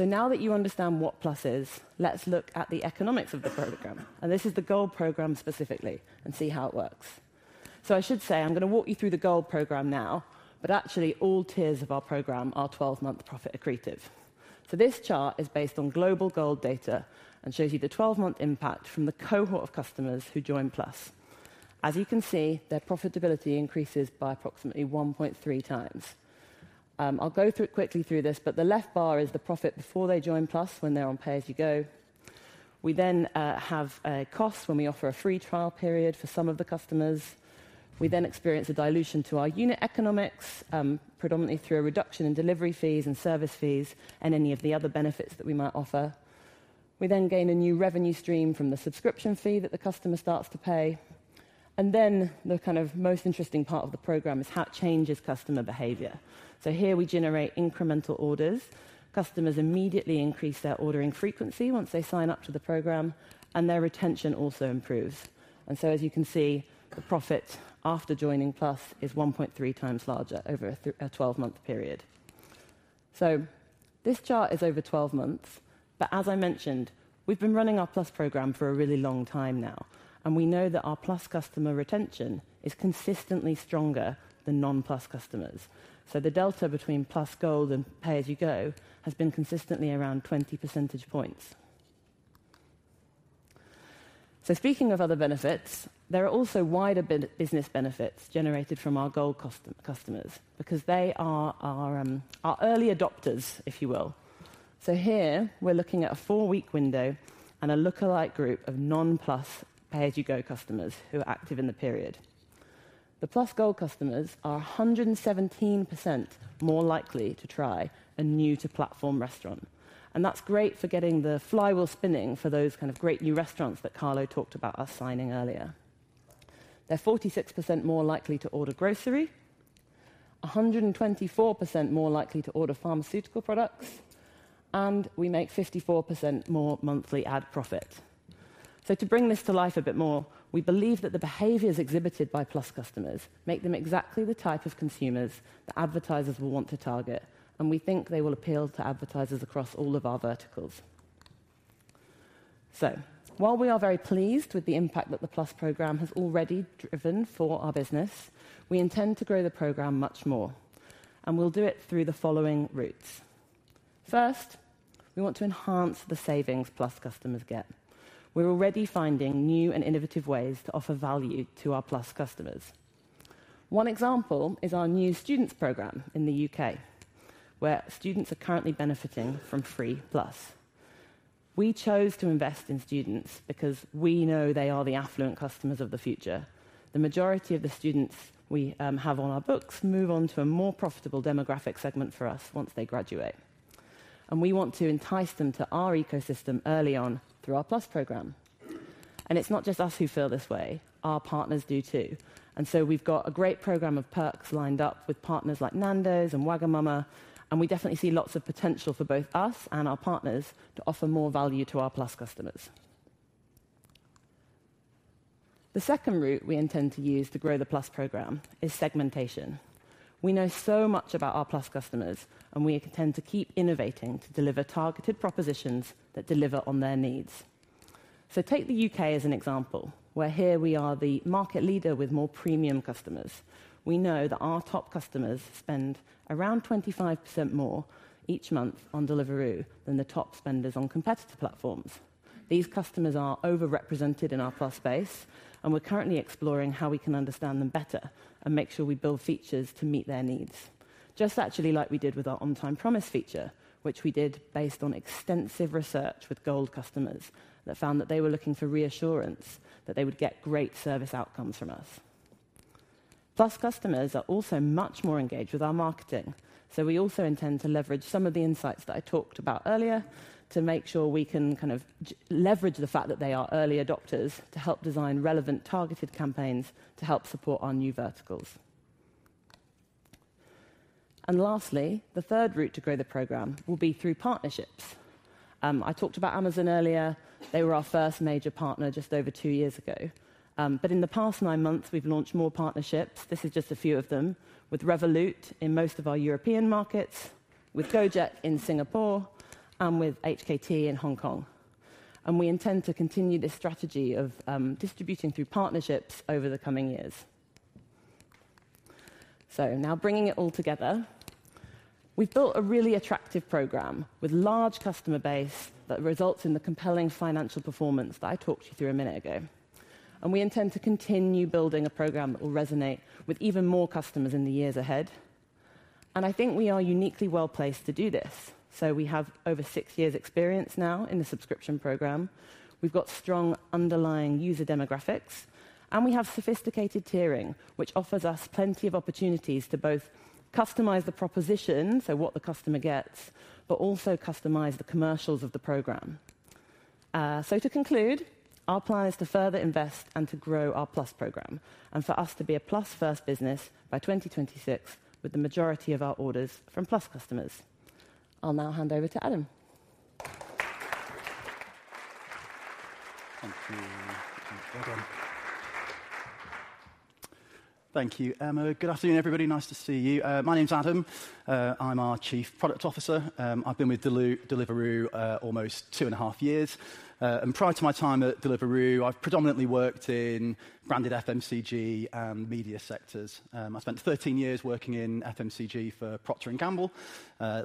S17: Now that you understand what Plus is, let's look at the economics of the program, and this is the Gold program specifically, and see how it works. I should say, I'm going to walk you through the Gold program now, but actually, all tiers of our program are 12-month profit accretive. This chart is based on global Gold data and shows you the 12-month impact from the cohort of customers who join Plus. As you can see, their profitability increases by approximately 1.3 times. I'll go through it quickly, but the left bar is the profit before they join Plus, when they're on pay-as-you-go. We then have a cost when we offer a free trial period for some of the customers. We then experience a dilution to our unit economics, predominantly through a reduction in delivery fees and service fees and any of the other benefits that we might offer. We then gain a new revenue stream from the subscription fee that the customer starts to pay, and then the kind of most interesting part of the program is how it changes customer behavior. So here we generate incremental orders. Customers immediately increase their ordering frequency once they sign up to the program, and their retention also improves. And so as you can see, the profit after joining Plus is 1.3 times larger over a twelve-month period. So this chart is over 12 months, but as I mentioned, we've been running our Plus program for a really long time now, and we know that our Plus customer retention is consistently stronger than non-Plus customers. The delta between Plus Gold and pay-as-you-go has been consistently around 20 percentage points. Speaking of other benefits, there are also wider business benefits generated from our Gold customers because they are our early adopters, if you will. Here we're looking at a 4-week window and a lookalike group of non-Plus pay-as-you-go customers who are active in the period. The Plus Gold customers are 117% more likely to try a new-to-platform restaurant, and that's great for getting the flywheel spinning for those kind of great new restaurants that Carlo talked about us signing earlier. They're 46% more likely to order grocery, 124% more likely to order pharmaceutical products, and we make 54% more monthly ad profit. So to bring this to life a bit more, we believe that the behaviors exhibited by Plus customers make them exactly the type of consumers that advertisers will want to target, and we think they will appeal to advertisers across all of our verticals. So while we are very pleased with the impact that the Plus program has already driven for our business, we intend to grow the program much more, and we'll do it through the following routes. First, we want to enhance the savings Plus customers get. We're already finding new and innovative ways to offer value to our Plus customers. One example is our new students program in the UK, where students are currently benefiting from free Plus. We chose to invest in students because we know they are the affluent customers of the future. The majority of the students we have on our books move on to a more profitable demographic segment for us once they graduate, and we want to entice them to our ecosystem early on through our Plus program. It's not just us who feel this way, our partners do too. So we've got a great program of perks lined up with partners like Nando's and Wagamama, and we definitely see lots of potential for both us and our partners to offer more value to our Plus customers. The second route we intend to use to grow the Plus program is segmentation. We know so much about our Plus customers, and we intend to keep innovating to deliver targeted propositions that deliver on their needs. So take the UK as an example, where here we are the market leader with more premium customers. We know that our top customers spend around 25% more each month on Deliveroo than the top spenders on competitor platforms. These customers are over-represented in our Plus base, and we're currently exploring how we can understand them better and make sure we build features to meet their needs. Just actually like we did with our On-Time Promise feature, which we did based on extensive research with Gold customers that found that they were looking for reassurance that they would get great service outcomes from us. Plus customers are also much more engaged with our marketing, so we also intend to leverage some of the insights that I talked about earlier to make sure we can kind of leverage the fact that they are early adopters to help design relevant, targeted campaigns to help support our new verticals. And lastly, the third route to grow the program will be through partnerships. I talked about Amazon earlier. They were our first major partner just over two years ago. But in the past nine months, we've launched more partnerships. This is just a few of them: with Revolut in most of our European markets, with Gojek in Singapore, and with HKT in Hong Kong. And we intend to continue this strategy of distributing through partnerships over the coming years. So now bringing it all together, we've built a really attractive program with large customer base that results in the compelling financial performance that I talked you through a minute ago. We intend to continue building a program that will resonate with even more customers in the years ahead. I think we are uniquely well placed to do this. We have over six years' experience now in the subscription program. We've got strong underlying user demographics, and we have sophisticated tiering, which offers us plenty of opportunities to both customize the proposition, so what the customer gets, but also customize the commercials of the program. To conclude, our plan is to further invest and to grow our Plus program and for us to be a Plus first business by 2026, with the majority of our orders from Plus customers. I'll now hand over to Adam.
S18: Thank you. Thank you, Adam. Thank you, Emma. Good afternoon, everybody. Nice to see you. My name is Adam. I'm our Chief Product Officer. I've been with Deliveroo almost two and a half years. And prior to my time at Deliveroo, I've predominantly worked in branded FMCG and media sectors. I spent 13 years working in FMCG for Procter & Gamble,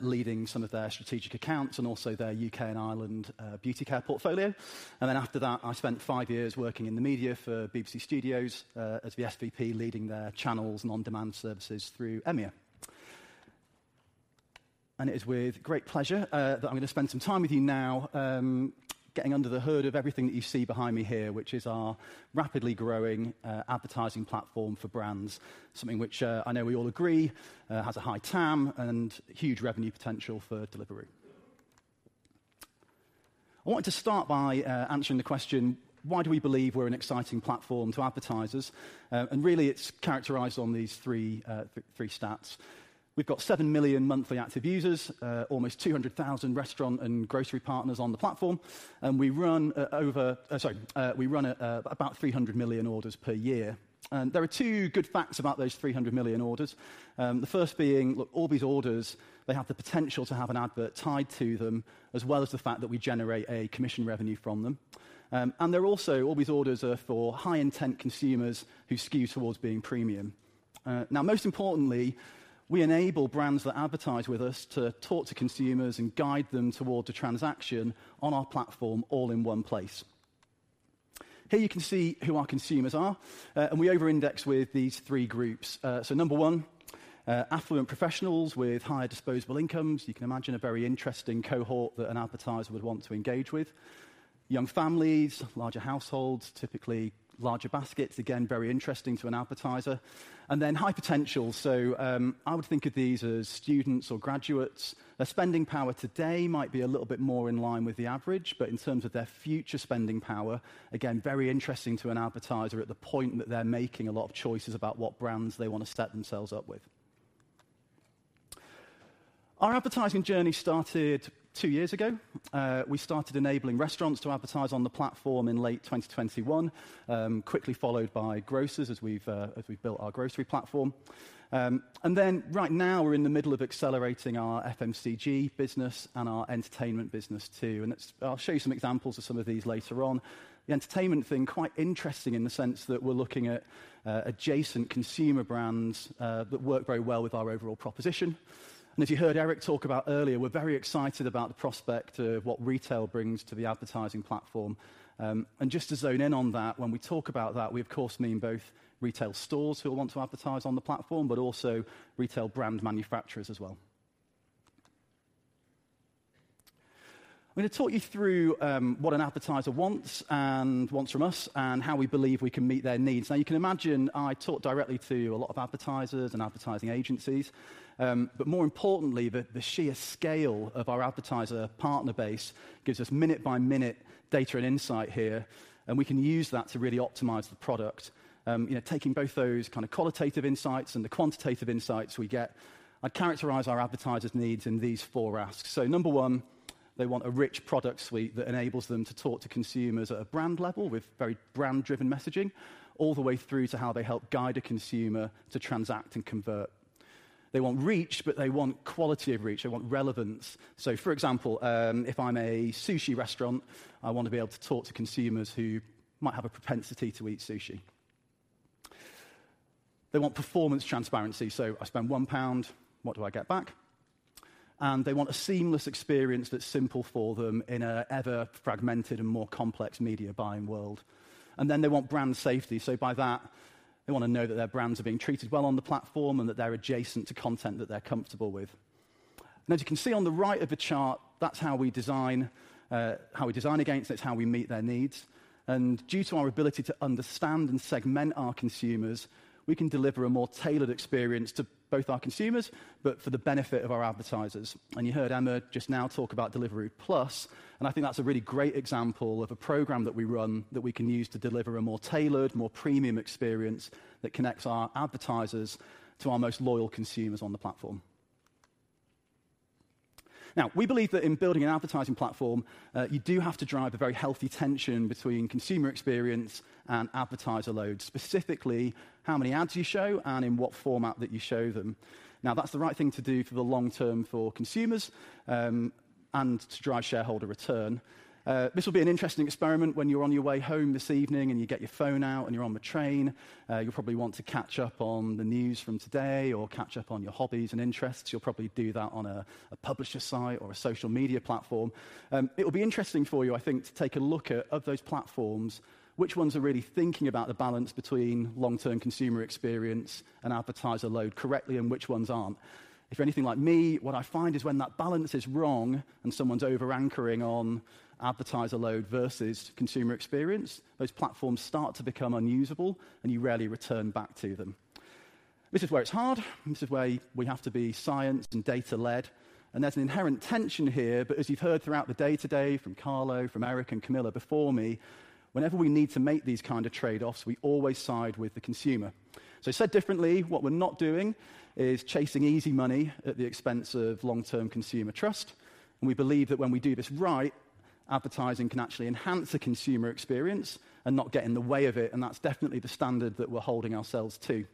S18: leading some of their strategic accounts and also their UK and Ireland beauty care portfolio. And then after that, I spent five years working in the media for BBC Studios, as the SVP, leading their channels and on-demand services through EMEA. And it is with great pleasure that I'm going to spend some time with you now, getting under the hood of everything that you see behind me here, which is our rapidly growing advertising platform for brands, something which I know we all agree has a high TAM and huge revenue potential for Deliveroo. I want to start by answering the question: Why do we believe we're an exciting platform to advertisers? And really, it's characterized on these three stats. We've got 7 million monthly active users, almost 200,000 restaurant and grocery partners on the platform, and we run about 300 million orders per year. And there are two good facts about those 300 million orders. The first being, look, all these orders, they have the potential to have an advert tied to them, as well as the fact that we generate a commission revenue from them. And they're also, all these orders are for high-intent consumers who skew towards being premium. Now, most importantly, we enable brands that advertise with us to talk to consumers and guide them toward a transaction on our platform, all in one place. Here you can see who our consumers are, and we over-index with these three groups. So number one, affluent professionals with higher disposable incomes. You can imagine a very interesting cohort that an advertiser would want to engage with. Young families, larger households, typically larger baskets, again, very interesting to an advertiser. And then high potential, so, I would think of these as students or graduates. Their spending power today might be a little bit more in line with the average, but in terms of their future spending power, again, very interesting to an advertiser at the point that they're making a lot of choices about what brands they want to set themselves up with. Our advertising journey started two years ago. We started enabling restaurants to advertise on the platform in late 2021, quickly followed by grocers, as we've, as we've built our grocery platform. And then right now, we're in the middle of accelerating our FMCG business and our entertainment business, too, and that's. I'll show you some examples of some of these later on. The entertainment thing, quite interesting in the sense that we're looking at, adjacent consumer brands, that work very well with our overall proposition. As you heard Eric talk about earlier, we're very excited about the prospect of what retail brings to the advertising platform. Just to zone in on that, when we talk about that, we of course mean both retail stores who will want to advertise on the platform, but also retail brand manufacturers as well. I'm going to talk you through what an advertiser wants and wants from us and how we believe we can meet their needs. Now, you can imagine, I talk directly to a lot of advertisers and advertising agencies, but more importantly, the sheer scale of our advertiser partner base gives us minute-by-minute data and insight here, and we can use that to really optimize the product. You know, taking both those kind of qualitative insights and the quantitative insights we get, I'd characterize our advertisers' needs in these four asks. So number one, they want a rich product suite that enables them to talk to consumers at a brand level with very brand-driven messaging, all the way through to how they help guide a consumer to transact and convert. They want reach, but they want quality of reach. They want relevance. So, for example, if I'm a sushi restaurant, I want to be able to talk to consumers who might have a propensity to eat sushi. They want performance transparency, so I spend £ 1, what do I get back? And they want a seamless experience that's simple for them in an ever-fragmented and more complex media buying world. And then they want brand safety, so by that, they want to know that their brands are being treated well on the platform and that they're adjacent to content that they're comfortable with. And as you can see on the right of the chart, that's how we design, how we design against it, how we meet their needs. And due to our ability to understand and segment our consumers, we can deliver a more tailored experience to both our consumers, but for the benefit of our advertisers. And you heard Emma just now talk about Deliveroo Plus, and I think that's a really great example of a program that we run that we can use to deliver a more tailored, more premium experience that connects our advertisers to our most loyal consumers on the platform. Now, we believe that in building an advertising platform, you do have to drive a very healthy tension between consumer experience and advertiser load, specifically how many ads you show and in what format that you show them. Now, that's the right thing to do for the long term for consumers, and to drive shareholder return. This will be an interesting experiment when you're on your way home this evening, and you get your phone out, and you're on the train. You'll probably want to catch up on the news from today or catch up on your hobbies and interests. You'll probably do that on a publisher site or a social media platform. It will be interesting for you, I think, to take a look at, of those platforms, which ones are really thinking about the balance between long-term consumer experience and advertiser load correctly and which ones aren't. If you're anything like me, what I find is when that balance is wrong and someone's over-anchoring on advertiser load versus consumer experience, those platforms start to become unusable, and you rarely return back to them. This is where it's hard. This is where we have to be science and data-led, and there's an inherent tension here. But as you've heard throughout the day today from Carlo, from Eric, and Camilla before me, whenever we need to make these kind of trade-offs, we always side with the consumer. So said differently, what we're not doing is chasing easy money at the expense of long-term consumer trust. We believe that when we do this right, advertising can actually enhance the consumer experience and not get in the way of it, and that's definitely the standard that we're holding ourselves to.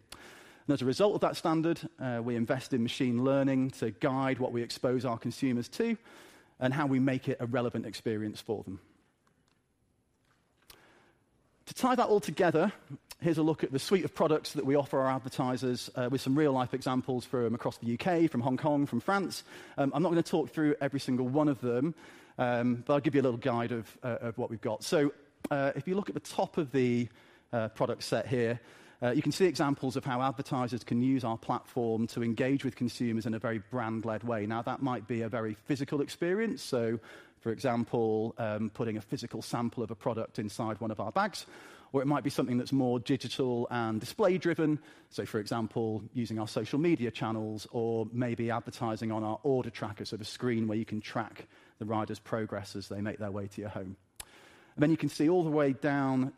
S18: As a result of that standard, we invest in machine learning to guide what we expose our consumers to and how we make it a relevant experience for them. To tie that all together, here's a look at the suite of products that we offer our advertisers, with some real-life examples from across the UK, from Hong Kong, from France. I'm not going to talk through every single one of them, but I'll give you a little guide of what we've got. So, if you look at the top of the product set here, you can see examples of how advertisers can use our platform to engage with consumers in a very brand-led way. Now, that might be a very physical experience. So, for example, putting a physical sample of a product inside one of our bags, or it might be something that's more digital and display driven. So, for example, using our social media channels or maybe advertising on our order tracker, so the screen where you can track the rider's progress as they make their way to your home. Then you can see all the way down,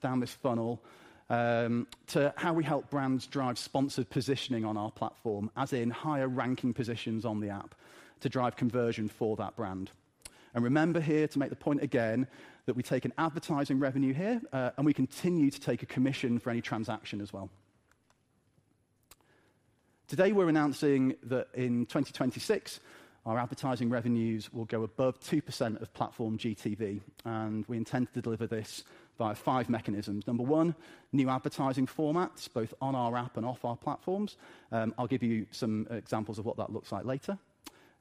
S18: down this funnel, to how we help brands drive sponsored positioning on our platform, as in higher ranking positions on the app to drive conversion for that brand. And remember here, to make the point again, that we take an advertising revenue here, and we continue to take a commission for any transaction as well. Today, we're announcing that in 2026, our advertising revenues will go above 2% of platform GTV, and we intend to deliver this via five mechanisms. Number one, new advertising formats, both on our app and off our platforms. I'll give you some examples of what that looks like later.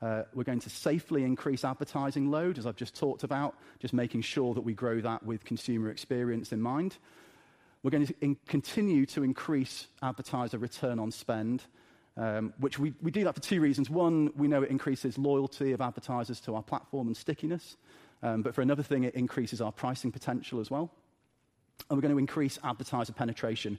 S18: We're going to safely increase advertising load, as I've just talked about, just making sure that we grow that with consumer experience in mind. We're going to continue to increase advertiser return on spend, which we do that for two reasons. One, we know it increases loyalty of advertisers to our platform and stickiness, but for another thing, it increases our pricing potential as well. We're going to increase advertiser penetration,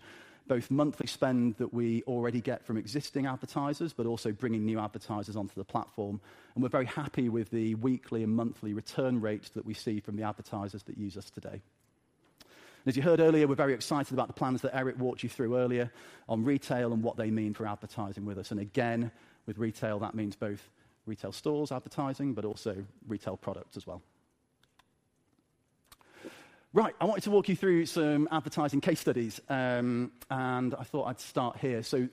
S18: both monthly spend that we already get from existing advertisers, but also bringing new advertisers onto the platform. We're very happy with the weekly and monthly return rates that we see from the advertisers that use us today. As you heard earlier, we're very excited about the plans that Eric walked you through earlier on retail and what they mean for advertising with us. Again, with retail, that means both retail stores advertising, but also retail products as well. Right, I wanted to walk you through some advertising case studies, and I thought I'd start here. So,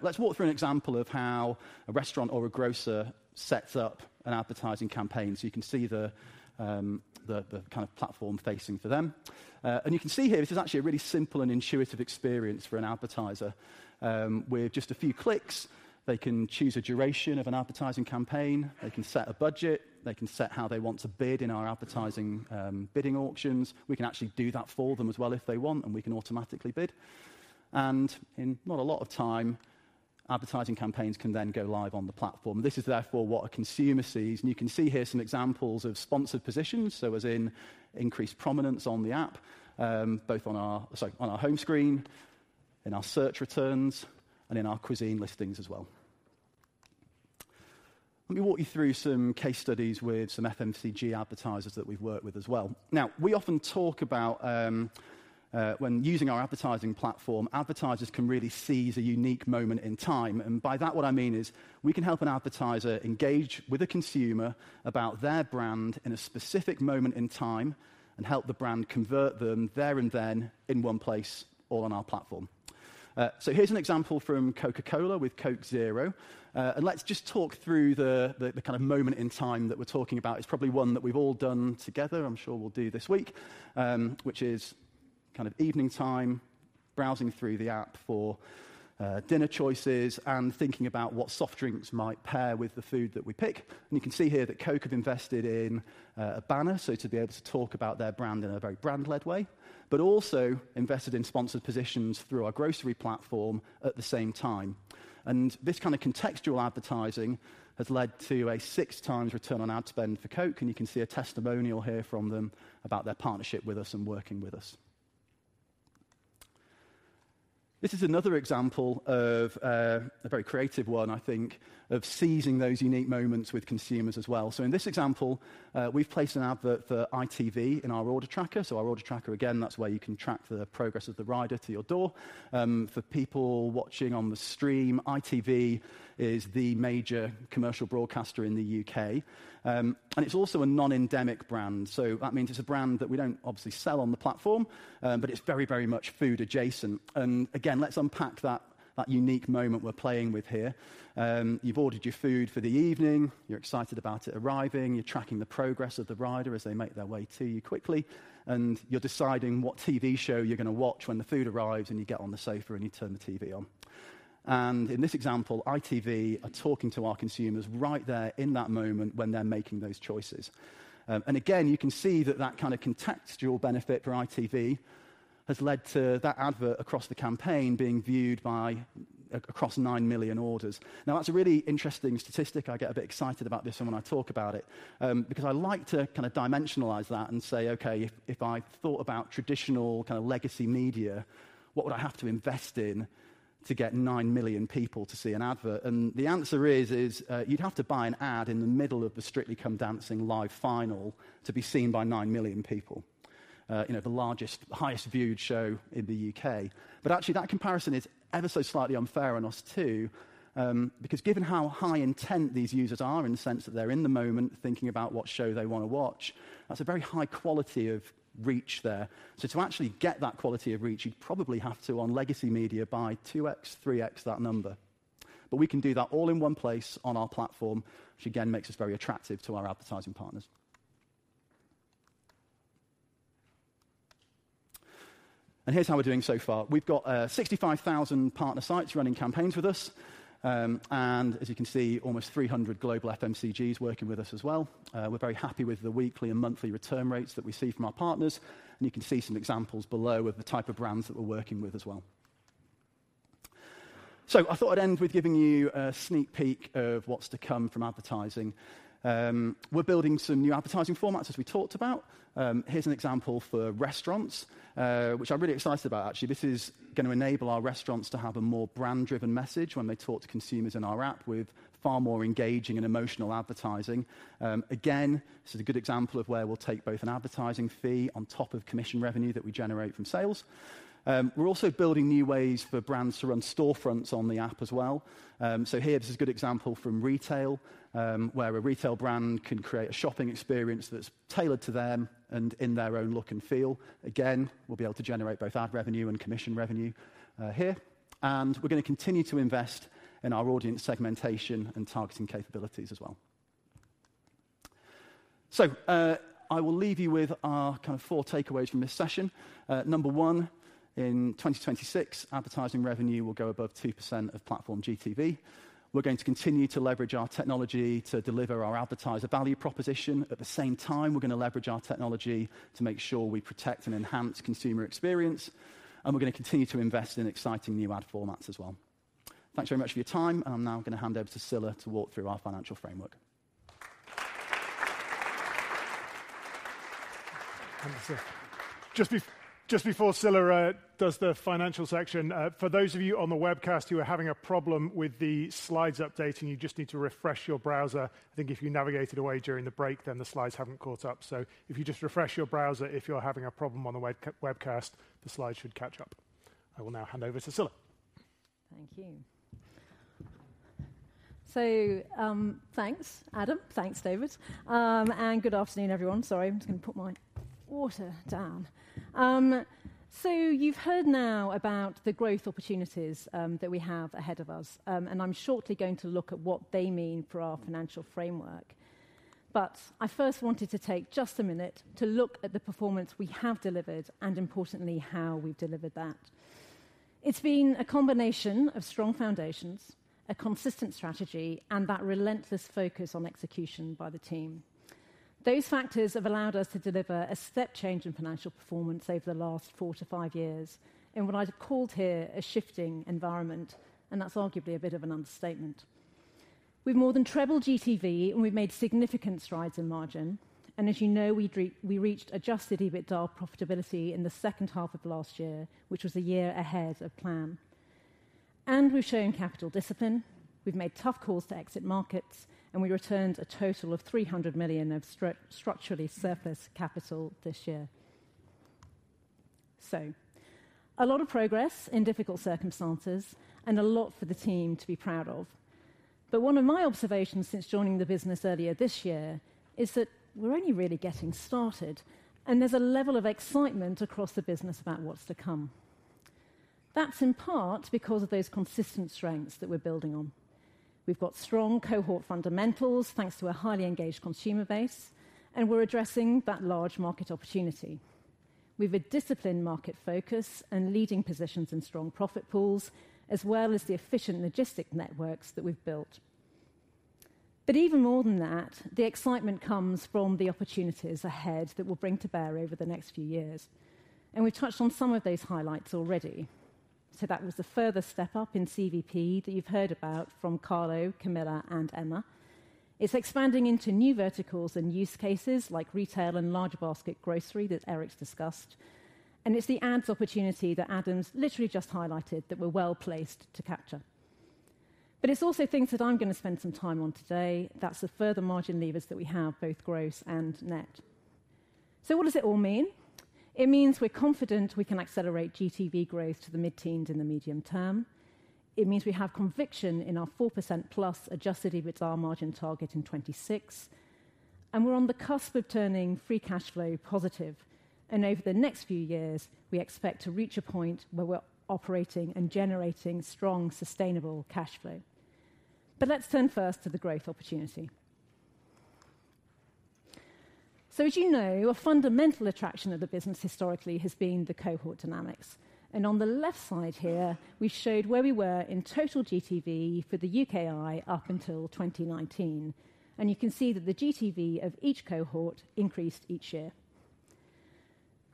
S18: let's walk through an example of how a restaurant or a grocer sets up an advertising campaign, so you can see the kind of platform facing for them. And you can see here, this is actually a really simple and intuitive experience for an advertiser. With just a few clicks, they can choose a duration of an advertising campaign, they can set a budget, they can set how they want to bid in our advertising bidding auctions. We can actually do that for them as well if they want, and we can automatically bid. In not a lot of time, advertising campaigns can then go live on the platform. This is therefore what a consumer sees, and you can see here some examples of sponsored positions. As in increased prominence on the app, both on our home screen, in our search returns, and in our cuisine listings as well. Let me walk you through some case studies with some FMCG advertisers that we've worked with as well. Now, we often talk about when using our advertising platform, advertisers can really seize a unique moment in time. And by that, what I mean is, we can help an advertiser engage with a consumer about their brand in a specific moment in time and help the brand convert them there and then in one place, all on our platform. So here's an example from Coca-Cola with Coke Zero. And let's just talk through the kind of moment in time that we're talking about. It's probably one that we've all done together. I'm sure we'll do this week, which is kind of evening time, browsing through the app for dinner choices and thinking about what soft drinks might pair with the food that we pick. And you can see here that Coke have invested in a banner, so to be able to talk about their brand in a very brand-led way, but also invested in sponsored positions through our grocery platform at the same time. And this kind of contextual advertising has led to a six times return on ad spend for Coke, and you can see a testimonial here from them about their partnership with us and working with us. This is another example of a very creative one, I think, of seizing those unique moments with consumers as well. So in this example, we've placed an advert for ITV in our order tracker. So our order tracker, again, that's where you can track the progress of the rider to your door. For people watching on the stream, ITV is the major commercial broadcaster in the U.K. It's also a non-endemic brand. So that means it's a brand that we don't obviously sell on the platform, but it's very, very much food adjacent. And again, let's unpack that unique moment we're playing with here. You've ordered your food for the evening, you're excited about it arriving, you're tracking the progress of the rider as they make their way to you quickly, and you're deciding what TV show you're gonna watch when the food arrives, and you get on the sofa, and you turn the TV on. And in this example, ITV are talking to our consumers right there in that moment when they're making those choices. And again, you can see that kind of contextual benefit for ITV has led to that advert across the campaign being viewed by across 9 million orders. Now, that's a really interesting statistic. I get a bit excited about this when I talk about it, because I like to kind of dimensionalize that and say, "Okay, if I thought about traditional kind of legacy media, what would I have to invest in to get 9 million people to see an ad?" The answer is, you'd have to buy an ad in the middle of the Strictly Come Dancing Live final to be seen by 9 million people. You know, the largest, highest viewed show in the UK. But actually, that comparison is ever so slightly unfair on us, too. Because given how high intent these users are in the sense that they're in the moment, thinking about what show they want to watch, that's a very high quality of reach there. So to actually get that quality of reach, you'd probably have to, on legacy media, buy 2x, 3x that number. But we can do that all in one place on our platform, which again, makes us very attractive to our advertising partners. And here's how we're doing so far: we've got 65,000 partner sites running campaigns with us. And as you can see, almost 300 global FMCGs working with us as well. We're very happy with the weekly and monthly return rates that we see from our partners, and you can see some examples below of the type of brands that we're working with as well. So I thought I'd end with giving you a sneak peek of what's to come from advertising. We're building some new advertising formats, as we talked about. Here's an example for restaurants, which I'm really excited about, actually. This is going to enable our restaurants to have a more brand-driven message when they talk to consumers in our app with far more engaging and emotional advertising. Again, this is a good example of where we'll take both an advertising fee on top of commission revenue that we generate from sales. We're also building new ways for brands to run storefronts on the app as well. So here, this is a good example from retail, where a retail brand can create a shopping experience that's tailored to them and in their own look and feel. Again, we'll be able to generate both ad revenue and commission revenue, here. And we're going to continue to invest in our audience segmentation and targeting capabilities as well. So, I will leave you with our kind of four takeaways from this session. Number one, in 2026, advertising revenue will go above 2% of platform GTV. We're going to continue to leverage our technology to deliver our advertiser value proposition. At the same time, we're going to leverage our technology to make sure we protect and enhance consumer experience, and we're going to continue to invest in exciting new ad formats as well. Thanks very much for your time, and I'm now going to hand over to Scilla to walk through our financial framework.
S1: Just before Scilla does the financial section, for those of you on the webcast who are having a problem with the slides updating, you just need to refresh your browser. I think if you navigated away during the break, then the slides haven't caught up. So if you just refresh your browser, if you're having a problem on the webcast, the slides should catch up. I will now hand over to Scilla.
S10: Thank you. So, thanks, Adam. Thanks, David, and good afternoon, everyone. Sorry, I'm just going to put my water down. So you've heard now about the growth opportunities that we have ahead of us, and I'm shortly going to look at what they mean for our financial framework. But I first wanted to take just a minute to look at the performance we have delivered and importantly, how we've delivered that. It's been a combination of strong foundations, a consistent strategy, and that relentless focus on execution by the team. Those factors have allowed us to deliver a step change in financial performance over the last four to five years, in what I'd have called here a shifting environment, and that's arguably a bit of an understatement. We've more than trebled GTV, and we've made significant strides in margin. And as you know, we reached adjusted EBITDA profitability in the second half of last year, which was a year ahead of plan. And we've shown capital discipline. We've made tough calls to exit markets, and we returned a total of £ 300 million of structurally surplus capital this year. So a lot of progress in difficult circumstances and a lot for the team to be proud of. But one of my observations since joining the business earlier this year is that we're only really getting started, and there's a level of excitement across the business about what's to come. That's in part because of those consistent strengths that we're building on. We've got strong cohort fundamentals, thanks to a highly engaged consumer base, and we're addressing that large market opportunity. We've a disciplined market focus and leading positions in strong profit pools, as well as the efficient logistics networks that we've built. But even more than that, the excitement comes from the opportunities ahead that we'll bring to bear over the next few years, and we've touched on some of those highlights already. So that was the further step up in CVP that you've heard about from Carlo, Camilla, and Emma. It's expanding into new verticals and use cases like retail and larger basket grocery that Eric's discussed. And it's the ads opportunity that Adam's literally just highlighted that we're well-placed to capture. But it's also things that I'm going to spend some time on today. That's the further margin levers that we have, both gross and net. So what does it all mean? It means we're confident we can accelerate GTV growth to the mid-teens in the medium term. It means we have conviction in our 4%+ adjusted EBITDA margin target in 2026, and we're on the cusp of turning free cash flow positive. Over the next few years, we expect to reach a point where we're operating and generating strong, sustainable cash flow. But let's turn first to the growth opportunity. So as you know, a fundamental attraction of the business historically has been the cohort dynamics, and on the left side here, we showed where we were in total GTV for the UKI up until 2019. And you can see that the GTV of each cohort increased each year.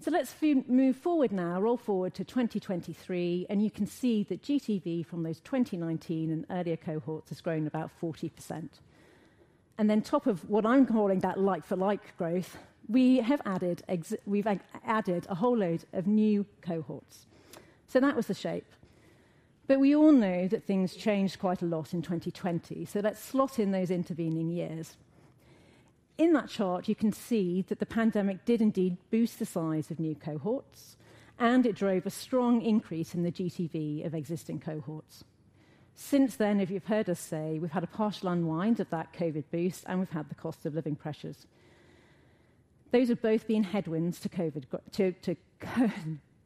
S10: So let's move forward now, roll forward to 2023, and you can see that GTV from those 2019 and earlier cohorts has grown about 40%. And then on top of what I'm calling that like-for-like growth, we have added—we've added a whole load of new cohorts. So that was the shape. But we all know that things changed quite a lot in 2020, so let's slot in those intervening years. In that chart, you can see that the pandemic did indeed boost the size of new cohorts, and it drove a strong increase in the GTV of existing cohorts. Since then, if you've heard us say, we've had a partial unwind of that COVID boost, and we've had the cost of living pressures. Those have both been headwinds to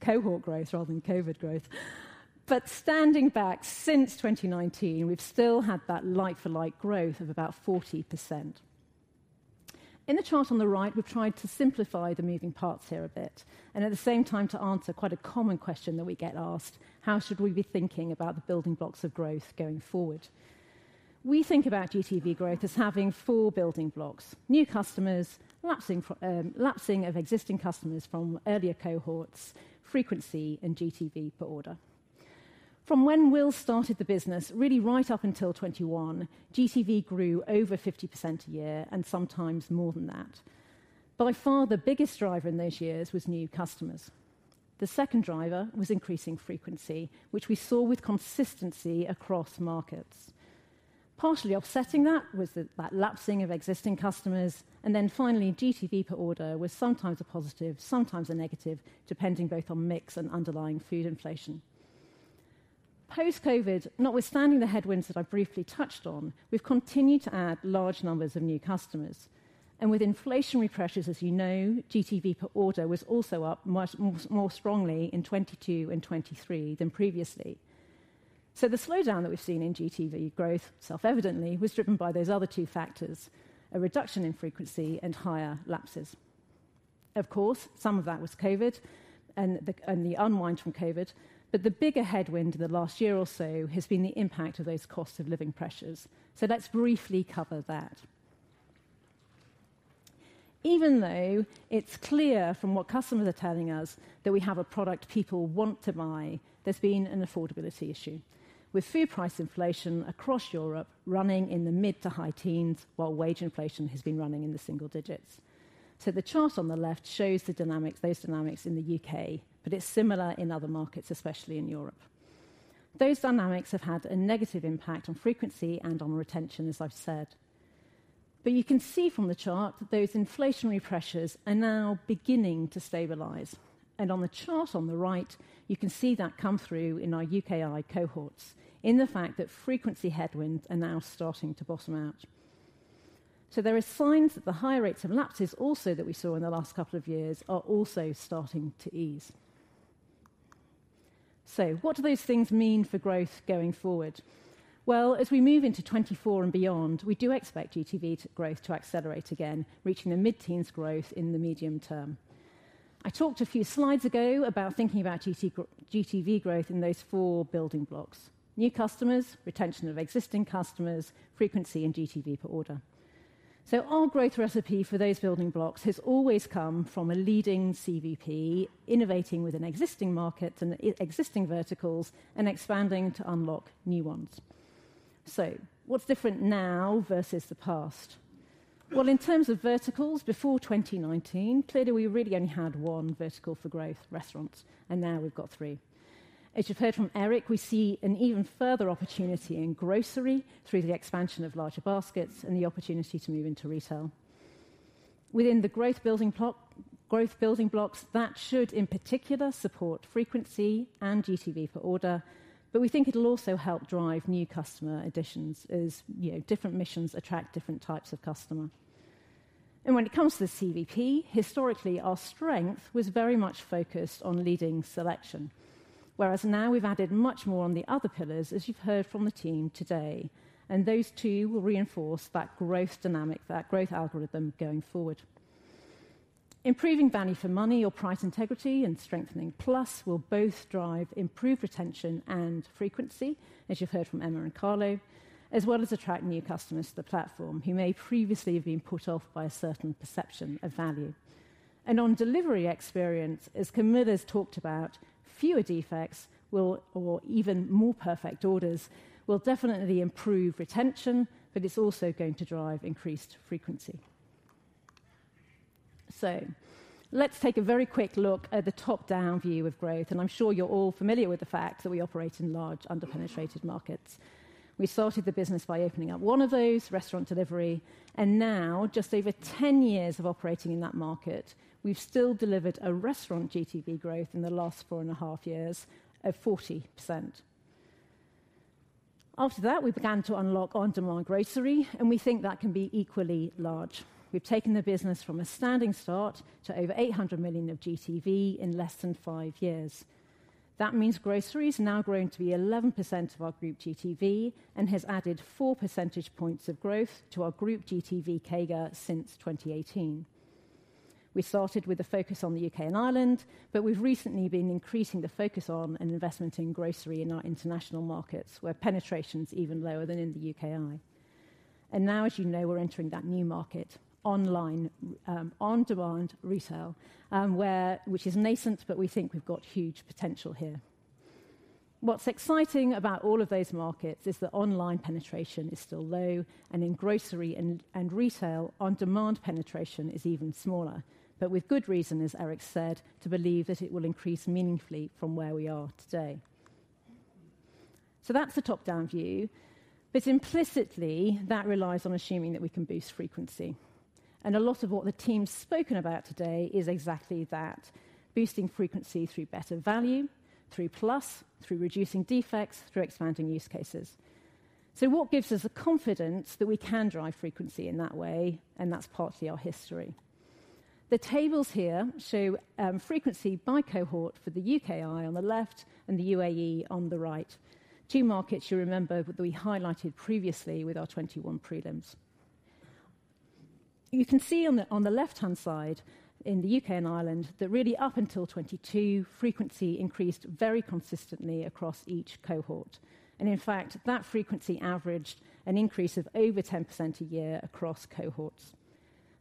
S10: cohort growth rather than COVID growth. But standing back since 2019, we've still had that like-for-like growth of about 40%. In the chart on the right, we've tried to simplify the moving parts here a bit, and at the same time, to answer quite a common question that we get asked: How should we be thinking about the building blocks of growth going forward? We think about GTV growth as having four building blocks: new customers, lapsing of existing customers from earlier cohorts, frequency, and GTV per order. From when Will started the business, really right up until 2021, GTV grew over 50% a year, and sometimes more than that. By far, the biggest driver in those years was new customers. The second driver was increasing frequency, which we saw with consistency across markets. Partially offsetting that was the lapsing of existing customers, and then finally, GTV per order was sometimes a positive, sometimes a negative, depending both on mix and underlying food inflation. Post-COVID, notwithstanding the headwinds that I've briefly touched on, we've continued to add large numbers of new customers, and with inflationary pressures, as you know, GTV per order was also up much, much more strongly in 2022 and 2023 than previously. So the slowdown that we've seen in GTV growth, self-evidently, was driven by those other two factors, a reduction in frequency and higher lapses. Of course, some of that was COVID and the unwind from COVID, but the bigger headwind in the last year or so has been the impact of those cost of living pressures. So let's briefly cover that. Even though it's clear from what customers are telling us that we have a product people want to buy, there's been an affordability issue, with food price inflation across Europe running in the mid- to high-teens%, while wage inflation has been running in the single digits%. So the chart on the left shows the dynamics, those dynamics in the UK, but it's similar in other markets, especially in Europe. Those dynamics have had a negative impact on frequency and on retention, as I've said. But you can see from the chart that those inflationary pressures are now beginning to stabilize, and on the chart on the right, you can see that come through in our UKI cohorts in the fact that frequency headwinds are now starting to bottom out. So there are signs that the higher rates of lapses also that we saw in the last couple of years are also starting to ease. So what do those things mean for growth going forward? Well, as we move into 2024 and beyond, we do expect GTV growth to accelerate again, reaching the mid-teens growth in the medium term. I talked a few slides ago about thinking about GTV, GTV growth in those four building blocks: new customers, retention of existing customers, frequency, and GTV per order. So our growth recipe for those building blocks has always come from a leading CVP, innovating within existing markets and existing verticals, and expanding to unlock new ones. So what's different now versus the past? Well, in terms of verticals, before 2019, clearly, we really only had one vertical for growth, restaurants, and now we've got three. As you've heard from Eric, we see an even further opportunity in grocery through the expansion of larger baskets and the opportunity to move into retail. Within the growth building block, growth building blocks, that should, in particular, support frequency and GTV per order, but we think it'll also help drive new customer additions, as, you know, different missions attract different types of customer. And when it comes to the CVP, historically, our strength was very much focused on leading selection, whereas now we've added much more on the other pillars, as you've heard from the team today, and those two will reinforce that growth dynamic, that growth algorithm going forward. Improving value for money or price integrity and strengthening Plus will both drive improved retention and frequency, as you've heard from Emma and Carlo, as well as attract new customers to the platform who may previously have been put off by a certain perception of value. On delivery experience, as Camilla's talked about, fewer defects will... or even more perfect orders, will definitely improve retention, but it's also going to drive increased frequency. Let's take a very quick look at the top-down view of growth, and I'm sure you're all familiar with the fact that we operate in large, underpenetrated markets. We started the business by opening up one of those, restaurant delivery, and now, just over 10 years of operating in that market, we've still delivered a restaurant GTV growth in the last 4.5 years of 40%. After that, we began to unlock on-demand grocery, and we think that can be equally large. We've taken the business from a standing start to over 800 million of GTV in less than five years. That means grocery is now growing to be 11% of our group GTV and has added four percentage points of growth to our group GTV CAGR since 2018. We started with a focus on the UK and Ireland, but we've recently been increasing the focus on and investment in grocery in our international markets, where penetration is even lower than in the UKI. And now, as you know, we're entering that new market, online, on-demand retail, and where, which is nascent, but we think we've got huge potential here. What's exciting about all of those markets is that online penetration is still low, and in grocery and, and retail, on-demand penetration is even smaller, but with good reason, as Eric said, to believe that it will increase meaningfully from where we are today. So that's the top-down view, but implicitly, that relies on assuming that we can boost frequency. And a lot of what the team's spoken about today is exactly that, boosting frequency through better value, through Plus, through reducing defects, through expanding use cases. So what gives us the confidence that we can drive frequency in that way? And that's partly our history. The tables here show frequency by cohort for the UKI on the left and the UAE on the right. Two markets you remember that we highlighted previously with our 2021 prelims.... You can see on the, on the left-hand side in the UK and Ireland, that really up until 2022, frequency increased very consistently across each cohort. And in fact, that frequency averaged an increase of over 10% a year across cohorts.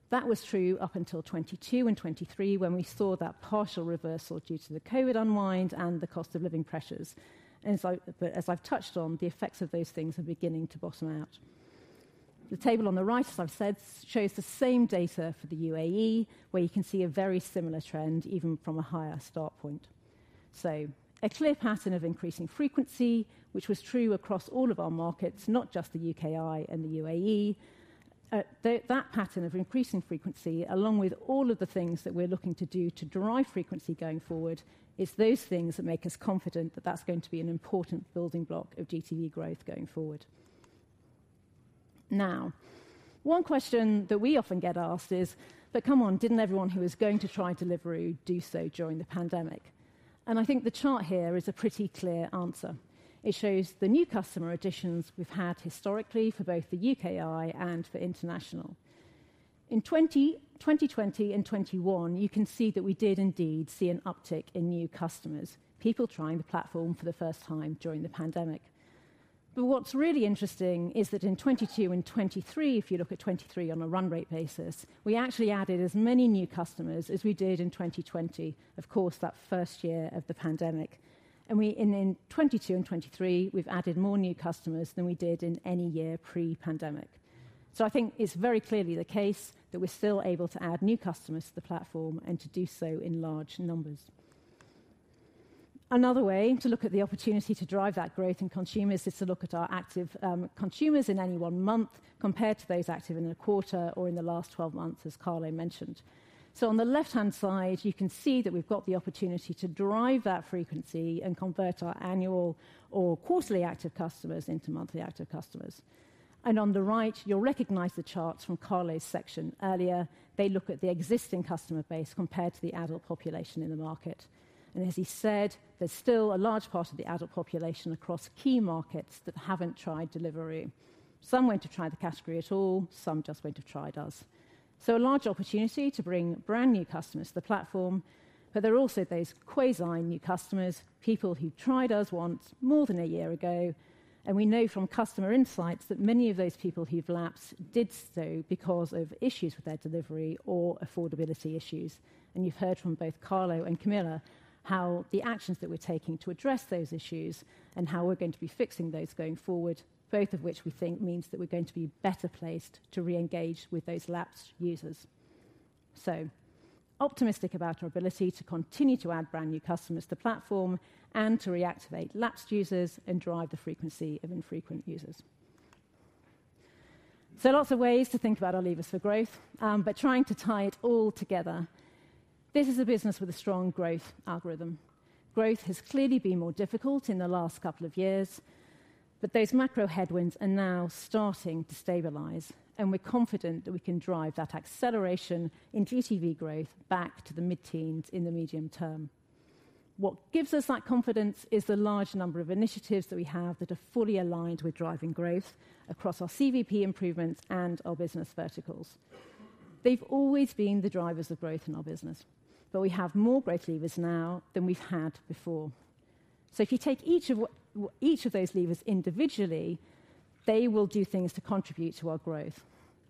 S10: That was true up until 2022 and 2023, when we saw that partial reversal due to the COVID unwind and the cost of living pressures. And so, but as I've touched on, the effects of those things are beginning to bottom out. The table on the right, as I've said, shows the same data for the UAE, where you can see a very similar trend, even from a higher start point. So a clear pattern of increasing frequency, which was true across all of our markets, not just the UKI and the UAE. Though, that pattern of increasing frequency, along with all of the things that we're looking to do to drive frequency going forward, it's those things that make us confident that that's going to be an important building block of GTV growth going forward. Now, one question that we often get asked is: but come on, didn't everyone who was going to try Deliveroo do so during the pandemic? And I think the chart here is a pretty clear answer. It shows the new customer additions we've had historically for both the UKI and for international. In 2020 and 2021, you can see that we did indeed see an uptick in new customers, people trying the platform for the first time during the pandemic. But what's really interesting is that in 2022 and 2023, if you look at 2023 on a run rate basis, we actually added as many new customers as we did in 2020, of course, that first year of the pandemic. And we in 2022 and 2023, we've added more new customers than we did in any year pre-pandemic. So I think it's very clearly the case that we're still able to add new customers to the platform and to do so in large numbers. Another way to look at the opportunity to drive that growth in consumers is to look at our active consumers in any one month compared to those active in a quarter or in the last twelve months, as Carlo mentioned. So on the left-hand side, you can see that we've got the opportunity to drive that frequency and convert our annual or quarterly active customers into monthly active customers. On the right, you'll recognize the charts from Carlo's section earlier. They look at the existing customer base compared to the adult population in the market. As he said, there's still a large part of the adult population across key markets that haven't tried Deliveroo. Some haven't tried the category at all, some just haven't tried us. So a large opportunity to bring brand new customers to the platform, but there are also those quasi-new customers, people who tried us once more than a year ago, and we know from customer insights that many of those people who've lapsed did so because of issues with their delivery or affordability issues. You've heard from both Carlo and Camilla how the actions that we're taking to address those issues and how we're going to be fixing those going forward, both of which we think means that we're going to be better placed to re-engage with those lapsed users. So optimistic about our ability to continue to add brand new customers to the platform and to reactivate lapsed users and drive the frequency of infrequent users. So lots of ways to think about our levers for growth, but trying to tie it all together. This is a business with a strong growth algorithm. Growth has clearly been more difficult in the last couple of years, but those macro headwinds are now starting to stabilize, and we're confident that we can drive that acceleration in GTV growth back to the mid-teens in the medium term. What gives us that confidence is the large number of initiatives that we have that are fully aligned with driving growth across our CVP improvements and our business verticals. They've always been the drivers of growth in our business, but we have more growth levers now than we've had before. So if you take each of those levers individually, they will do things to contribute to our growth.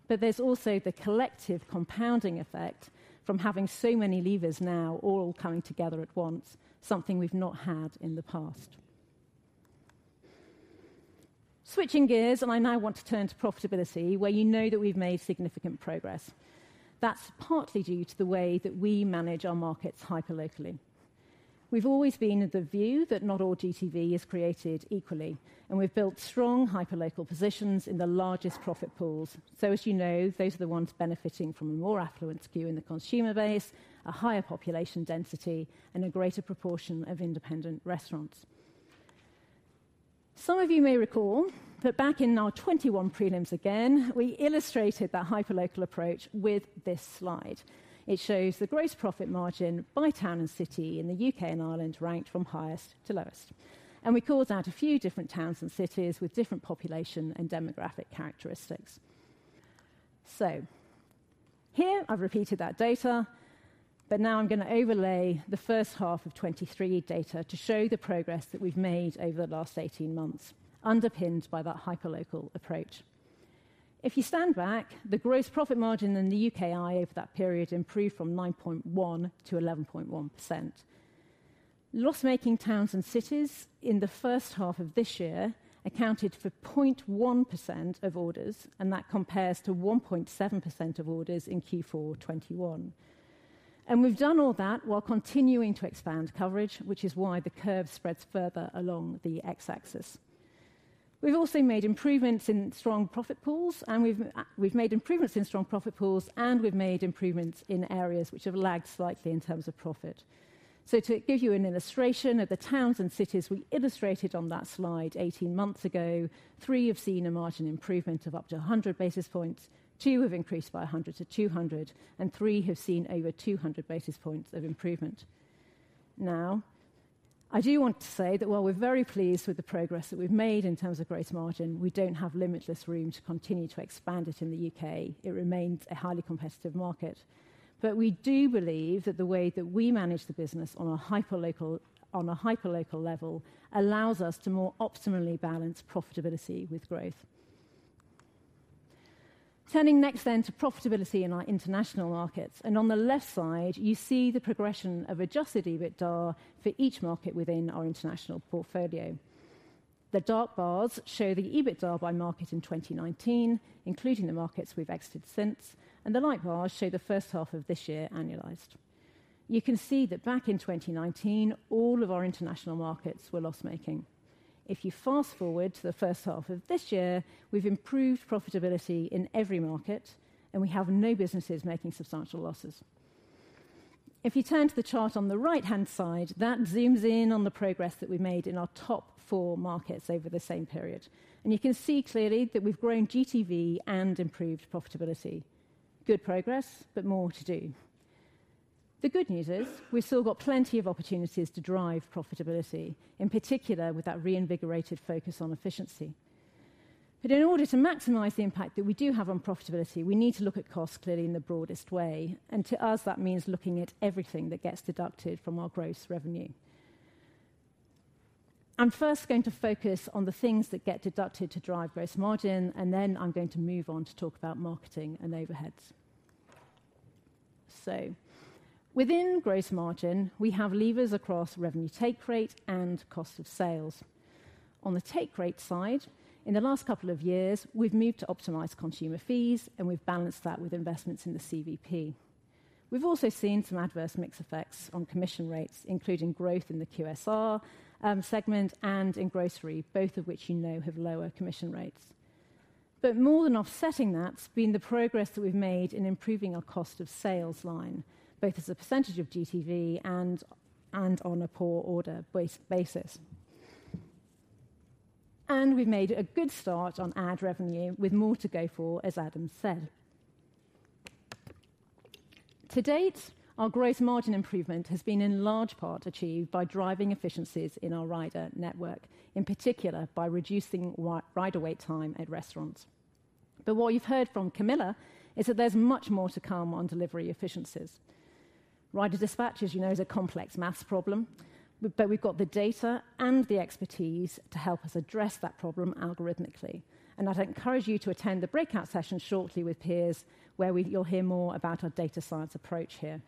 S10: But there's also the collective compounding effect from having so many levers now all coming together at once, something we've not had in the past. Switching gears, I now want to turn to profitability, where you know that we've made significant progress. That's partly due to the way that we manage our markets hyperlocally. We've always been of the view that not all GTV is created equally, and we've built strong hyperlocal positions in the largest profit pools. So as you know, those are the ones benefiting from a more affluent skew in the consumer base, a higher population density, and a greater proportion of independent restaurants. Some of you may recall that back in our 2021 prelims again, we illustrated that hyperlocal approach with this slide. It shows the gross profit margin by town and city in the UK and Ireland, ranked from highest to lowest. And we called out a few different towns and cities with different population and demographic characteristics. So here I've repeated that data, but now I'm going to overlay the first half of 2023 data to show the progress that we've made over the last 18 months, underpinned by that hyperlocal approach. If you stand back, the gross profit margin in the UKI over that period improved from 9.1%-11.1%. Loss-making towns and cities in the first half of this year accounted for 0.1% of orders, and that compares to 1.7% of orders in Q4 2021. We've done all that while continuing to expand coverage, which is why the curve spreads further along the x-axis. We've also made improvements in strong profit pools, and we've, we've made improvements in strong profit pools, and we've made improvements in areas which have lagged slightly in terms of profit. So to give you an illustration, of the towns and cities we illustrated on that slide 18 months ago, 3 have seen a margin improvement of up to 100 basis points, 2 have increased by 100-200, and 3 have seen over 200 basis points of improvement. Now, I do want to say that while we're very pleased with the progress that we've made in terms of gross margin, we don't have limitless room to continue to expand it in the UK. It remains a highly competitive market. But we do believe that the way that we manage the business on a hyperlocal, on a hyperlocal level, allows us to more optimally balance profitability with growth. Turning next then to profitability in our international markets, and on the left side, you see the progression of adjusted EBITDA for each market within our international portfolio. The dark bars show the EBITDA by market in 2019, including the markets we've exited since, and the light bars show the first half of this year annualized. You can see that back in 2019, all of our international markets were loss-making. If you fast-forward to the first half of this year, we've improved profitability in every market, and we have no businesses making substantial losses. If you turn to the chart on the right-hand side, that zooms in on the progress that we've made in our top four markets over the same period, and you can see clearly that we've grown GTV and improved profitability. Good progress, but more to do. The good news is, we've still got plenty of opportunities to drive profitability, in particular with that reinvigorated focus on efficiency. But in order to maximize the impact that we do have on profitability, we need to look at costs clearly in the broadest way, and to us, that means looking at everything that gets deducted from our gross revenue. I'm first going to focus on the things that get deducted to drive gross margin, and then I'm going to move on to talk about marketing and overheads. So within gross margin, we have levers across revenue take rate and cost of sales. On the take rate side, in the last couple of years, we've moved to optimize consumer fees, and we've balanced that with investments in the CVP. We've also seen some adverse mix effects on commission rates, including growth in the QSR segment and in grocery, both of which you know have lower commission rates. But more than offsetting that's been the progress that we've made in improving our cost of sales line, both as a percentage of GTV and on a per order basis. And we've made a good start on ad revenue, with more to go for, as Adam said. To date, our gross margin improvement has been in large part achieved by driving efficiencies in our rider network, in particular by reducing rider wait time at restaurants. But what you've heard from Camilla is that there's much more to come on delivery efficiencies. Rider dispatch, as you know, is a complex math problem, but we've got the data and the expertise to help us address that problem algorithmically. And I'd encourage you to attend the breakout session shortly with Piers, where you'll hear more about our data science approach here.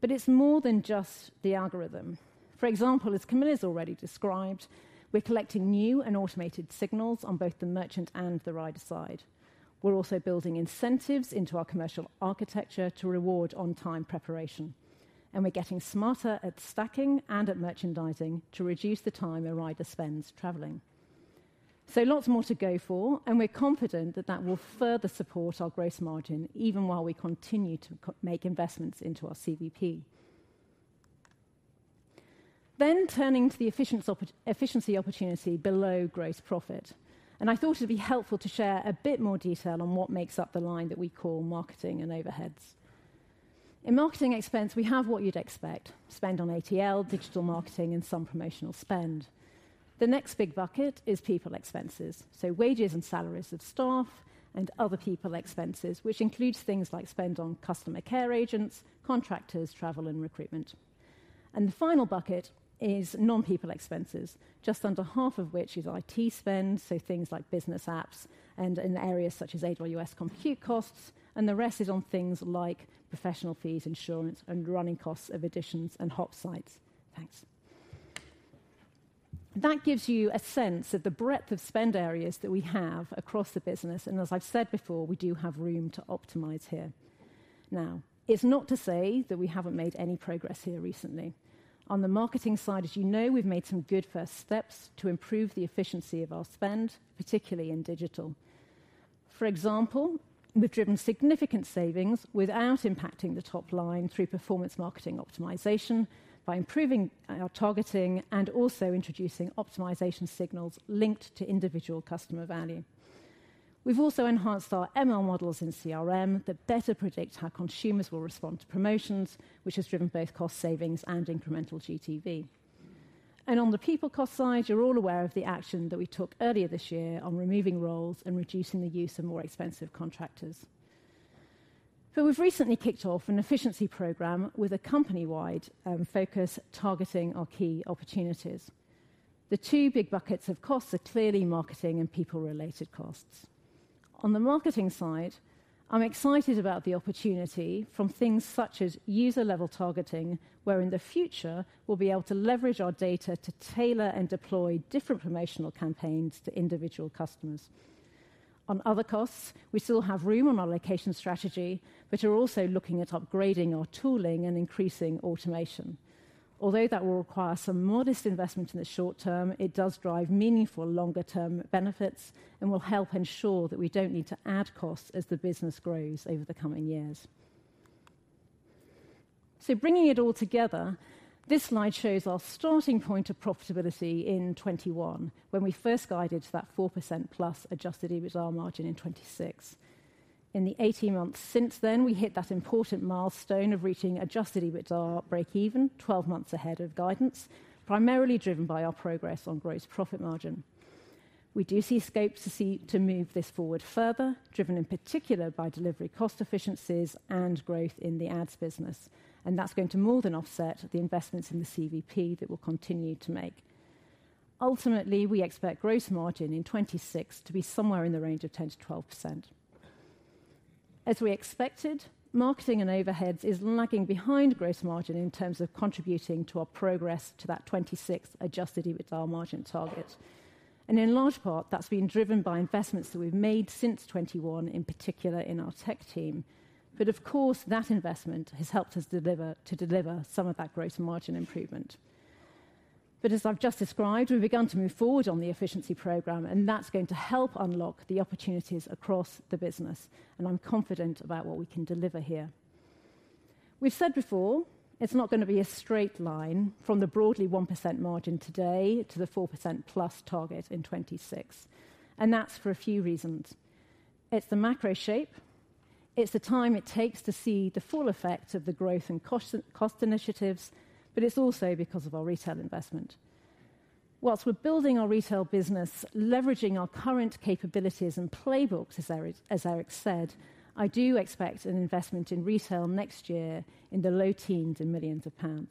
S10: But it's more than just the algorithm. For example, as Camilla's already described, we're collecting new and automated signals on both the merchant and the rider side. We're also building incentives into our commercial architecture to reward On-Time preparation, and we're getting smarter at stacking and at merchandising to reduce the time a rider spends traveling. So lots more to go for, and we're confident that that will further support our gross margin, even while we continue to make investments into our CVP. Then turning to the efficiency opportunity below gross profit, and I thought it'd be helpful to share a bit more detail on what makes up the line that we call marketing and overheads. In marketing expense, we have what you'd expect: spend on ATL, digital marketing, and some promotional spend. The next big bucket is people expenses, so wages and salaries of staff and other people expenses, which includes things like spend on customer care agents, contractors, travel, and recruitment. The final bucket is non-people expenses, just under half of which is IT spend, so things like business apps and in areas such as AWS compute costs, and the rest is on things like professional fees, insurance, and running costs of Editions and hub sites. Thanks. That gives you a sense of the breadth of spend areas that we have across the business, and as I've said before, we do have room to optimize here. Now, it's not to say that we haven't made any progress here recently. On the marketing side, as you know, we've made some good first steps to improve the efficiency of our spend, particularly in digital. For example, we've driven significant savings without impacting the top line through performance marketing optimization, by improving targeting and also introducing optimization signals linked to individual customer value. We've also enhanced our ML models in CRM that better predict how consumers will respond to promotions, which has driven both cost savings and incremental GTV. On the people cost side, you're all aware of the action that we took earlier this year on removing roles and reducing the use of more expensive contractors. We've recently kicked off an efficiency program with a company-wide focus targeting our key opportunities. The two big buckets of costs are clearly marketing and people-related costs. On the marketing side, I'm excited about the opportunity from things such as user-level targeting, where in the future, we'll be able to leverage our data to tailor and deploy different promotional campaigns to individual customers. On other costs, we still have room on our location strategy, but we're also looking at upgrading our tooling and increasing automation. Although that will require some modest investment in the short term, it does drive meaningful longer-term benefits and will help ensure that we don't need to add costs as the business grows over the coming years. So bringing it all together, this slide shows our starting point of profitability in 2021, when we first guided to that 4%+ adjusted EBITDA margin in 2026. In the 18 months since then, we hit that important milestone of reaching adjusted EBITDA breakeven 12 months ahead of guidance, primarily driven by our progress on gross profit margin. We do see scope to move this forward further, driven in particular by delivery cost efficiencies and growth in the ads business, and that's going to more than offset the investments in the CVP that we'll continue to make. Ultimately, we expect gross margin in 2026 to be somewhere in the range of 10%-12%. As we expected, marketing and overheads is lagging behind gross margin in terms of contributing to our progress to that 2026 Adjusted EBITDA margin target. In large part, that's been driven by investments that we've made since 2021, in particular in our tech team. Of course, that investment has helped us deliver, to deliver some of that gross margin improvement. As I've just described, we've begun to move forward on the efficiency program, and that's going to help unlock the opportunities across the business, and I'm confident about what we can deliver here. We've said before, it's not going to be a straight line from the broadly 1% margin today to the 4%+ target in 2026, and that's for a few reasons. It's the macro shape, it's the time it takes to see the full effect of the growth and cost initiatives, but it's also because of our retail investment. While we're building our retail business, leveraging our current capabilities and playbooks, as Eric said, I do expect an investment in retail next year in the low teens in millions of £.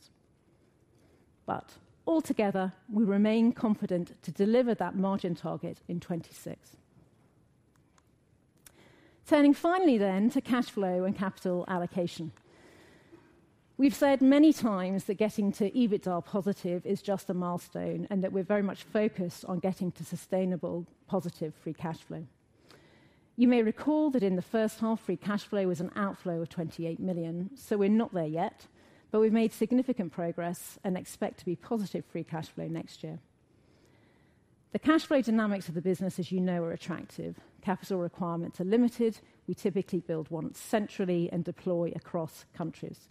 S10: But altogether, we remain confident to deliver that margin target in 2026. Turning finally then to cash flow and capital allocation. We've said many times that getting to EBITDA positive is just a milestone, and that we're very much focused on getting to sustainable positive free cash flow. You may recall that in the first half, free cash flow was an outflow of £ 28 million, so we're not there yet, but we've made significant progress and expect to be positive free cash flow next year. The cash flow dynamics of the business, as you know, are attractive. Capital requirements are limited. We typically build once centrally and deploy across countries.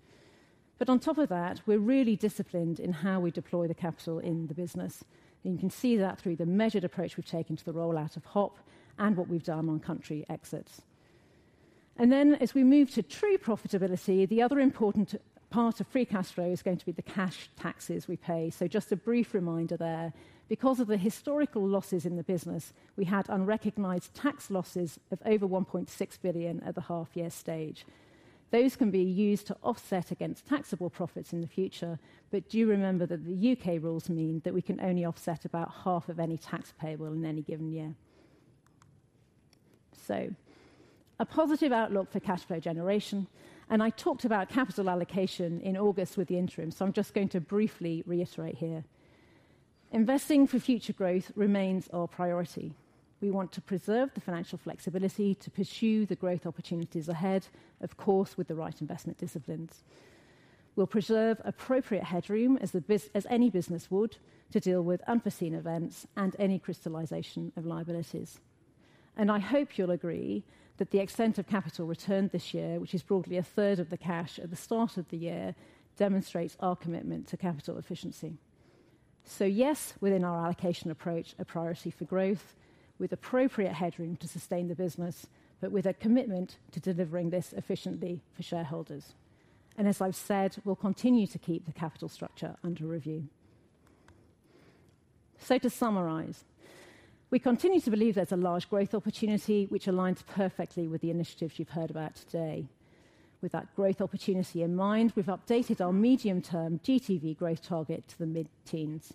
S10: But on top of that, we're really disciplined in how we deploy the capital in the business, and you can see that through the measured approach we've taken to the rollout of HOP and what we've done on country exits. And then as we move to true profitability, the other important part of free cash flow is going to be the cash taxes we pay. So just a brief reminder there. Because of the historical losses in the business, we had unrecognized tax losses of over £ 1.6 billion at the half year stage. Those can be used to offset against taxable profits in the future, but do remember that the UK rules mean that we can only offset about half of any tax payable in any given year. So a positive outlook for cash flow generation, and I talked about capital allocation in August with the interim, so I'm just going to briefly reiterate here. Investing for future growth remains our priority. We want to preserve the financial flexibility to pursue the growth opportunities ahead, of course, with the right investment disciplines. We'll preserve appropriate headroom as any business would, to deal with unforeseen events and any crystallization of liabilities. And I hope you'll agree that the extent of capital returned this year, which is broadly a third of the cash at the start of the year, demonstrates our commitment to capital efficiency. So yes, within our allocation approach, a priority for growth with appropriate headroom to sustain the business, but with a commitment to delivering this efficiently for shareholders. As I've said, we'll continue to keep the capital structure under review. To summarize, we continue to believe there's a large growth opportunity, which aligns perfectly with the initiatives you've heard about today. With that growth opportunity in mind, we've updated our medium-term GTV growth target to the mid-teens.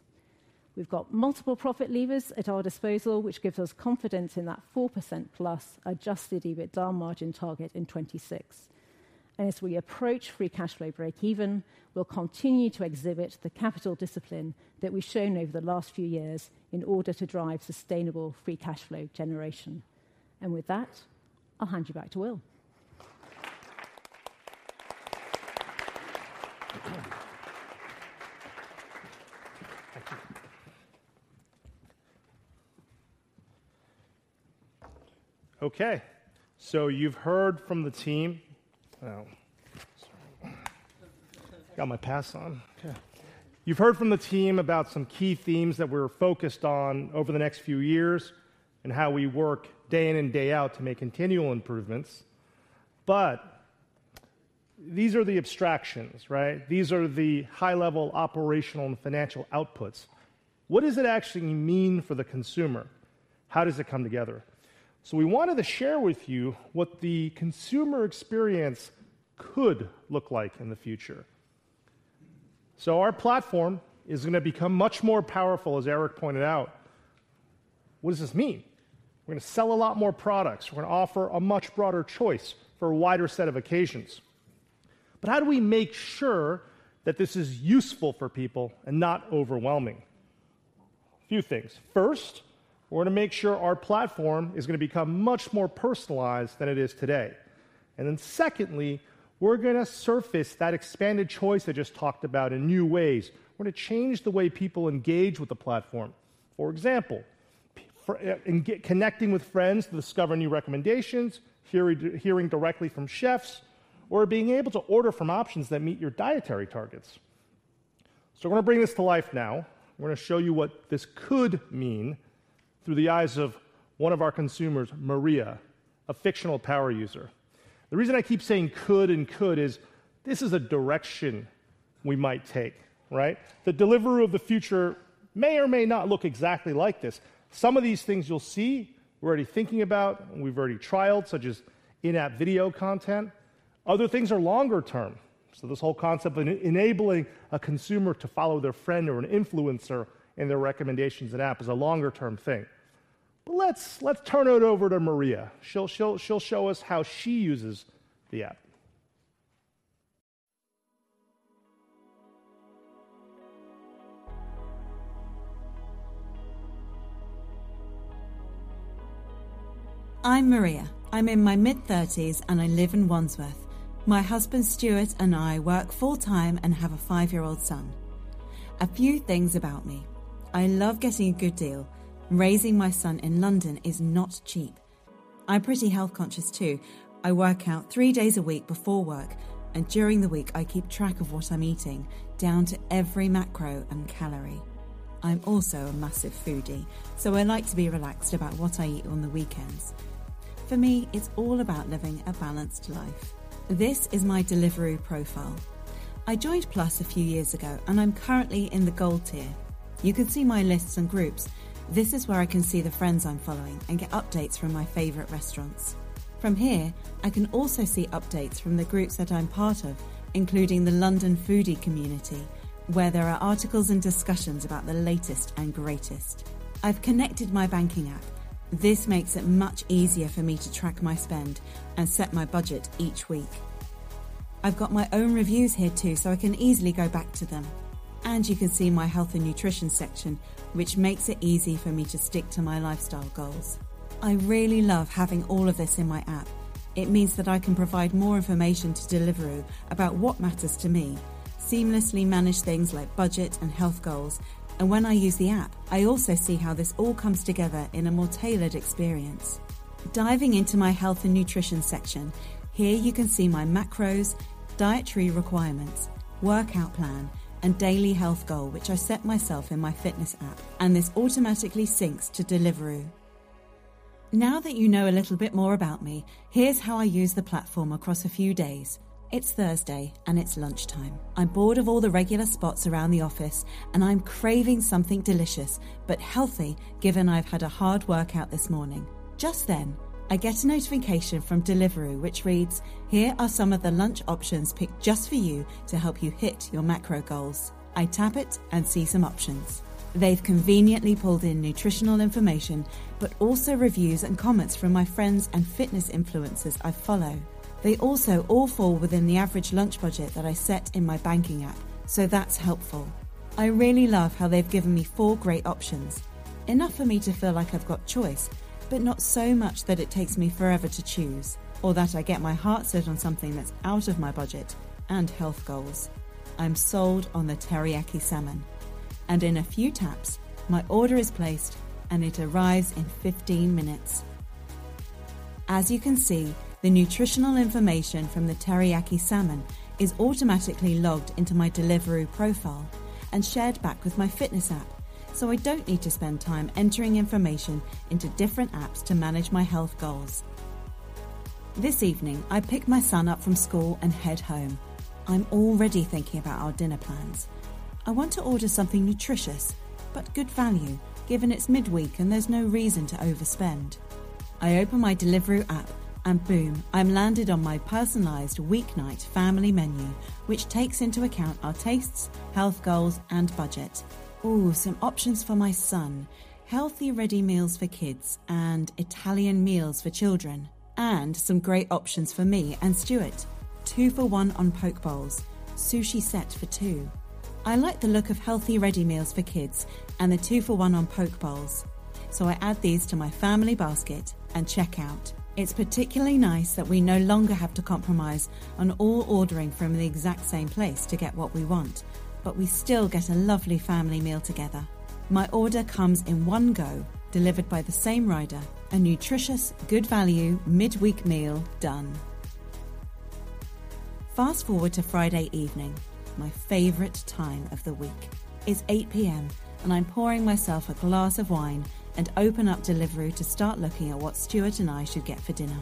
S10: We've got multiple profit levers at our disposal, which gives us confidence in that 4%+ adjusted EBITDA margin target in 2026. As we approach free cash flow break even, we'll continue to exhibit the capital discipline that we've shown over the last few years in order to drive sustainable free cash flow generation. With that, I'll hand you back to Will.
S2: Thank you. Okay, so you've heard from the team... Well, got my pass on. Okay. You've heard from the team about some key themes that we're focused on over the next few years and how we work day in and day out to make continual improvements. But these are the abstractions, right? These are the high-level operational and financial outputs. What does it actually mean for the consumer? How does it come together? So we wanted to share with you what the consumer experience could look like in the future. So our platform is going to become much more powerful, as Eric pointed out. What does this mean? We're going to sell a lot more products. We're going to offer a much broader choice for a wider set of occasions. But how do we make sure that this is useful for people and not overwhelming? A few things. First, we're going to make sure our platform is going to become much more personalized than it is today. Then secondly, we're going to surface that expanded choice I just talked about in new ways. We're going to change the way people engage with the platform. For example, for connecting with friends to discover new recommendations, hearing directly from chefs, or being able to order from options that meet your dietary targets... So we're gonna bring this to life now. We're gonna show you what this could mean through the eyes of one of our consumers, Maria, a fictional power user. The reason I keep saying could and could is this is a direction we might take, right? The Deliveroo of the future may or may not look exactly like this. Some of these things you'll see, we're already thinking about, and we've already trialed, such as in-app video content. Other things are longer term, so this whole concept of enabling a consumer to follow their friend or an influencer in their recommendations and app is a longer term thing. But let's turn it over to Maria. She'll show us how she uses the app.
S19: I'm Maria. I'm in my mid-30s, and I live in Wandsworth. My husband, Stuart, and I work full-time and have a 5-year-old son. A few things about me: I love getting a good deal. Raising my son in London is not cheap. I'm pretty health conscious too. I work out 3 days a week before work, and during the week, I keep track of what I'm eating, down to every macro and calorie. I'm also a massive foodie, so I like to be relaxed about what I eat on the weekends. For me, it's all about living a balanced life. This is my Deliveroo profile. I joined Plus a few years ago, and I'm currently in the Gold tier. You can see my lists and groups. This is where I can see the friends I'm following and get updates from my favorite restaurants. From here, I can also see updates from the groups that I'm part of, including the London Foodie Community, where there are articles and discussions about the latest and greatest. I've connected my banking app. This makes it much easier for me to track my spend and set my budget each week. I've got my own reviews here too, so I can easily go back to them, and you can see my health and nutrition section, which makes it easy for me to stick to my lifestyle goals. I really love having all of this in my app. It means that I can provide more information to Deliveroo about what matters to me, seamlessly manage things like budget and health goals, and when I use the app, I also see how this all comes together in a more tailored experience. Diving into my health and nutrition section, here you can see my macros, dietary requirements, workout plan, and daily health goal, which I set myself in my fitness app, and this automatically syncs to Deliveroo. Now that you know a little bit more about me, here's how I use the platform across a few days. It's Thursday, and it's lunchtime. I'm bored of all the regular spots around the office, and I'm craving something delicious, but healthy, given I've had a hard workout this morning. Just then, I get a notification from Deliveroo, which reads: "Here are some of the lunch options picked just for you to help you hit your macro goals." I tap it and see some options. They've conveniently pulled in nutritional information, but also reviews and comments from my friends and fitness influencers I follow. They also all fall within the average lunch budget that I set in my banking app, so that's helpful. I really love how they've given me 4 great options, enough for me to feel like I've got choice, but not so much that it takes me forever to choose or that I get my heart set on something that's out of my budget and health goals. I'm sold on the teriyaki salmon, and in a few taps, my order is placed, and it arrives in 15 minutes. As you can see, the nutritional information from the teriyaki salmon is automatically logged into my Deliveroo profile and shared back with my fitness app, so I don't need to spend time entering information into different apps to manage my health goals. This evening, I pick my son up from school and head home. I'm already thinking about our dinner plans. I want to order something nutritious but good value, given it's midweek and there's no reason to overspend. I open my Deliveroo app, and boom, I'm landed on my personalized weeknight family menu, which takes into account our tastes, health goals, and budget. Ooh, some options for my son: healthy, ready meals for kids and Italian meals for children, and some great options for me and Stuart. Two for one on poke bowls, sushi set for two. I like the look of healthy, ready meals for kids and the two for one on poke bowls, so I add these to my family basket and check out. It's particularly nice that we no longer have to compromise on all ordering from the exact same place to get what we want, but we still get a lovely family meal together. My order comes in one go, delivered by the same rider. A nutritious, good value, midweek meal, done. Fast-forward to Friday evening, my favorite time of the week. It's 8:00 P.M., and I'm pouring myself a glass of wine and open up Deliveroo to start looking at what Stuart and I should get for dinner.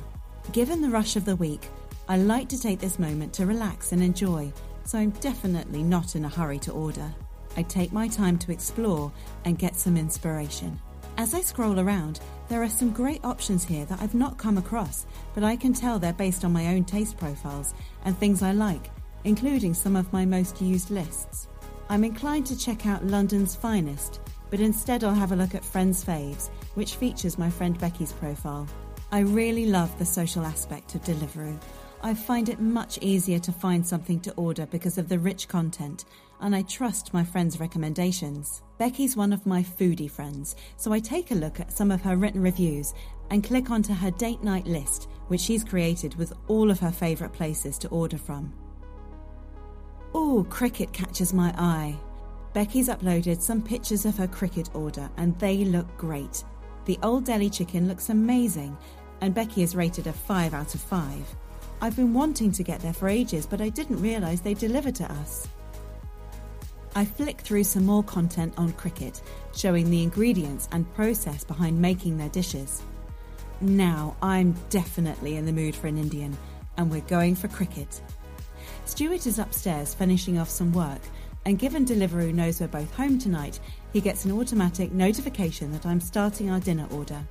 S19: Given the rush of the week, I like to take this moment to relax and enjoy, so I'm definitely not in a hurry to order. I take my time to explore and get some inspiration. As I scroll around, there are some great options here that I've not come across, but I can tell they're based on my own taste profiles and things I like, including some of my most used lists. I'm inclined to check out London's Finest, but instead, I'll have a look at Friends' Faves, which features my friend Becky's profile. I really love the social aspect of Deliveroo. I find it much easier to find something to order because of the rich content, and I trust my friends' recommendations. Becky's one of my foodie friends, so I take a look at some of her written reviews and click onto her date night list, which she's created with all of her favorite places to order from. Ooh, Kricket catches my eye! Becky's uploaded some pictures of her Kricket order, and they look great. The Old Delhi Chicken looks amazing, and Becky has rated a 5 out of 5.... I've been wanting to get there for ages, but I didn't realize they deliver to us. I flick through some more content on Kricket, showing the ingredients and process behind making their dishes. Now, I'm definitely in the mood for an Indian, and we're going for Kricket. Stuart is upstairs finishing off some work, and given Deliveroo knows we're both home tonight, he gets an automatic notification that I'm starting our dinner order.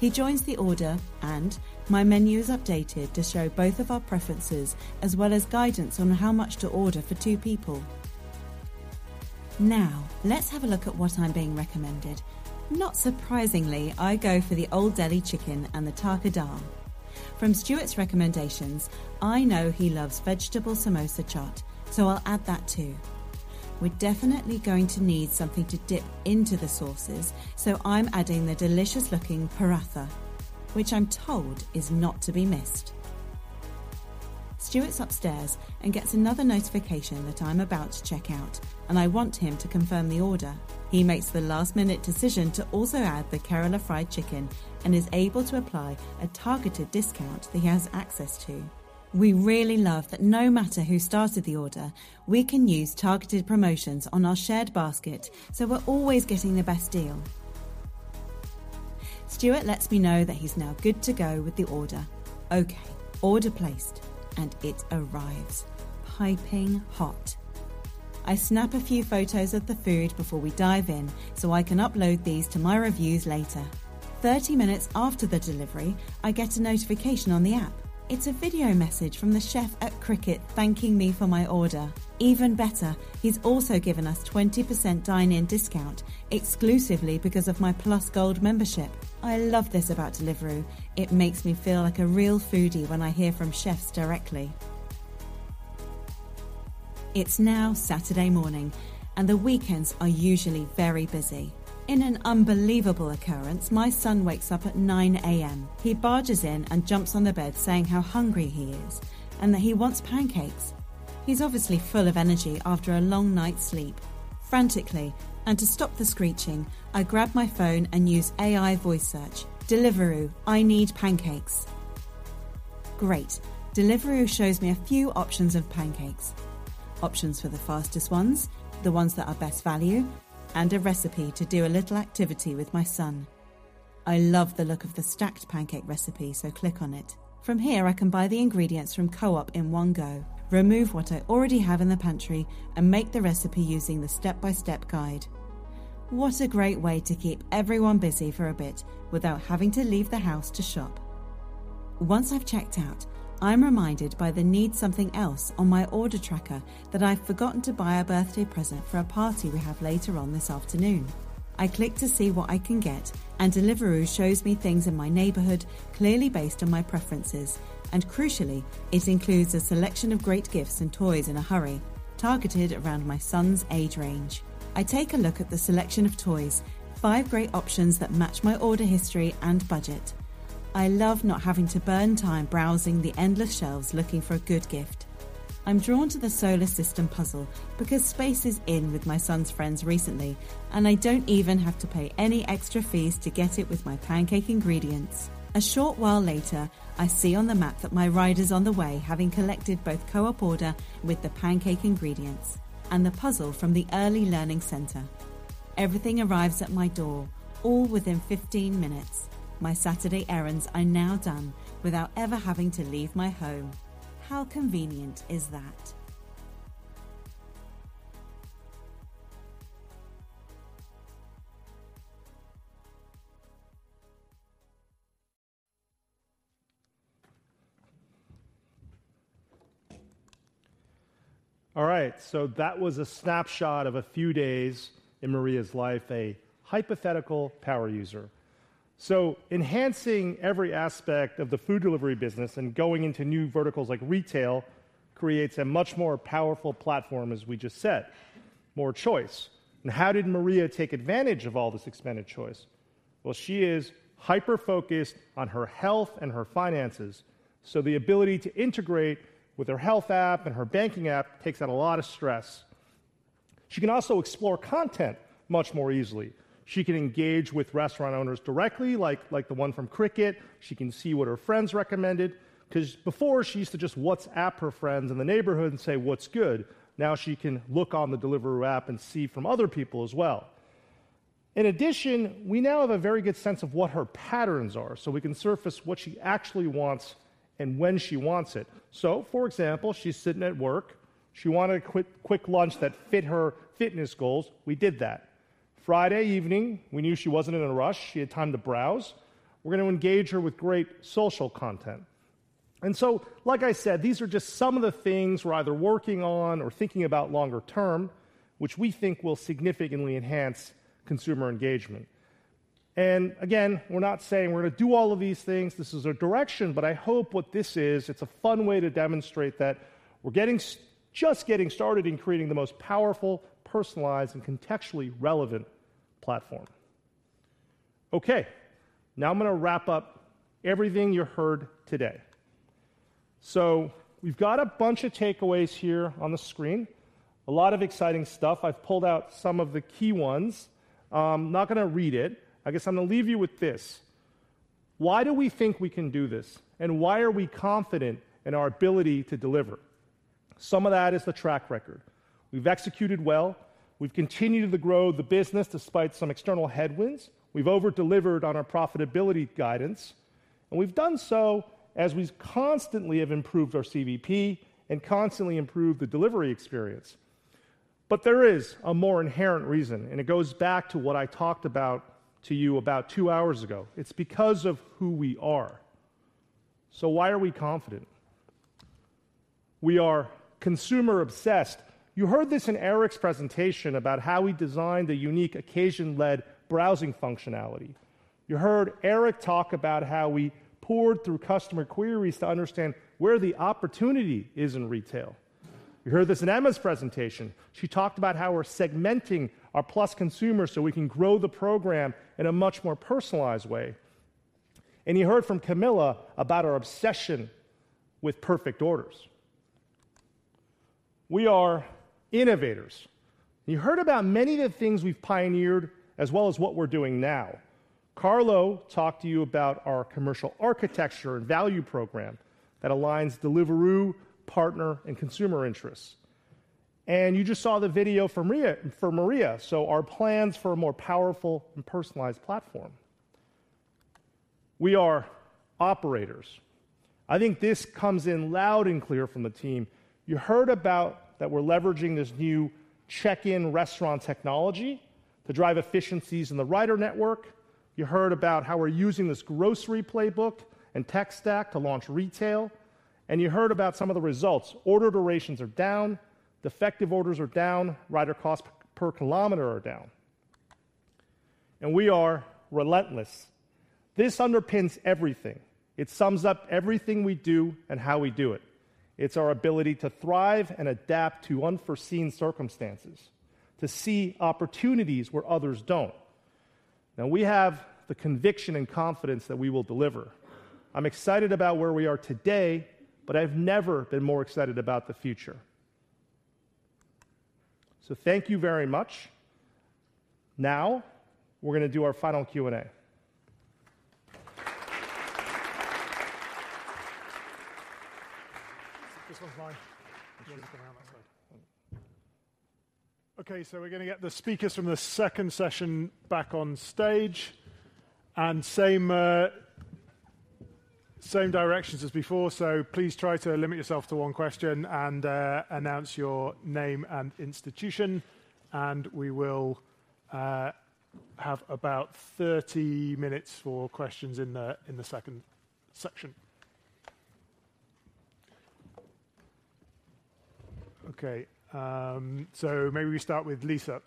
S19: He joins the order, and my menu is updated to show both of our preferences, as well as guidance on how much to order for two people. Now, let's have a look at what I'm being recommended. Not surprisingly, I go for the Old Delhi Chicken and the dal tarka. From Stuart's recommendations, I know he loves vegetable samosa chaat, so I'll add that, too. We're definitely going to need something to dip into the sauces, so I'm adding the delicious-looking paratha, which I'm told is not to be missed. Stuart's upstairs and gets another notification that I'm about to check out, and I want him to confirm the order. He makes the last-minute decision to also add the Kerala Fried Chicken and is able to apply a targeted discount that he has access to. We really love that no matter who started the order, we can use targeted promotions on our shared basket, so we're always getting the best deal. Stuart lets me know that he's now good to go with the order. Okay, order placed, and it arrives piping hot. I snap a few photos of the food before we dive in, so I can upload these to my reviews later. 30 minutes after the delivery, I get a notification on the app. It's a video message from the chef at Kricket, thanking me for my order. Even better, he's also given us 20% dine-in discount exclusively because of my Plus Gold membership. I love this about Deliveroo. It makes me feel like a real foodie when I hear from chefs directly. It's now Saturday morning, and the weekends are usually very busy. In an unbelievable occurrence, my son wakes up at 9 A.M. He barges in and jumps on the bed, saying how hungry he is and that he wants pancakes. He's obviously full of energy after a long night's sleep. Frantically, and to stop the screeching, I grab my phone and use AI voice search. "Deliveroo, I need pancakes." Great! Deliveroo shows me a few options of pancakes, options for the fastest ones, the ones that are best value, and a recipe to do a little activity with my son. I love the look of the stacked pancake recipe, so click on it. From here, I can buy the ingredients from Co-op in one go, remove what I already have in the pantry, and make the recipe using the step-by-step guide. What a great way to keep everyone busy for a bit without having to leave the house to shop! Once I've checked out, I'm reminded by the Need Something Else on my order tracker that I've forgotten to buy a birthday present for a party we have later on this afternoon. I click to see what I can get, and Deliveroo shows me things in my neighborhood, clearly based on my preferences. And crucially, it includes a selection of great gifts and toys in a hurry, targeted around my son's age range. I take a look at the selection of toys, five great options that match my order history and budget. I love not having to burn time browsing the endless shelves looking for a good gift. I'm drawn to the solar system puzzle because space is in with my son's friends recently, and I don't even have to pay any extra fees to get it with my pancake ingredients. A short while later, I see on the map that my rider's on the way, having collected both Co-op order with the pancake ingredients and the puzzle from the Early Learning Centre. Everything arrives at my door, all within 15 minutes. My Saturday errands are now done without ever having to leave my home. How convenient is that?
S2: All right, so that was a snapshot of a few days in Maria's life, a hypothetical power user. So enhancing every aspect of the food delivery business and going into new verticals like retail creates a much more powerful platform, as we just said, more choice. And how did Maria take advantage of all this expanded choice? Well, she is hyper-focused on her health and her finances, so the ability to integrate with her health app and her banking app takes out a lot of stress. She can also explore content much more easily. She can engage with restaurant owners directly, like, like the one from Kricket. She can see what her friends recommended, 'cause before she used to just WhatsApp her friends in the neighborhood and say, "What's good?" Now she can look on the Deliveroo app and see from other people as well. In addition, we now have a very good sense of what her patterns are, so we can surface what she actually wants and when she wants it. So, for example, she's sitting at work. She wanted a quick, quick lunch that fit her fitness goals. We did that. Friday evening, we knew she wasn't in a rush. She had time to browse. We're gonna engage her with great social content. And so, like I said, these are just some of the things we're either working on or thinking about longer term, which we think will significantly enhance consumer engagement. And again, we're not saying we're gonna do all of these things. This is a direction, but I hope what this is, it's a fun way to demonstrate that we're just getting started in creating the most powerful, personalized, and contextually relevant platform. Okay, now I'm gonna wrap up everything you heard today. So we've got a bunch of takeaways here on the screen... A lot of exciting stuff. I've pulled out some of the key ones. I'm not gonna read it. I guess I'm gonna leave you with this: Why do we think we can do this, and why are we confident in our ability to deliver? Some of that is the track record. We've executed well, we've continued to grow the business despite some external headwinds, we've over-delivered on our profitability guidance, and we've done so as we constantly have improved our CVP and constantly improved the delivery experience. But there is a more inherent reason, and it goes back to what I talked about to you about two hours ago. It's because of who we are. So why are we confident? We are consumer obsessed. You heard this in Eric's presentation about how we designed the unique occasion-led browsing functionality. You heard Eric talk about how we pored through customer queries to understand where the opportunity is in retail. You heard this in Emma's presentation. She talked about how we're segmenting our Plus consumers so we can grow the program in a much more personalized way, and you heard from Camilla about our obsession with perfect orders. We are innovators. You heard about many of the things we've pioneered, as well as what we're doing now. Carlo talked to you about our commercial architecture and Value Programme that aligns Deliveroo, partner, and consumer interests. And you just saw the video from Maria, so our plans for a more powerful and personalized platform. We are operators. I think this comes in loud and clear from the team. You heard about that we're leveraging this new check-in restaurant technology to drive efficiencies in the rider network. You heard about how we're using this grocery playbook and tech stack to launch retail, and you heard about some of the results. Order durations are down, defective orders are down, rider costs per kilometer are down. We are relentless. This underpins everything. It sums up everything we do and how we do it. It's our ability to thrive and adapt to unforeseen circumstances, to see opportunities where others don't. Now, we have the conviction and confidence that we will deliver. I'm excited about where we are today, but I've never been more excited about the future. So thank you very much. Now, we're gonna do our final Q&A.
S1: This one's mine. Just come around that side. Okay, so we're gonna get the speakers from the second session back on stage and same, same directions as before. So please try to limit yourself to one question and announce your name and institution, and we will have about 30 minutes for questions in the second section. Okay, so maybe we start with Lisa.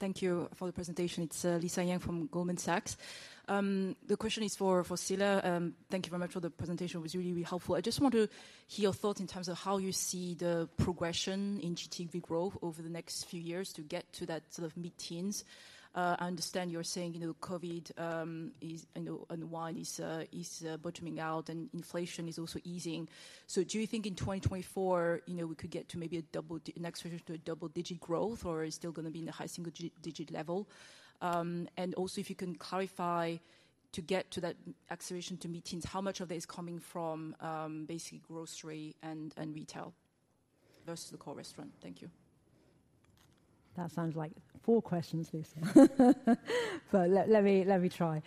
S20: Thank you for the presentation. It's Lisa Yang from Goldman Sachs. The question is for Scilla. Thank you very much for the presentation. It was really, really helpful. I just want to hear your thoughts in terms of how you see the progression in GTV growth over the next few years to get to that sort of mid-teens. I understand you're saying, you know, COVID is, you know, and tailwind is bottoming out, and inflation is also easing. So do you think in 2024, you know, we could get to maybe a double-digit growth, or it's still gonna be in the high single-digit level? And also, if you can clarify, to get to that acceleration to mid-teens, how much of it is coming from, basically grocery and, and retail versus the core restaurant? Thank you.
S10: That sounds like four questions, Lisa. But let me try.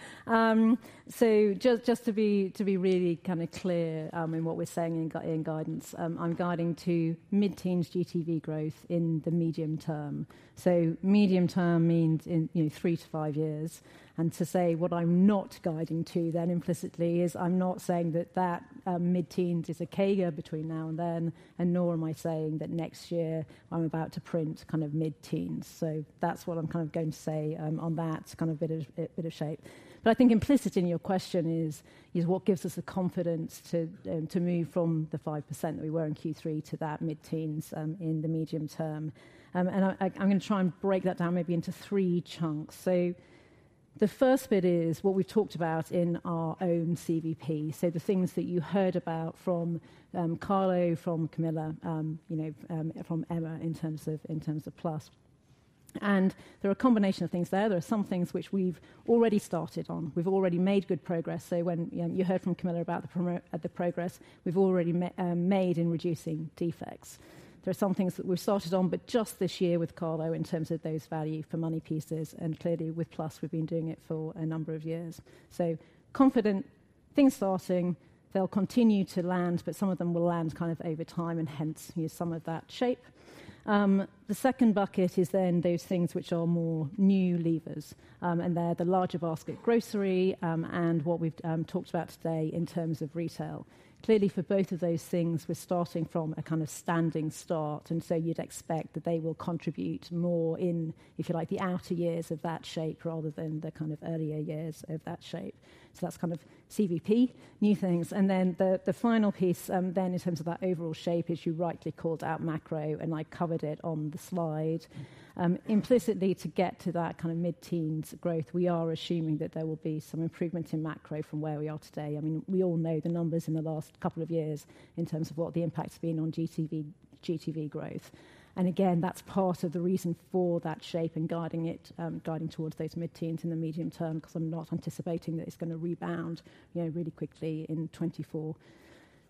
S10: So just to be really kind of clear, in what we're saying in guidance, I'm guiding to mid-teens GTV growth in the medium term. So medium term means in, you know, three to five years. And to say what I'm not guiding to, then implicitly, is I'm not saying that mid-teens is a CAGR between now and then, and nor am I saying that next year I'm about to print kind of mid-teens. So that's what I'm kind of going to say, on that kind of bit of shape. But I think implicit in your question is what gives us the confidence to move from the 5% that we were in Q3 to that mid-teens, in the medium term? And I, I'm gonna try and break that down maybe into three chunks. So the first bit is what we've talked about in our own CVP. So the things that you heard about from Carlo, from Camilla, you know, from Emma, in terms of, in terms of Plus, and there are a combination of things there. There are some things which we've already started on. We've already made good progress, so when you heard from Camilla about the progress we've already made in reducing defects. There are some things that we've started on, but just this year with Carlo in terms of those value for money pieces, and clearly with Plus, we've been doing it for a number of years. So confident things starting, they'll continue to land, but some of them will land kind of over time and hence, you know, some of that shape. The second bucket is then those things which are more new levers, and they're the larger basket grocery, and what we've, talked about today in terms of retail. Clearly, for both of those things, we're starting from a kind of standing start, and so you'd expect that they will contribute more in, if you like, the outer years of that shape rather than the kind of earlier years of that shape. So that's kind of CVP, new things. And then the, the final piece, then in terms of that overall shape, as you rightly called out macro, and I covered it on the slide. Implicitly, to get to that kind of mid-teens growth, we are assuming that there will be some improvement in macro from where we are today. I mean, we all know the numbers in the last couple of years in terms of what the impact's been on GTV, GTV growth. And again, that's part of the reason for that shape and guiding it, guiding towards those mid-teens in the medium term, because I'm not anticipating that it's gonna rebound, you know, really quickly in 2024.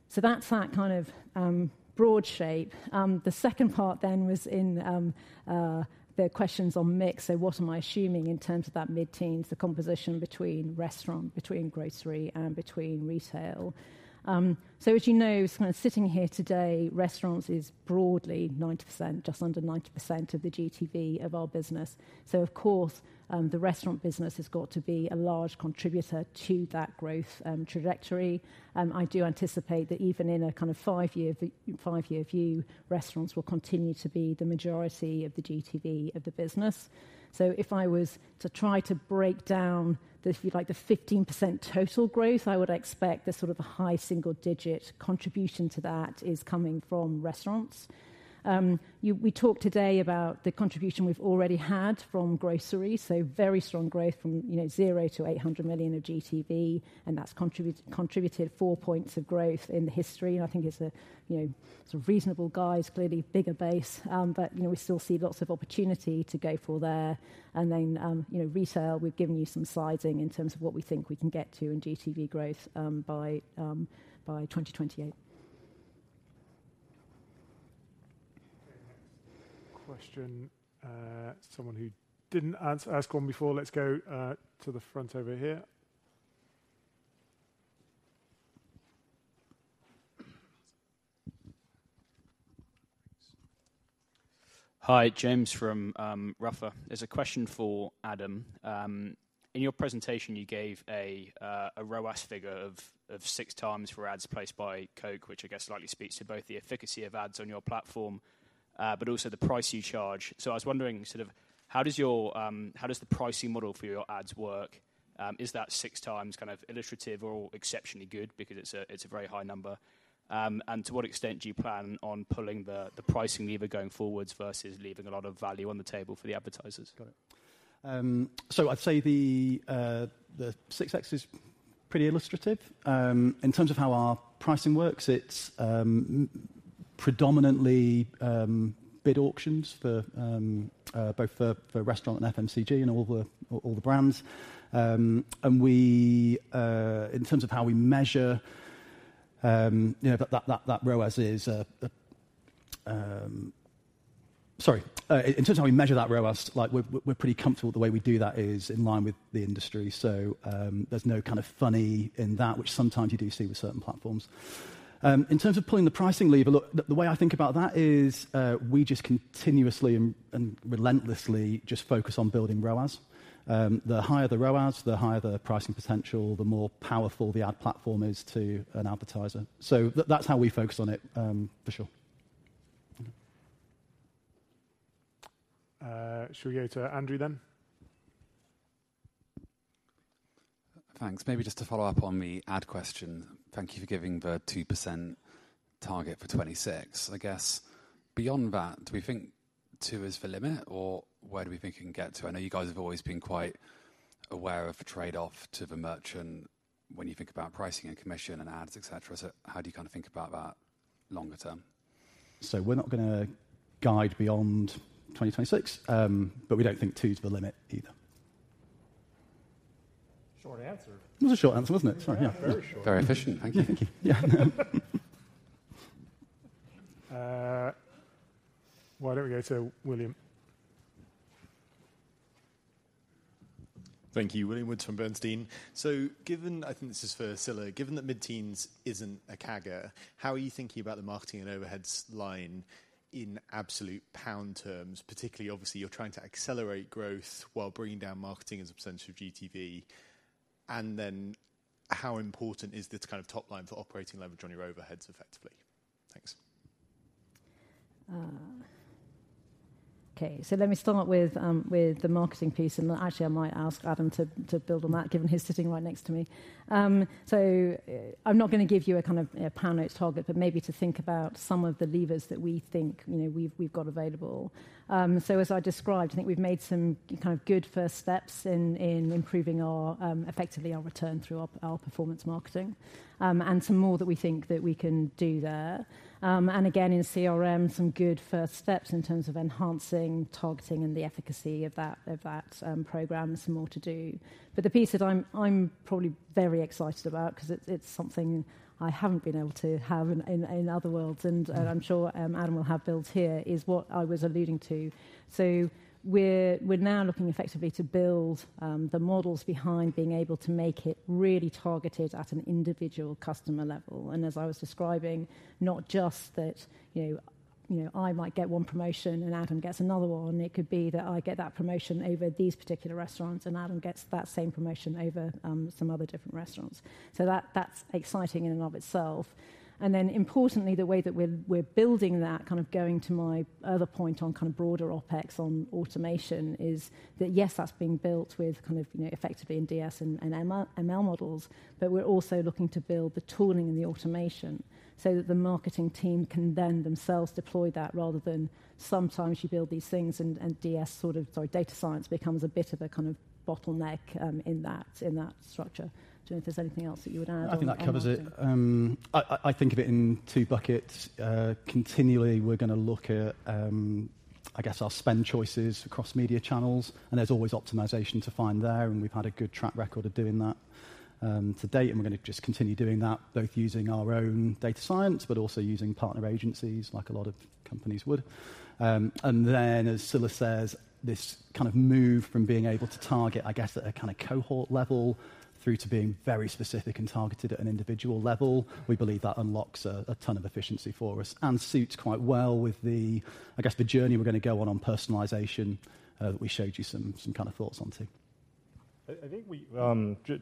S10: So that's that kind of, broad shape. The second part then was in, the questions on mix. So what am I assuming in terms of that mid-teens, the composition between restaurant, between grocery, and between retail? So as you know, kind of sitting here today, restaurants is broadly 90%, just under 90% of the GTV of our business. So of course, the restaurant business has got to be a large contributor to that growth trajectory. I do anticipate that even in a kind of five-year view, restaurants will continue to be the majority of the GTV of the business. So if I was to try to break down the, if you like, the 15% total growth, I would expect the sort of a high single-digit contribution to that is coming from restaurants. We talked today about the contribution we've already had from grocery, so very strong growth from, you know, zero to £ 800 million of GTV, and that's contributed 4 points of growth in the history. I think it's a, you know, sort of reasonable size, clearly bigger base, but, you know, we still see lots of opportunity to go from there. And then, you know, retail, we've given you some slides in terms of what we think we can get to in GTV growth, by 2028.
S21: Okay, next question. Someone who didn't ask one before, let's go to the front over here. Hi, James from Ruffer. There's a question for Adam. In your presentation, you gave a ROAS figure of 6x for ads placed by Coke, which I guess likely speaks to both the efficacy of ads on your platform, but also the price you charge. So I was wondering, sort of, how does your, how does the pricing model for your ads work? Is that 6x kind of illustrative or exceptionally good? Because it's a, it's a very high number. And to what extent do you plan on pulling the pricing lever going forwards versus leaving a lot of value on the table for the advertisers?
S18: Got it. So I'd say the 6x is pretty illustrative. In terms of how our pricing works, it's predominantly bid auctions for both restaurant and FMCG and all the brands. And we, in terms of how we measure, you know, that ROAS is... Sorry, in terms of how we measure that ROAS, like we're pretty comfortable the way we do that is in line with the industry. So, there's no kind of funny in that, which sometimes you do see with certain platforms. In terms of pulling the pricing lever, look, the way I think about that is, we just continuously and relentlessly just focus on building ROAS. The higher the ROAS, the higher the pricing potential, the more powerful the ad platform is to an advertiser. So that's how we focus on it, for sure.
S1: Should we go to Andrew, then?
S13: Thanks. Maybe just to follow up on the ad question. Thank you for giving the 2% target for 2026. I guess beyond that, do we think 2 is the limit, or where do we think you can get to? I know you guys have always been quite aware of the trade-off to the merchant when you think about pricing and commission and ads, et cetera. So how do you kind of think about that longer term?
S18: We're not gonna guide beyond 2026, but we don't think two is the limit either.
S1: Short answer.
S18: It was a short answer, wasn't it? Sorry. Yeah.
S13: Very short. Very efficient. Thank you.
S18: Thank you. Yeah.
S1: Why don't we go to William?
S11: Thank you. William Woods from Bernstein. So given... I think this is for Scilla. Given that mid-teens isn't a CAGR, how are you thinking about the marketing and overheads line in absolute pound terms? Particularly, obviously, you're trying to accelerate growth while bringing down marketing as a percentage of GTV. And then how important is this kind of top line for operating leverage on your overheads effectively? Thanks.
S10: Okay. So let me start with the marketing piece, and actually, I might ask Adam to build on that, given he's sitting right next to me. So I'm not going to give you a kind of a pound note target, but maybe to think about some of the levers that we think, you know, we've got available. So as I described, I think we've made some kind of good first steps in improving effectively our return through our performance marketing, and some more that we think that we can do there. And again, in CRM, some good first steps in terms of enhancing targeting, and the efficacy of that program, and some more to do. But the piece that I'm probably very excited about, 'cause it's something I haven't been able to have in other worlds, and I'm sure Adam will have built here, is what I was alluding to. So we're now looking effectively to build the models behind being able to make it really targeted at an individual customer level. As I was describing, not just that, you know, I might get one promotion and Adam gets another one. It could be that I get that promotion over these particular restaurants, and Adam gets that same promotion over some other different restaurants. So that's exciting in and of itself. And then importantly, the way that we're building that, kind of going to my other point on kind of broader OpEx on automation, is that yes, that's being built with kind of, you know, effectively in DS and ML models. But we're also looking to build the tooling and the automation so that the marketing team can then themselves deploy that, rather than sometimes you build these things and DS, sort of data science becomes a bit of a kind of bottleneck in that structure. Do you know if there's anything else that you would add?
S18: I think that covers it. I think of it in two buckets. Continually, we're going to look at, I guess, our spend choices across media channels, and there's always optimization to find there, and we've had a good track record of doing that to date, and we're gonna just continue doing that, both using our own data science, but also using partner agencies like a lot of companies would. And then, as Scilla says, this kind of move from being able to target, I guess, at a kind of cohort level through to being very specific and targeted at an individual level, we believe that unlocks a ton of efficiency for us and suits quite well with the, I guess, the journey we're gonna go on, on personalization, that we showed you some kind of thoughts on too.
S2: I think we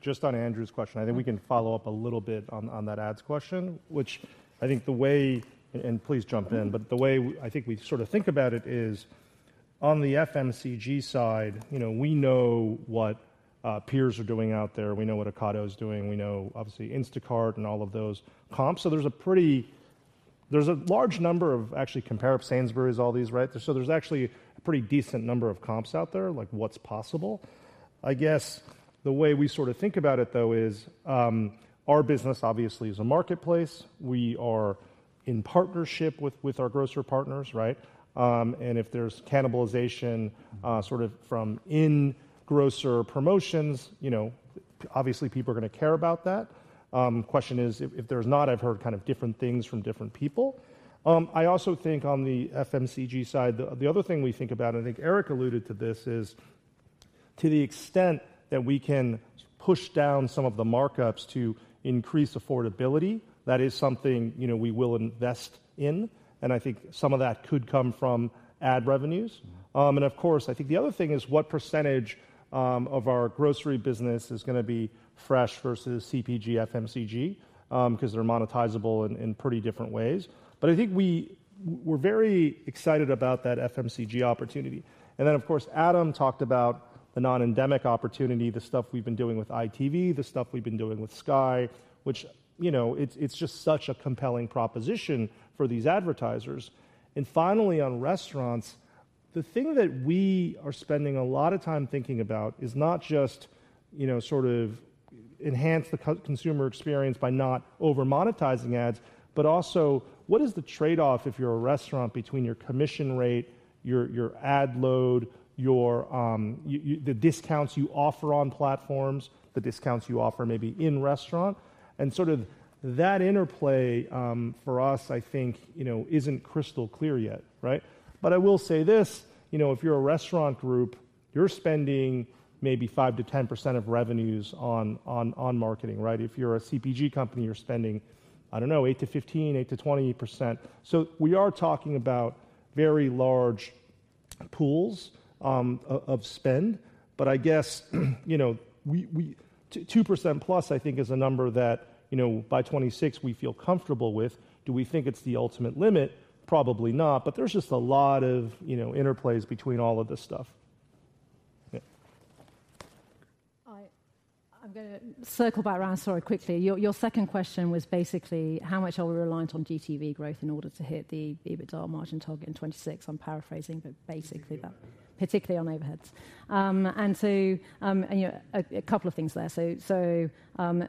S2: just on Andrew's question, I think we can follow up a little bit on that ads question, which I think the way, and please jump in, but the way I think we sort of think about it is on the FMCG side, you know, we know what peers are doing out there. We know what Ocado is doing. We know, obviously, Instacart and all of those comps. So there's a pretty large number of actually comparable Sainsbury's, all these, right? So there's actually a pretty decent number of comps out there, like, what's possible. I guess the way we sort of think about it, though, is our business obviously is a marketplace. We are in partnership with our grocer partners, right? And if there's cannibalization, sort of from in grocer promotions, you know, obviously, people are gonna care about that. Question is, if, if there's not, I've heard kind of different things from different people. I also think on the FMCG side, the, the other thing we think about, and I think Eric alluded to this, is to the extent that we can push down some of the markups to increase affordability, that is something, you know, we will invest in, and I think some of that could come from ad revenues. Of course, I think the other thing is what percentage of our grocery business is gonna be fresh versus CPG, FMCG, 'cause they're monetizable in, in pretty different ways. But I think we're very excited about that FMCG opportunity. Then, of course, Adam talked about the non-endemic opportunity, the stuff we've been doing with ITV, the stuff we've been doing with Sky, which, you know, it's just such a compelling proposition for these advertisers. Finally, on restaurants, the thing that we are spending a lot of time thinking about is not just, you know, sort of enhance the consumer experience by not over monetizing ads, but also what is the trade-off if you're a restaurant between your commission rate, your ad load, the discounts you offer on platforms, the discounts you offer maybe in restaurant, and sort of that interplay, for us, I think, you know, isn't crystal clear yet, right? But I will say this, you know, if you're a restaurant group, you're spending maybe 5%-10% of revenues on marketing, right? If you're a CPG company, you're spending, I don't know, 8%-15%, 8%-20%. So we are talking about very large pools of spend, but I guess, you know, 2%+, I think, is a number that, you know, by 2026 we feel comfortable with. Do we think it's the ultimate limit? Probably not. But there's just a lot of, you know, interplays between all of this stuff. Yeah.
S10: I'm gonna circle back around. Sorry, quickly. Your, your second question was basically, how much are we reliant on GTV growth in order to hit the EBITDA margin target in 2026? I'm paraphrasing, but basically that.
S2: Particularly on overheads.
S10: Particularly on overheads. You know, a couple of things there.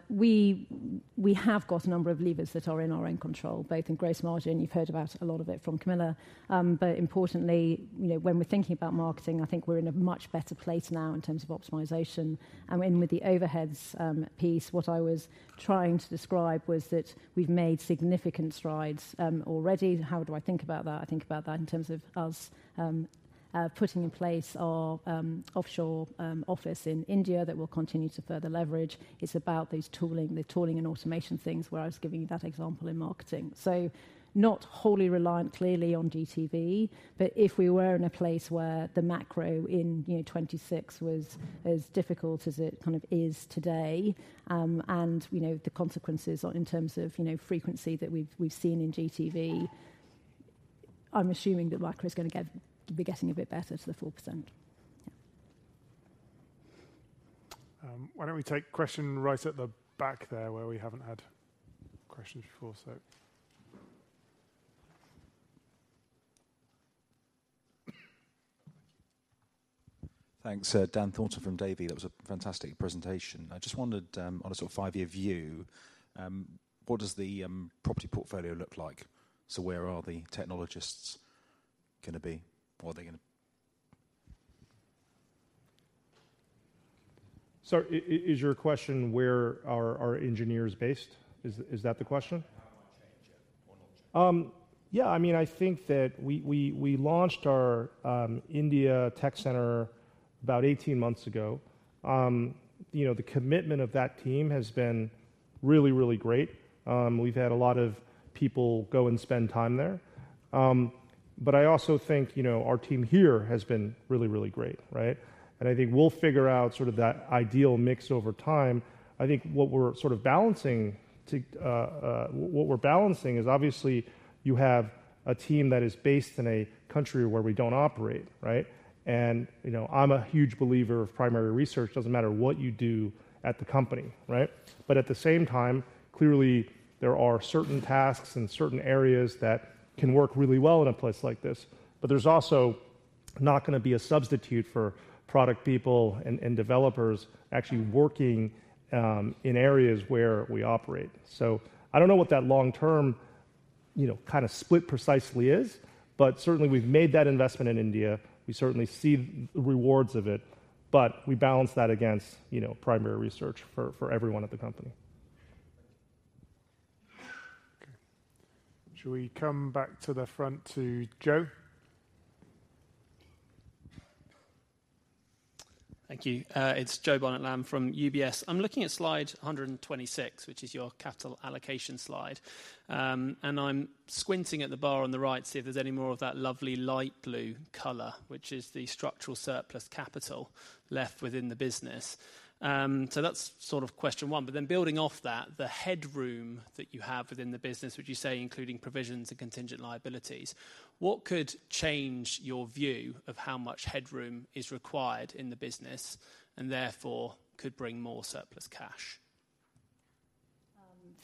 S10: We have got a number of levers that are in our own control, both in gross margin. You've heard about a lot of it from Camilla. But importantly, you know, when we're thinking about marketing, I think we're in a much better place now in terms of optimization. And with the overheads piece, what I was trying to describe was that we've made significant strides already. How do I think about that? I think about that in terms of us putting in place our offshore office in India that we'll continue to further leverage. It's about the tooling and automation things where I was giving you that example in marketing. So not wholly reliant, clearly, on GTV, but if we were in a place where the macro in, you know, 2026 was as difficult as it kind of is today, and you know, the consequences on in terms of, you know, frequency that we've seen in GTV, I'm assuming that macro is gonna get, be getting a bit better to the 4%. Yeah.
S18: Why don't we take question right at the back there, where we haven't had questions before, so.
S22: Thank you. Thanks, Dan Thornton from Davy. That was a fantastic presentation. I just wondered, on a sort of five-year view, what does the property portfolio look like? So where are the technologists gonna be, or are they gonna-
S2: So is your question, where are our engineers based? Is that the question?
S22: How might it change it or not change?
S2: Yeah, I mean, I think that we launched our India tech center about 18 months ago. You know, the commitment of that team has been really, really great. We've had a lot of people go and spend time there. But I also think, you know, our team here has been really, really great, right? And I think we'll figure out sort of that ideal mix over time. I think what we're sort of balancing to... What we're balancing is obviously you have a team that is based in a country where we don't operate, right? And, you know, I'm a huge believer of primary research. Doesn't matter what you do at the company, right? But at the same time, clearly, there are certain tasks and certain areas that can work really well in a place like this. But there's also not gonna be a substitute for product people and developers actually working in areas where we operate. So I don't know what that long-term, you know, kind of split precisely is, but certainly we've made that investment in India. We certainly see the rewards of it, but we balance that against, you know, primary research for everyone at the company.
S1: Okay. Should we come back to the front to Joe?
S9: Thank you. It's Jo Barnet-Lamb from UBS. I'm looking at slide 126, which is your capital allocation slide. I'm squinting at the bar on the right to see if there's any more of that lovely light blue color, which is the structural surplus capital left within the business. So that's sort of question one, but then building off that, the headroom that you have within the business, would you say, including provisions and contingent liabilities, what could change your view of how much headroom is required in the business and therefore could bring more surplus cash?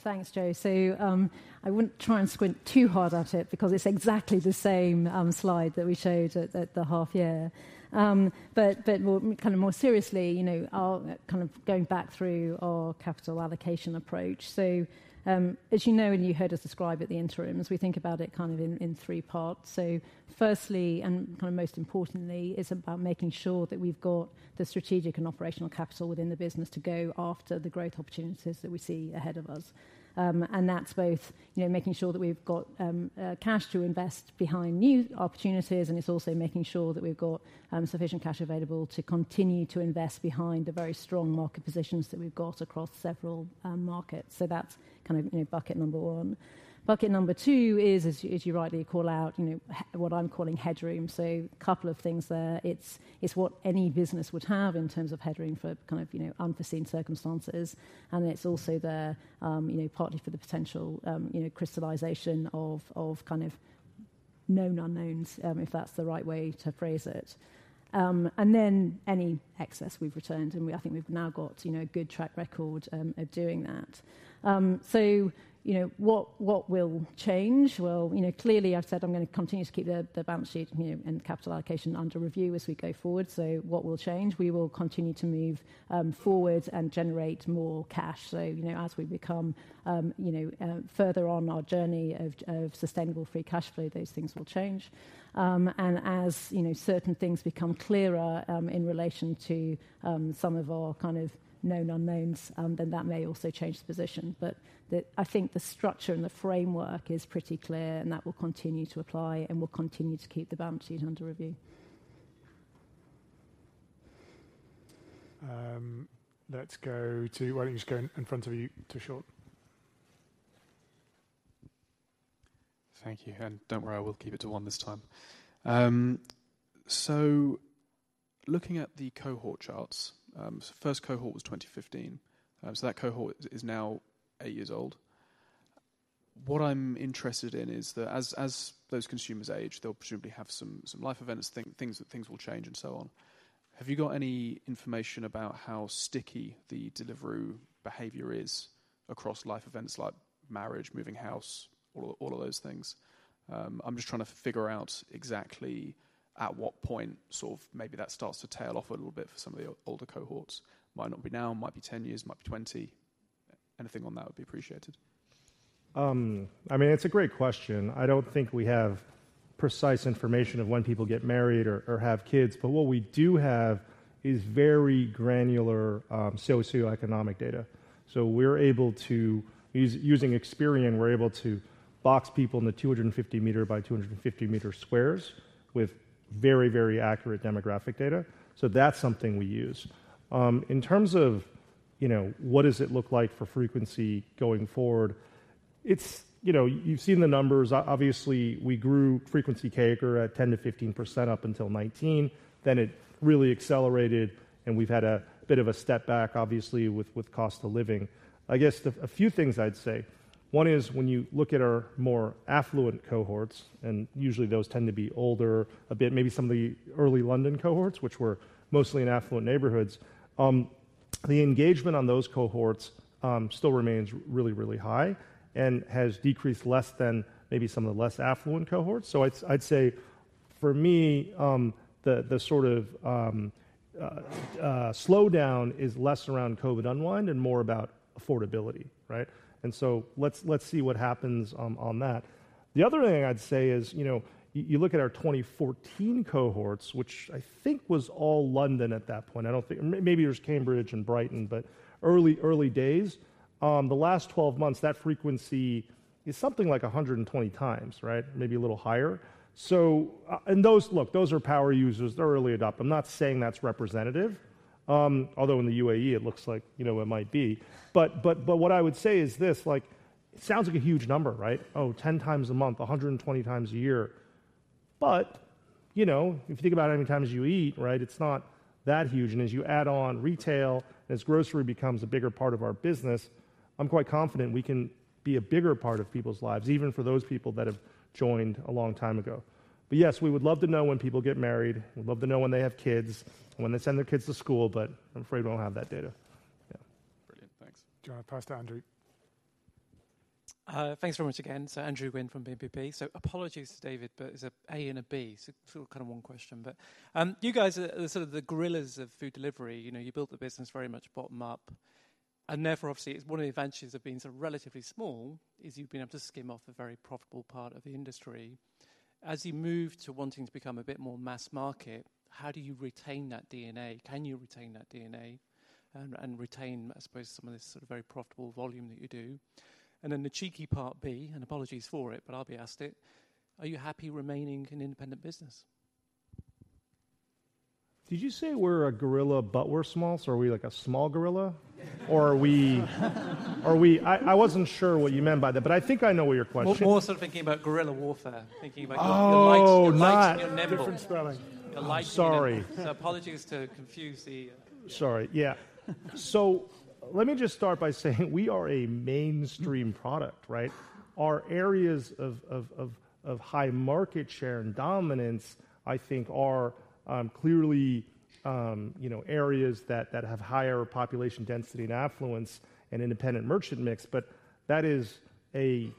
S10: Thanks, Joe. So, I wouldn't try and squint too hard at it because it's exactly the same slide that we showed at the half year. But well, kind of more seriously, you know, I'll kind of going back through our capital allocation approach. So, as you know, and you heard us describe at the interim, as we think about it, kind of in three parts. So firstly, and kind of most importantly, is about making sure that we've got the strategic and operational capital within the business to go after the growth opportunities that we see ahead of us. And that's both, you know, making sure that we've got cash to invest behind new opportunities, and it's also making sure that we've got sufficient cash available to continue to invest behind the very strong market positions that we've got across several markets. So that's kind of, you know, bucket number one. Bucket number two is, as you rightly call out, you know, what I'm calling headroom. So a couple of things there. It's what any business would have in terms of headroom for kind of, you know, unforeseen circumstances. And it's also the, you know, partly for the potential, you know, crystallization of kind of known unknowns, if that's the right way to phrase it. And then any excess we've returned, and we—I think we've now got, you know, a good track record of doing that. So you know, what, what will change? Well, you know, clearly, I've said I'm gonna continue to keep the, the balance sheet, you know, and capital allocation under review as we go forward. So what will change? We will continue to move forward and generate more cash. So, you know, as we become, you know, further on our journey of, of sustainable free cash flow, those things will change. And as, you know, certain things become clearer, in relation to, some of our kind of known unknowns, then that may also change the position. But I think the structure and the framework is pretty clear, and that will continue to apply, and we'll continue to keep the balance sheet under review.
S1: Let's go to... Why don't you just go in front of you to Sean?
S8: Thank you, and don't worry, I will keep it to one this time. So looking at the cohort charts, so first cohort was 2015. So that cohort is now 8 years old. What I'm interested in is that as those consumers age, they'll presumably have some life events, things will change and so on. Have you got any information about how sticky the Deliveroo behavior is across life events like marriage, moving house, all of those things? I'm just trying to figure out exactly at what point sort of maybe that starts to tail off a little bit for some of the older cohorts. Might not be now, might be 10 years, might be 20. Anything on that would be appreciated.
S2: I mean, it's a great question. I don't think we have precise information of when people get married or, or have kids, but what we do have is very granular socioeconomic data. So we're able to use, using Experian, we're able to box people in the 250-meter by 250-meter squares with very, very accurate demographic data. So that's something we use. In terms of, you know, what does it look like for frequency going forward? It's, you know, you've seen the numbers. Obviously, we grew frequency core at 10%-15% up until 2019, then it really accelerated, and we've had a bit of a step back, obviously, with cost of living. I guess a few things I'd say. One is, when you look at our more affluent cohorts, and usually those tend to be older, a bit, maybe some of the early London cohorts, which were mostly in affluent neighborhoods, the engagement on those cohorts still remains really, really high and has decreased less than maybe some of the less affluent cohorts. So I'd say for me, the sort of slowdown is less around COVID unwind and more about affordability, right? And so let's see what happens on that. The other thing I'd say is, you know, you look at our 2014 cohorts, which I think was all London at that point, I don't think maybe there's Cambridge and Brighton, but early, early days, the last 12 months, that frequency is something like 120 times, right? Maybe a little higher. So, look, those are power users, they're early adopters. I'm not saying that's representative, although in the UAE, it looks like, you know, it might be. But what I would say is this: like, it sounds like a huge number, right? Oh, 10 times a month, 120 times a year. But, you know, if you think about how many times you eat, right, it's not that huge. And as you add on retail, as grocery becomes a bigger part of our business, I'm quite confident we can be a bigger part of people's lives, even for those people that have joined a long time ago. But yes, we would love to know when people get married. We'd love to know when they have kids, when they send their kids to school, but I'm afraid we don't have that data. Yeah.
S8: Brilliant. Thanks.
S1: Do you want to pass to Andrew?
S6: Thanks very much again. So Andrew Gwynn from BNP. So apologies, David, but there's an A and a B, so sort of kind of one question. But, you guys are sort of the gorillas of food delivery. You know, you built the business very much bottom up... and therefore, obviously, it's one of the advantages of being so relatively small, is you've been able to skim off a very profitable part of the industry. As you move to wanting to become a bit more mass market, how do you retain that DNA? Can you retain that DNA and retain, I suppose, some of this sort of very profitable volume that you do? And then the cheeky part B, and apologies for it, but I'll be asked it: Are you happy remaining an independent business?
S2: Did you say we're a gorilla, but we're small, so are we like a small gorilla? Or are we - Are we... I, I wasn't sure what you meant by that, but I think I know what your question is.
S6: More, more sort of thinking about guerrilla warfare. Thinking about-
S2: Oh!
S6: The light, the light bulb.
S1: Different spelling.
S6: The light-
S2: Sorry.
S6: Apologies to confuse the,
S2: Sorry. Yeah. So let me just start by saying we are a mainstream product, right? Our areas of high market share and dominance, I think are clearly, you know, areas that have higher population density and affluence and independent merchant mix. But that is an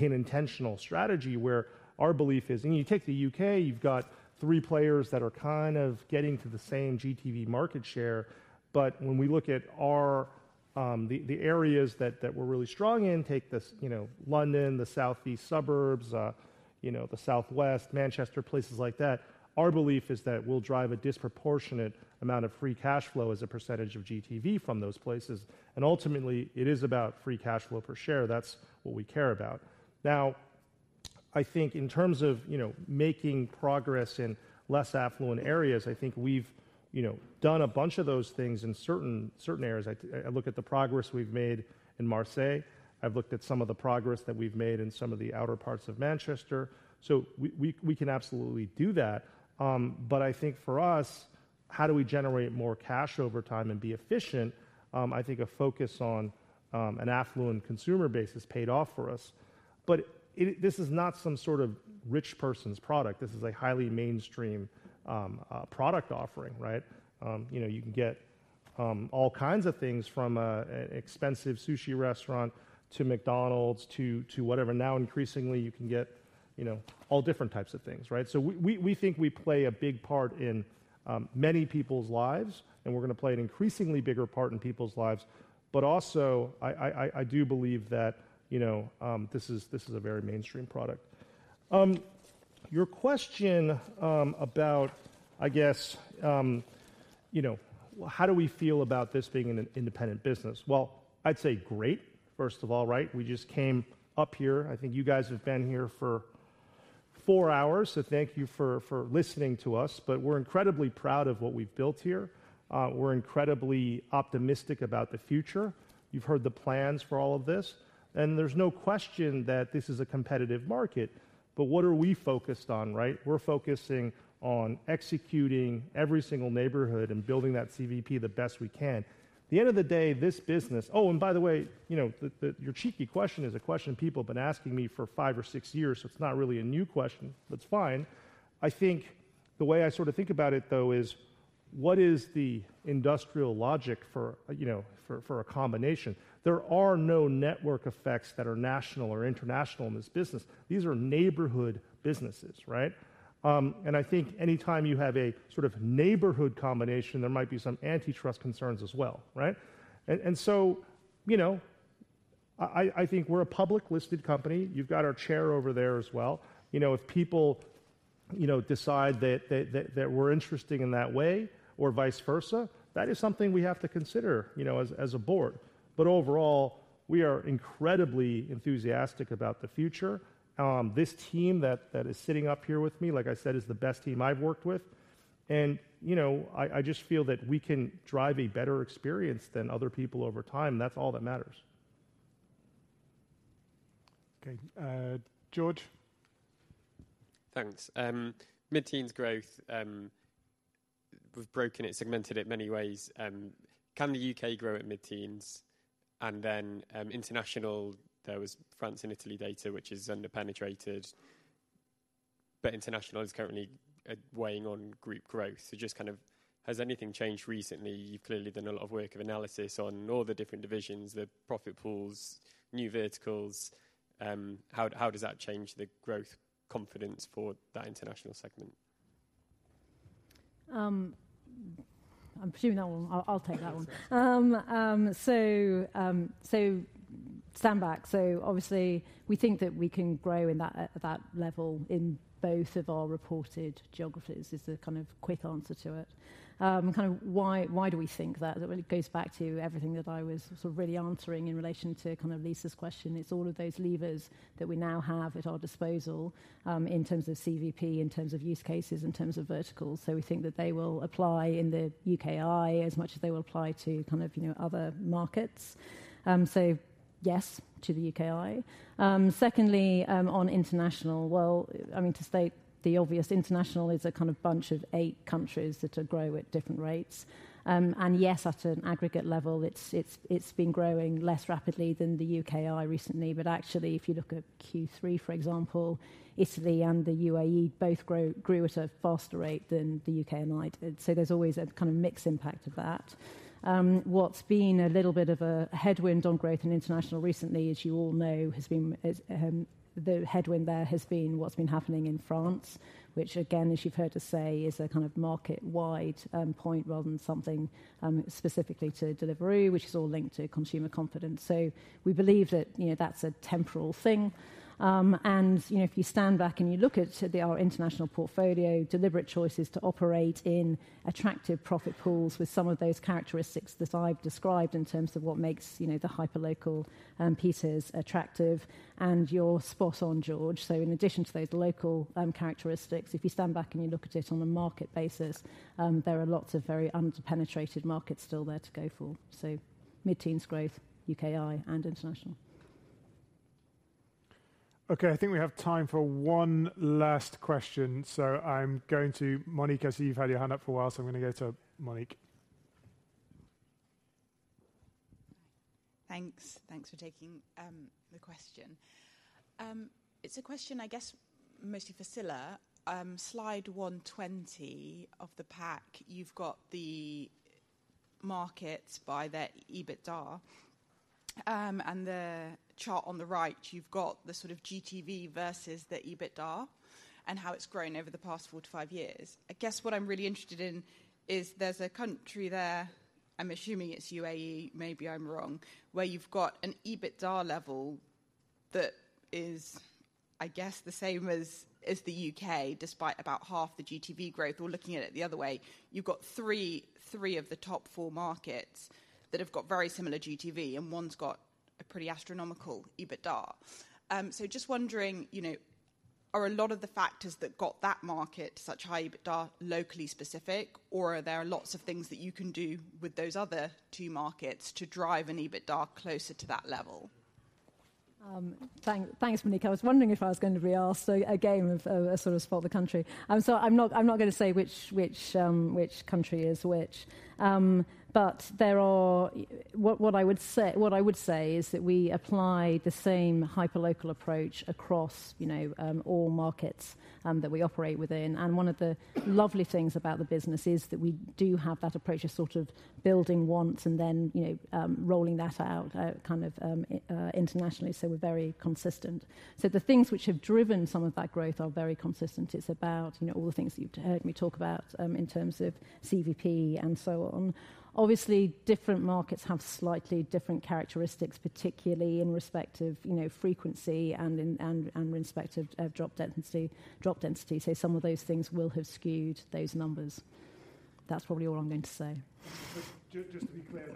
S2: intentional strategy where our belief is... And you take the UK, you've got three players that are kind of getting to the same GTV market share. But when we look at our the areas that we're really strong in, take this, you know, London, the southeast suburbs, you know, the southwest, Manchester, places like that, our belief is that we'll drive a disproportionate amount of free cash flow as a percentage of GTV from those places, and ultimately, it is about free cash flow per share. That's what we care about. Now, I think in terms of, you know, making progress in less affluent areas, I think we've, you know, done a bunch of those things in certain, certain areas. I, I look at the progress we've made in Marseille. I've looked at some of the progress that we've made in some of the outer parts of Manchester, so we, we, we can absolutely do that. But I think for us, how do we generate more cash over time and be efficient? I think a focus on, an affluent consumer base has paid off for us. But it, this is not some sort of rich person's product. This is a highly mainstream, product offering, right? You know, you can get, all kinds of things from a, an expensive sushi restaurant to McDonald's to, to whatever. Now, increasingly, you can get, you know, all different types of things, right? So we think we play a big part in many people's lives, and we're gonna play an increasingly bigger part in people's lives. But also, I do believe that, you know, this is a very mainstream product. Your question about, I guess, you know, how do we feel about this being an independent business? Well, I'd say great, first of all, right? We just came up here. I think you guys have been here for four hours, so thank you for listening to us. But we're incredibly proud of what we've built here. We're incredibly optimistic about the future. You've heard the plans for all of this, and there's no question that this is a competitive market, but what are we focused on, right? We're focusing on executing every single neighborhood and building that CVP the best we can. The end of the day, this business... Oh, and by the way, you know, your cheeky question is a question people have been asking me for five or six years, so it's not really a new question. That's fine. I think the way I sort of think about it, though, is: What is the industrial logic for, you know, a combination? There are no network effects that are national or international in this business. These are neighborhood businesses, right? And I think anytime you have a sort of neighborhood combination, there might be some antitrust concerns as well, right? So, you know, I think we're a public-listed company. You've got our Chair over there as well. You know, if people, you know, decide that we're interesting in that way or vice versa, that is something we have to consider, you know, as a board. But overall, we are incredibly enthusiastic about the future. This team that is sitting up here with me, like I said, is the best team I've worked with, and, you know, I just feel that we can drive a better experience than other people over time, and that's all that matters.
S1: Okay. George?
S16: Thanks. Mid-teens growth, we've broken it, segmented it many ways. Can the U.K. grow at mid-teens? And then, international, there was France and Italy data, which is underpenetrated, but international is currently weighing on group growth. So just kind of has anything changed recently? You've clearly done a lot of work of analysis on all the different divisions, the profit pools, new verticals. How does that change the growth confidence for that international segment?
S10: I'm assuming I'll take that one. So stand back. So obviously, we think that we can grow in that at that level in both of our reported geographies, is the kind of quick answer to it. Kind of why do we think that? That really goes back to everything that I was sort of really answering in relation to kind of Lisa's question. It's all of those levers that we now have at our disposal, in terms of CVP, in terms of use cases, in terms of verticals. So we think that they will apply in the UKI as much as they will apply to kind of, you know, other markets. So yes to the UKI. Secondly, on international, well, I mean, to state the obvious, international is a kind of bunch of eight countries that are growing at different rates. And yes, at an aggregate level, it's been growing less rapidly than the UK&I recently, but actually, if you look at Q3, for example, Italy and the UAE both grew at a faster rate than the UK&I did. So there's always a kind of mixed impact of that. What's been a little bit of a headwind on growth in international recently, as you all know, has been the headwind there has been what's been happening in France, which again, as you've heard us say, is a kind of market-wide point rather than something specifically to Deliveroo, which is all linked to consumer confidence. So we believe that, you know, that's a temporal thing. And, you know, if you stand back and you look at our international portfolio, deliberate choices to operate in attractive profit pools with some of those characteristics that I've described in terms of what makes, you know, the hyperlocal pieces attractive, and you're spot on, George. So in addition to those local characteristics, if you stand back and you look at it on a market basis, there are lots of very underpenetrated markets still there to go for. So mid-teens growth, UKI and international.
S1: Okay, I think we have time for one last question. So I'm going to Monique. I see you've had your hand up for a while, so I'm gonna go to Monique.
S7: Thanks. Thanks for taking the question. It's a question, I guess, mostly for Scilla. Slide 120 of the pack, you've got the markets by their EBITDA. And the chart on the right, you've got the sort of GTV versus the EBITDA and how it's grown over the past 4-5 years. I guess what I'm really interested in is there's a country there, I'm assuming it's UAE, maybe I'm wrong, where you've got an EBITDA level that is, I guess, the same as the U.K., despite about half the GTV growth. Or looking at it the other way, you've got three of the top four markets that have got very similar GTV, and one's got a pretty astronomical EBITDA. So just wondering, you know, are a lot of the factors that got that market to such high EBITDA locally specific, or are there lots of things that you can do with those other two markets to drive an EBITDA closer to that level?
S10: Thanks, Monique. I was wondering if I was going to be asked, so a game of sort of spot the country. So I'm not gonna say which country is which. But there are... What I would say is that we apply the same hyperlocal approach across, you know, all markets that we operate within. And one of the lovely things about the business is that we do have that approach of sort of building once and then, you know, rolling that out kind of internationally. So we're very consistent. So the things which have driven some of that growth are very consistent. It's about, you know, all the things that you've heard me talk about in terms of CVP and so on. Obviously, different markets have slightly different characteristics, particularly in respect of, you know, frequency and respect of drop density. So some of those things will have skewed those numbers. That's probably all I'm going to say.
S1: Just to be clear,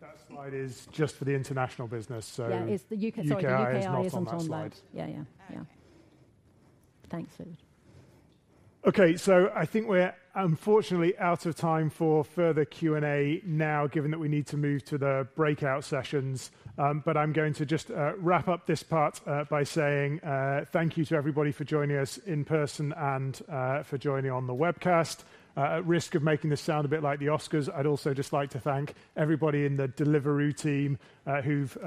S1: that slide is just for the international business, so-
S10: Yeah, it's the U.K.
S1: UKI is not on that slide.
S10: Sorry, the UK&I isn't on that. Yeah, yeah. Yeah.
S7: Okay.
S10: Thanks, David.
S1: Okay, so I think we're unfortunately out of time for further Q&A now, given that we need to move to the breakout sessions. But I'm going to just wrap up this part by saying thank you to everybody for joining us in person and for joining on the webcast. At risk of making this sound a bit like the Oscars, I'd also just like to thank everybody in the Deliveroo team who've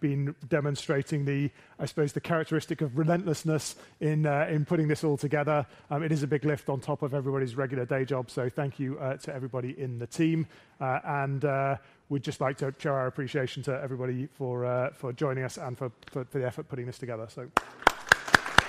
S1: been demonstrating the, I suppose, the characteristic of relentlessness in putting this all together. It is a big lift on top of everybody's regular day job, so thank you to everybody in the team. And we'd just like to show our appreciation to everybody for joining us and for the effort of putting this together. So...